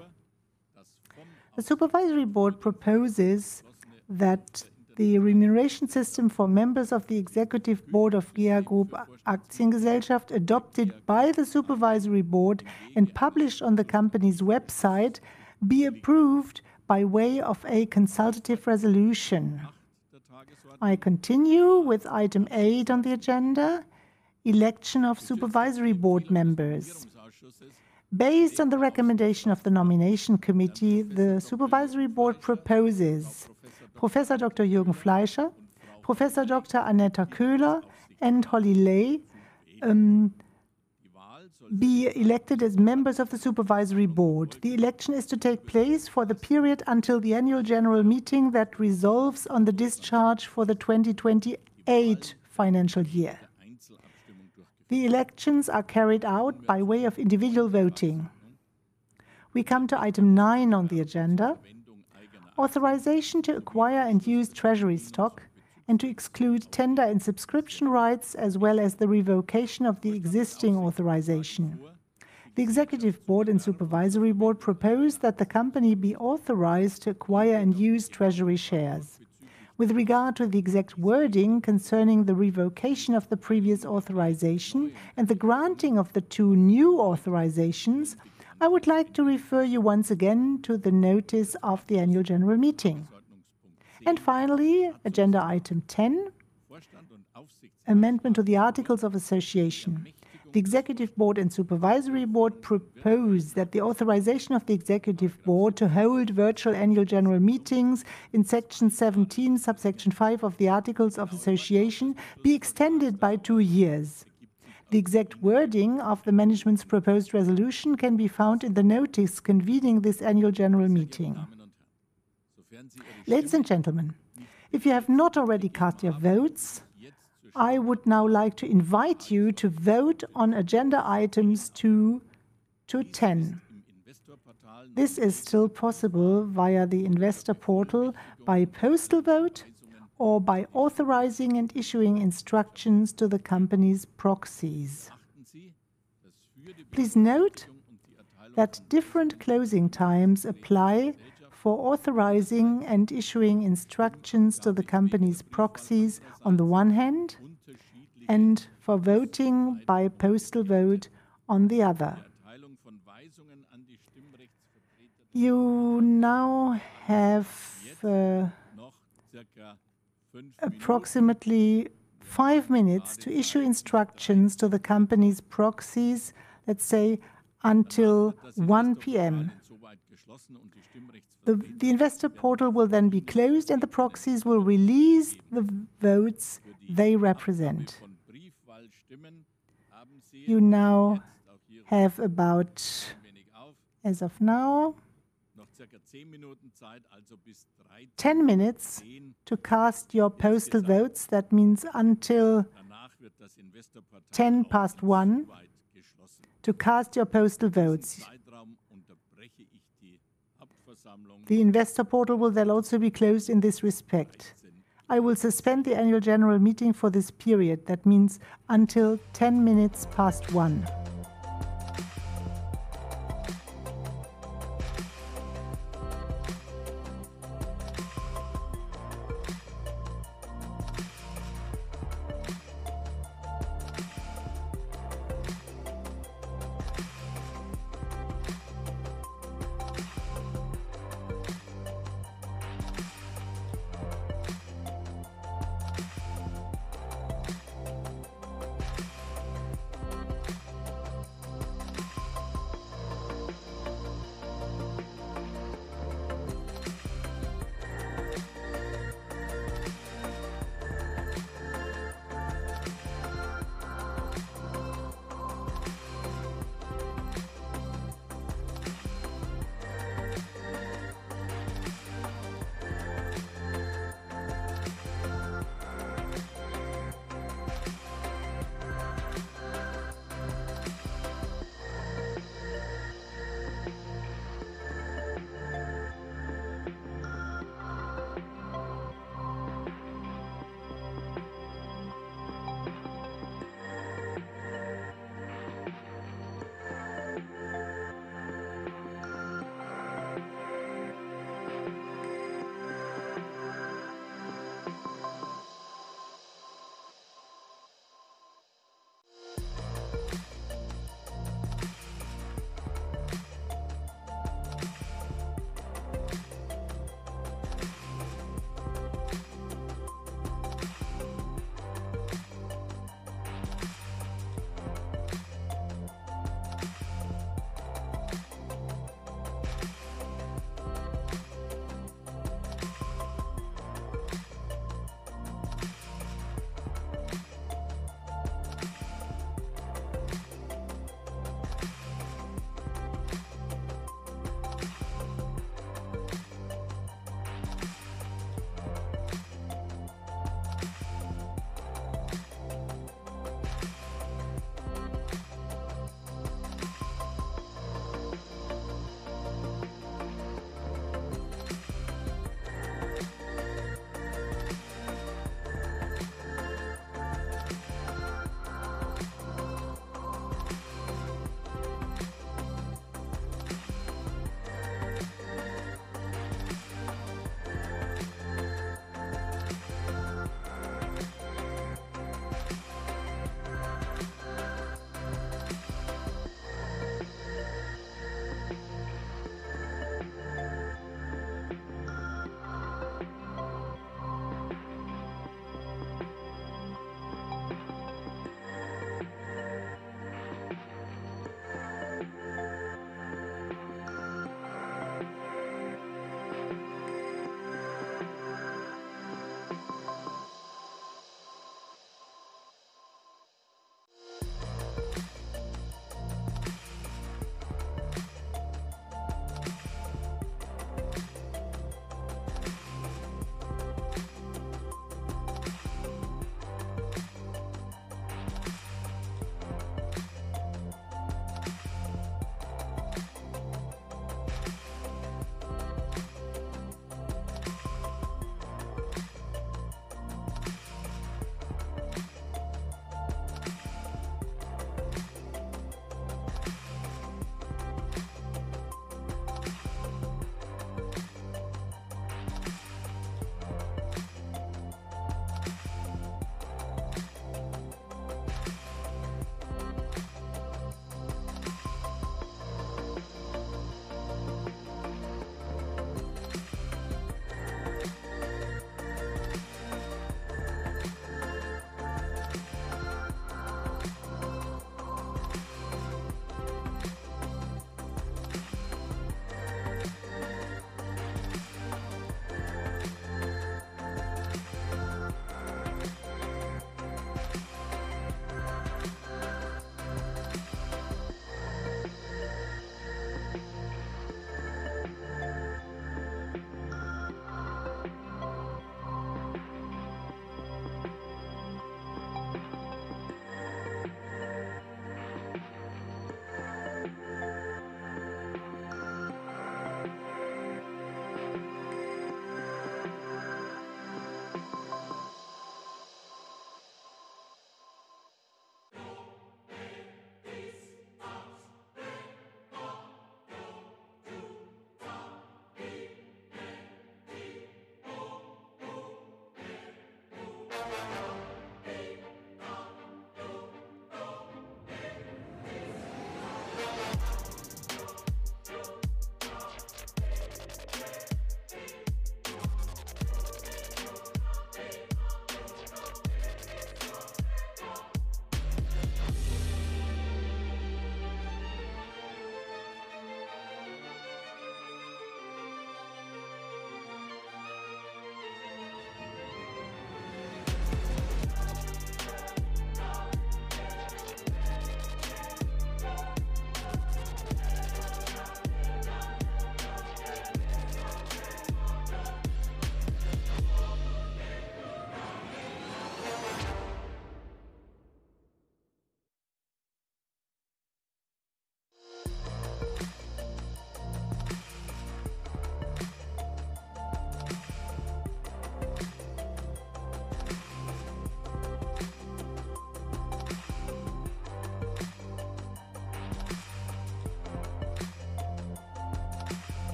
The Supervisory Board proposes that the remuneration system for members of the Executive Board of GEA Group Aktiengesellschaft adopted by the Supervisory Board and published on the company's website be approved by way of a consultative resolution. I continue with item eight on the agenda: election of Supervisory Board members. Based on the recommendation of the nomination committee, the Supervisory Board proposes Professor Dr. Jürgen Fleischer, Professor Dr. Annette Köhler and Holly Ley be elected as members of the Supervisory Board. The election is to take place for the period until the annual general meeting that resolves on the discharge for the 2028 financial year. The elections are carried out by way of individual voting. We come to item nine on the agenda: authorization to acquire and use treasury stock and to exclude tender and subscription rights as well as the revocation of the existing authorization. The Executive Board and Supervisory Board propose that the company be authorized to acquire and use treasury shares. With regard to the exact wording concerning the revocation of the previous authorization and the granting of the two new authorizations, I would like to refer you once again to the notice of the annual general meeting. Finally, agenda item ten: amendment to the articles of association. The Executive Board and Supervisory Board propose that the authorization of the Executive Board to hold virtual annual general meetings in section seventeen, subsection five of the articles of association be extended by two years. The exact wording of the management's proposed resolution can be found in the notice convening this annual general meeting. Ladies and gentlemen, if you have not already cast your votes, I would now like to invite you to vote on agenda items 2-10. This is still possible via the investor portal by postal vote or by authorizing and issuing instructions to the company's proxies. Please note that different closing times apply for authorizing and issuing instructions to the company's proxies on the one hand and for voting by postal vote on the other. You now have approximately five minutes to issue instructions to the company's proxies, let's say, until 1:00 P.M. The investor portal will then be closed and the proxies will release the votes they represent. You now have about ten minutes to cast your postal votes, that means until 1:10 P.M. to cast your postal votes. The investor portal will then also be closed in this respect. I will suspend the annual general meeting for this period, that means until 1:10 P.M. Meine sehr geehrten Damen und Herren, es ist jetzt 13:10 Uhr.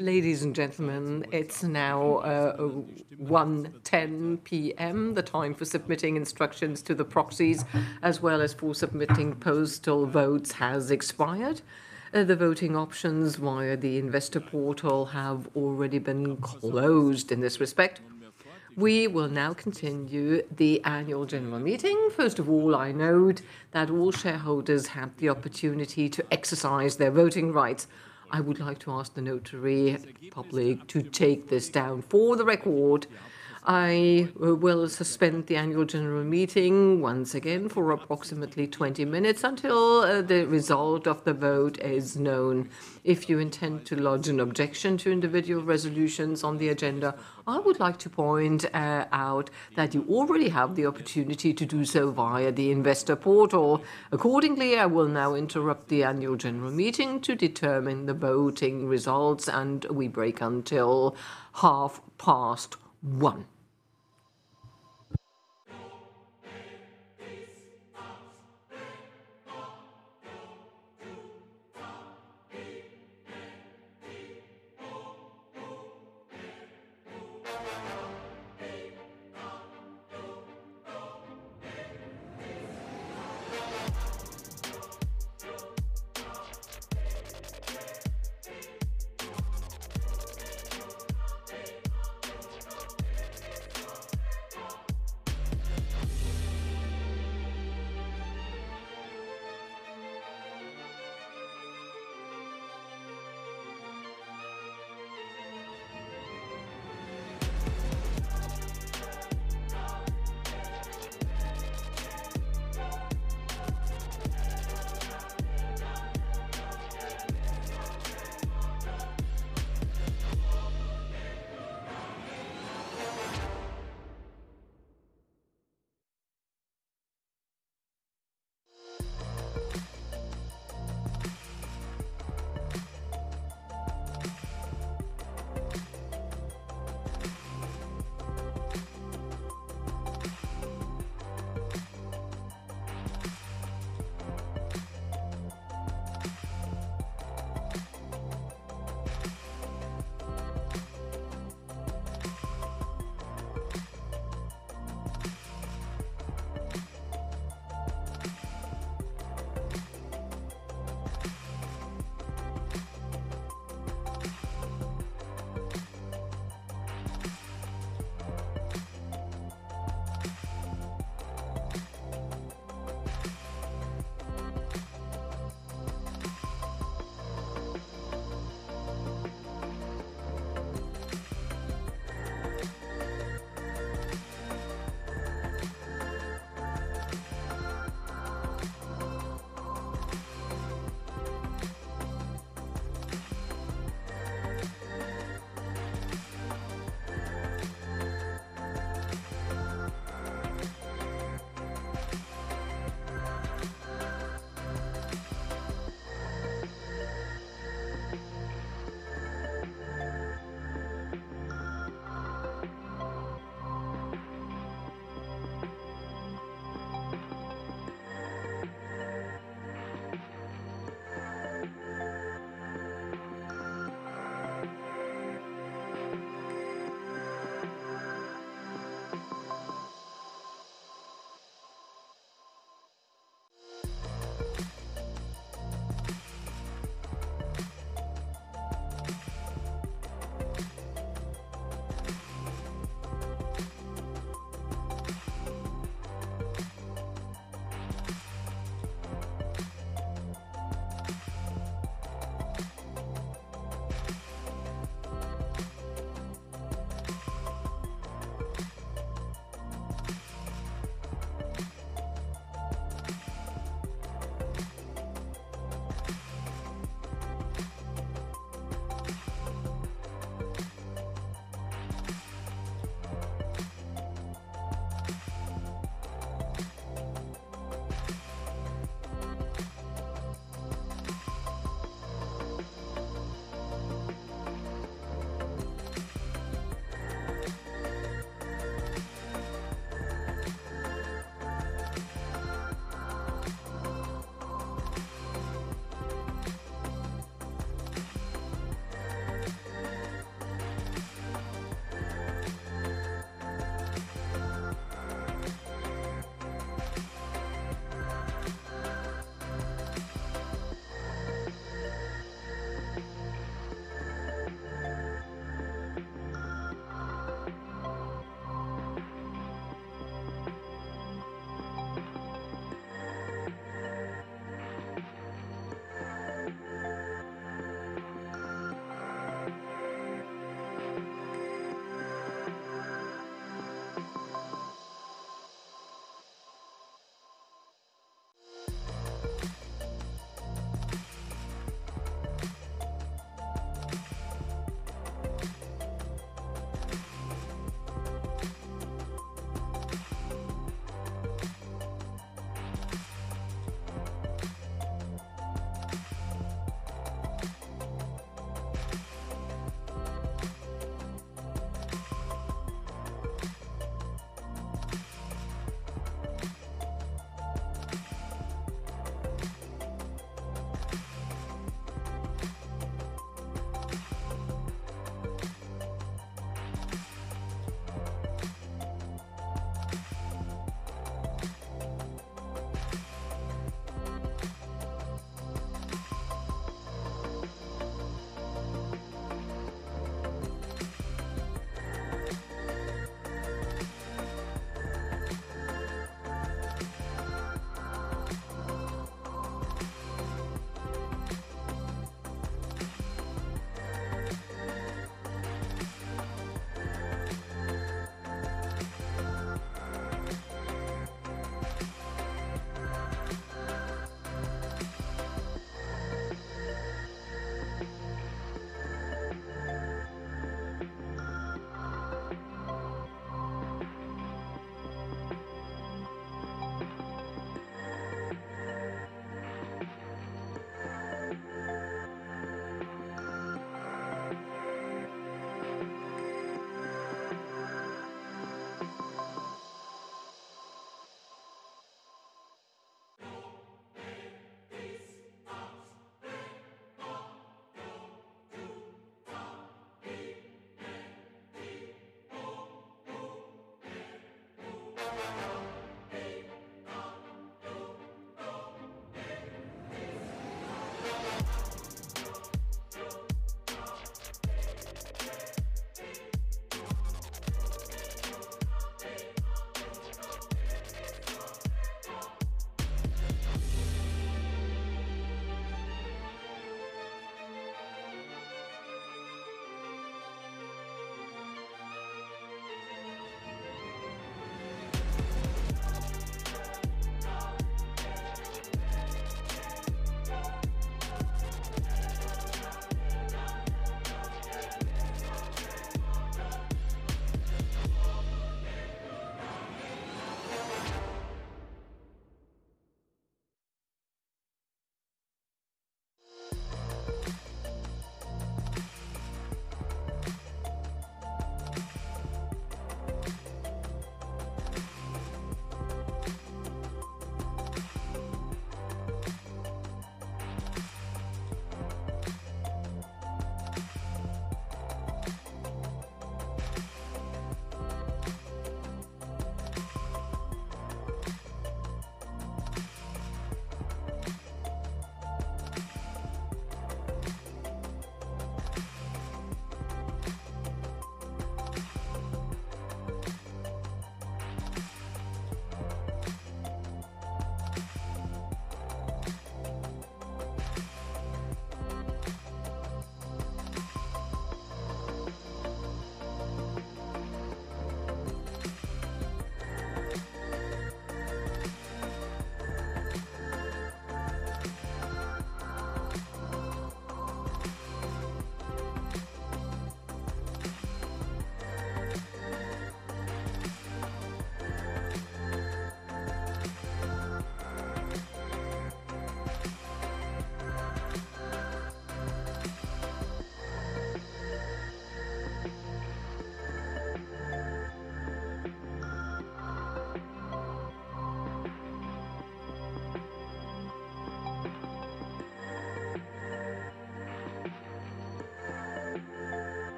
Ladies and gentlemen, it's now 1:10 P.M. The time for submitting instructions to the proxies, as well as for submitting postal votes, has expired. The voting options via the investor portal have already been closed in this respect. We will now continue the annual general meeting. First of all, I note that all shareholders have the opportunity to exercise their voting rights. I would like to ask the notary public to take this down for the record. I will suspend the annual general meeting once again for approximately 20 minutes until the result of the vote is known. If you intend to lodge an objection to individual resolutions on the agenda, I would like to point out that you already have the opportunity to do so via the investor portal. Accordingly, I will now interrupt the annual general meeting to determine the voting results, and we break until 1:30 P.M. Meine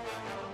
sehr geehrten Damen und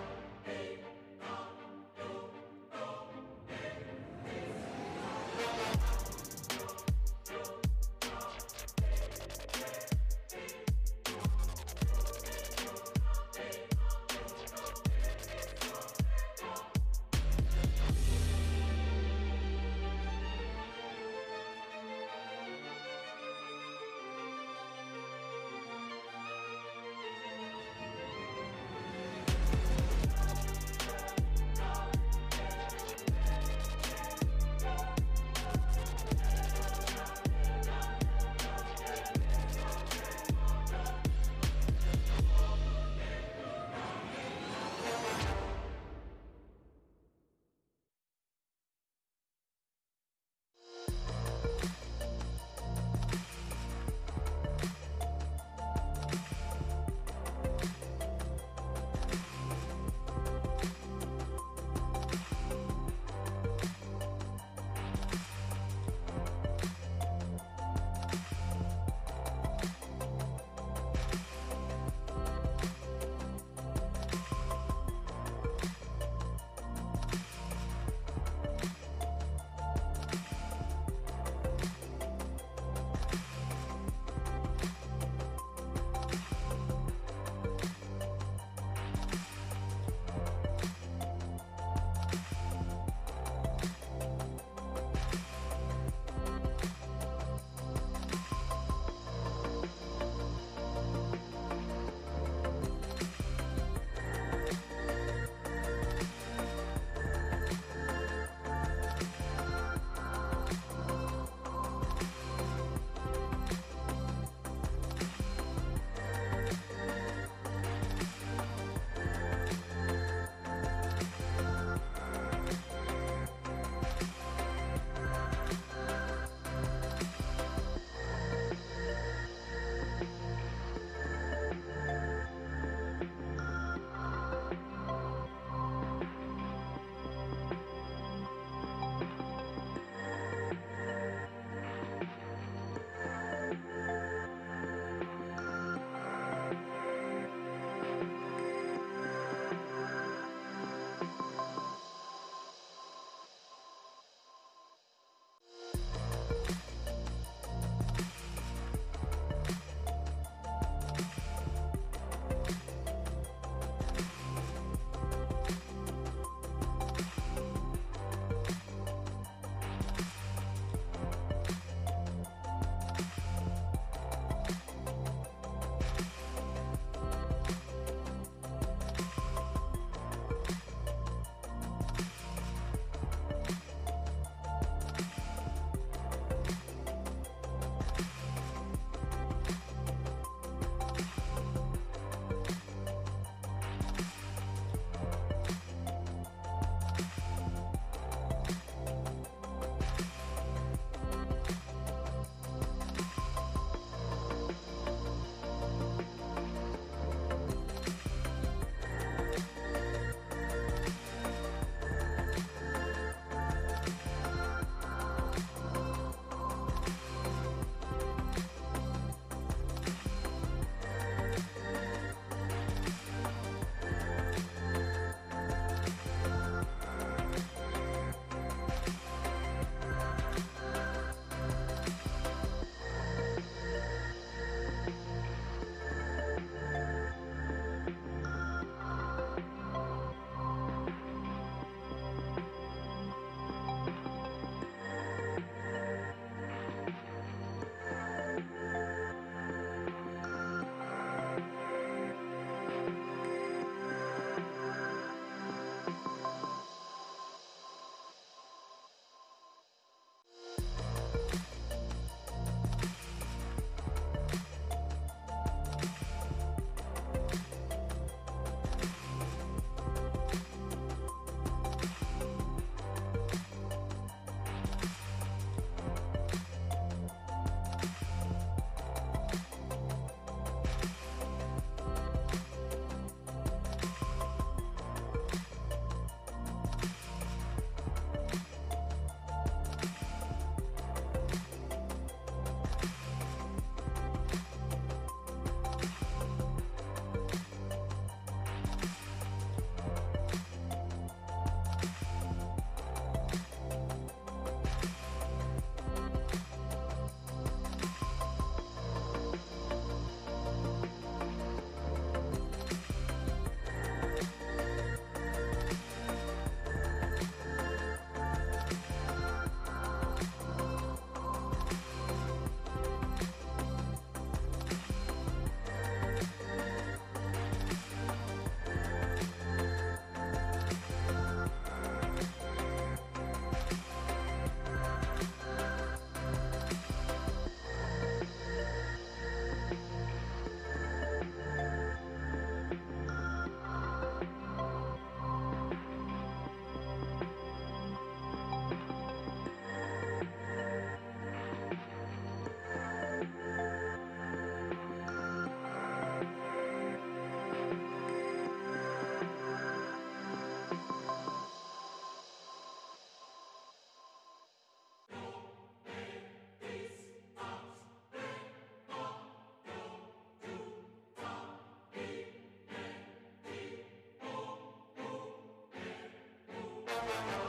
Herren, es ist jetzt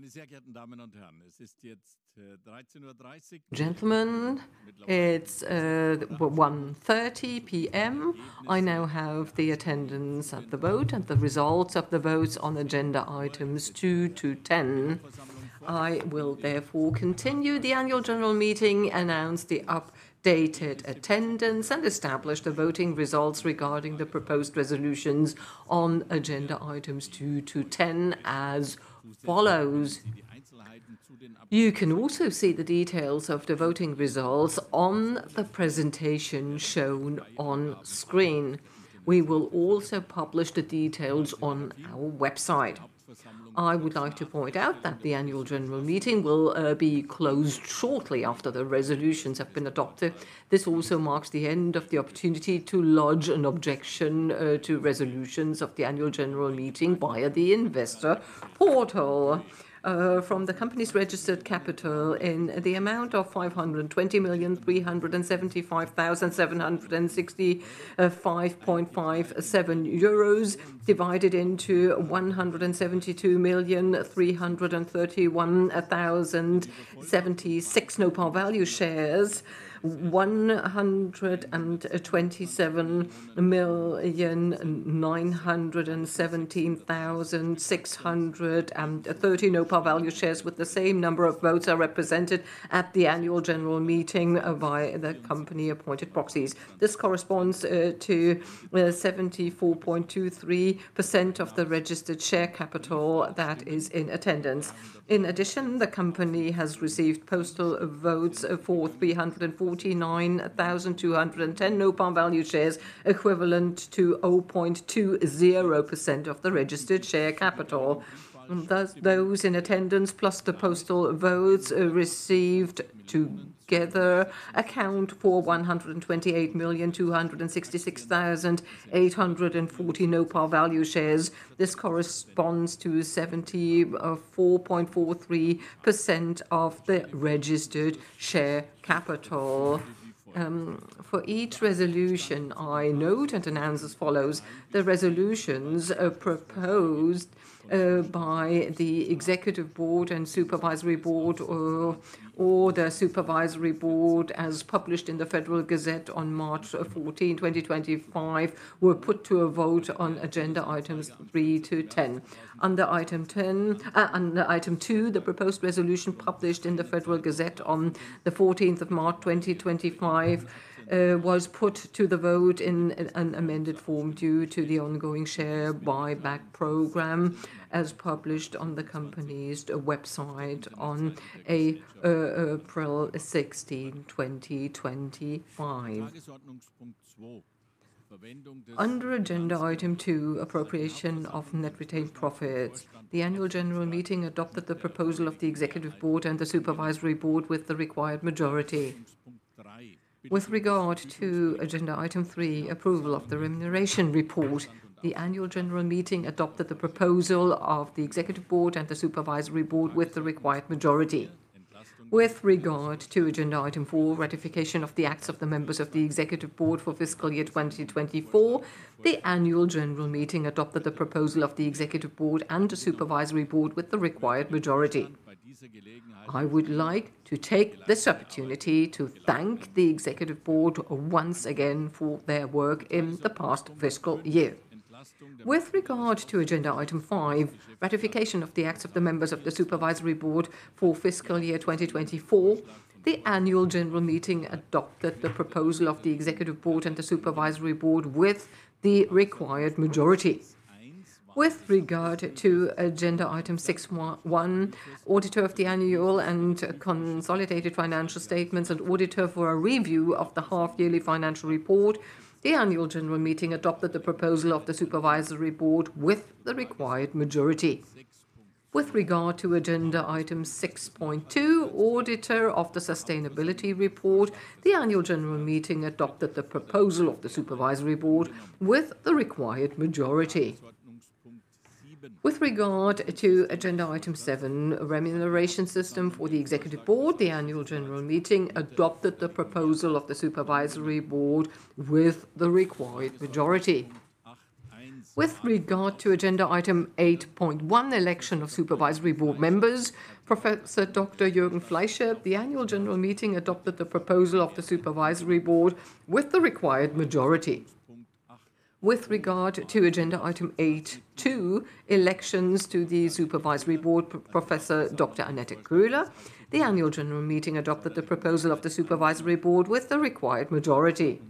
13:30 Uhr. Gentlemen, it's 1:30 P.M. I now have the attendance of the vote and the results of the votes on agenda items 2-10. I will therefore continue the annual general meeting, announce the updated attendance, and establish the voting results regarding the proposed resolutions on agenda items 2-10 as follows. You can also see the details of the voting results on the presentation shown on screen. We will also publish the details on our website. I would like to point out that the annual general meeting will be closed shortly after the resolutions have been adopted. This also marks the end of the opportunity to lodge an objection to resolutions of the annual general meeting via the investor portal. From the company's registered capital in the amount of 520,375,765.57 euros, divided into 172,331,076 no-par value shares, 127,917,630 no-par value shares with the same number of votes are represented at the annual general meeting by the company-appointed proxies. This corresponds to 74.23% of the registered share capital that is in attendance. In addition, the company has received postal votes for 349,210 no-par value shares, equivalent to 0.20% of the registered share capital. Those in attendance, plus the postal votes, received together account for 128,266,840 no-par value shares. This corresponds to 74.43% of the registered share capital. For each resolution, I note and announce as follows: The resolutions proposed by the Executive Board and Supervisory Board, or the Supervisory Board, as published in the Federal Gazette on March 14, 2025, were put to a vote on agenda items 3 10. Under item 10, under item 2, the proposed resolution published in the Federal Gazette on the 14th of March 2025 was put to the vote in an amended form due to the ongoing share buyback program, as published on the company's website on April 16, 2025. Under agenda item 2, appropriation of net retained profits. The annual general meeting adopted the proposal of the Executive Board and the Supervisory Board with the required majority. With regard to agenda item 3, approval of the remuneration report. The annual general meeting adopted the proposal of the Executive Board and the Supervisory Board with the required majority. With regard to agenda item 4, ratification of the acts of the members of the Executive Board for fiscal year 2024, the annual general meeting adopted the proposal of the Executive Board and the Supervisory Board with the required majority. I would like to take this opportunity to thank the Executive Board once again for their work in the past fiscal year. With regard to agenda item 5, ratification of the acts of the members of the Supervisory Board for fiscal year 2024, the annual general meeting adopted the proposal of the Executive Board and the Supervisory Board with the required majority. With regard to agenda item 6.1, auditor of the annual and consolidated financial statements and auditor for a review of the half-yearly financial report, the annual general meeting adopted the proposal of the Supervisory Board with the required majority. With regard to agenda item 6.2, auditor of the sustainability report, the annual general meeting adopted the proposal of the Supervisory Board with the required majority. With regard to agenda item 7, remuneration system for the Executive Board, the annual general meeting adopted the proposal of the Supervisory Board with the required majority. With regard to agenda item 8.1, election of Supervisory Board members, Professor Dr. Jürgen Fleischer, the annual general meeting adopted the proposal of the Supervisory Board with the required majority. With regard to agenda item 8.2, elections to the Supervisory Board, Professor Dr. Annette Köhler, the annual general meeting adopted the proposal of the Supervisory Board with the required majority.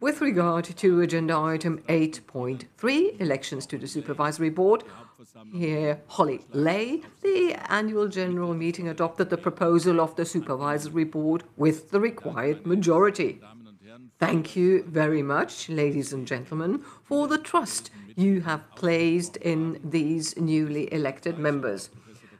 With regard to agenda item 8.3, elections to the Supervisory Board, Herr Holly Ley, the annual general meeting adopted the proposal of the Supervisory Board with the required majority. Thank you very much, ladies and gentlemen, for the trust you have placed in these newly elected members.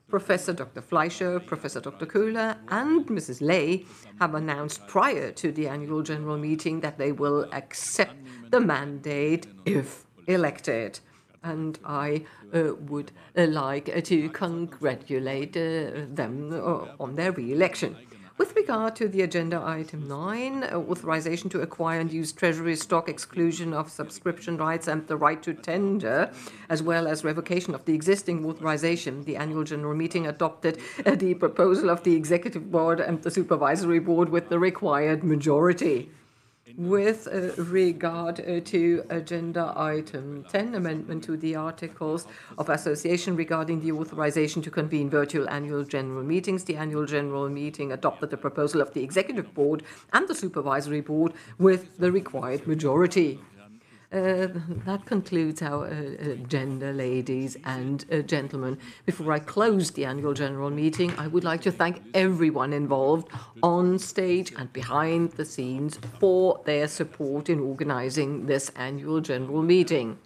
Professor Dr. Fleischer, Professor Dr. Köhler, and Mrs. Ley have announced prior to the annual general meeting that they will accept the mandate if elected, and I would like to congratulate them on their re-election. With regard to the agenda item 9, authorization to acquire and use treasury stock, exclusion of subscription rights, and the right to tender, as well as revocation of the existing authorization, the annual general meeting adopted the proposal of the Executive Board and the Supervisory Board with the required majority. With regard to agenda item 10, amendment to the articles of association regarding the authorization to convene virtual annual general meetings, the annual general meeting adopted the proposal of the Executive Board and the Supervisory Board with the required majority. That concludes our agenda, ladies and gentlemen. Before I close the annual general meeting, I would like to thank everyone involved on stage and behind the scenes for their support in organizing this annual general meeting.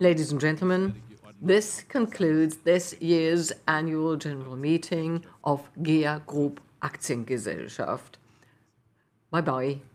Ladies and gentlemen, this concludes this year's annual general meeting of GEA Group Aktiengesellschaft. Bye-bye.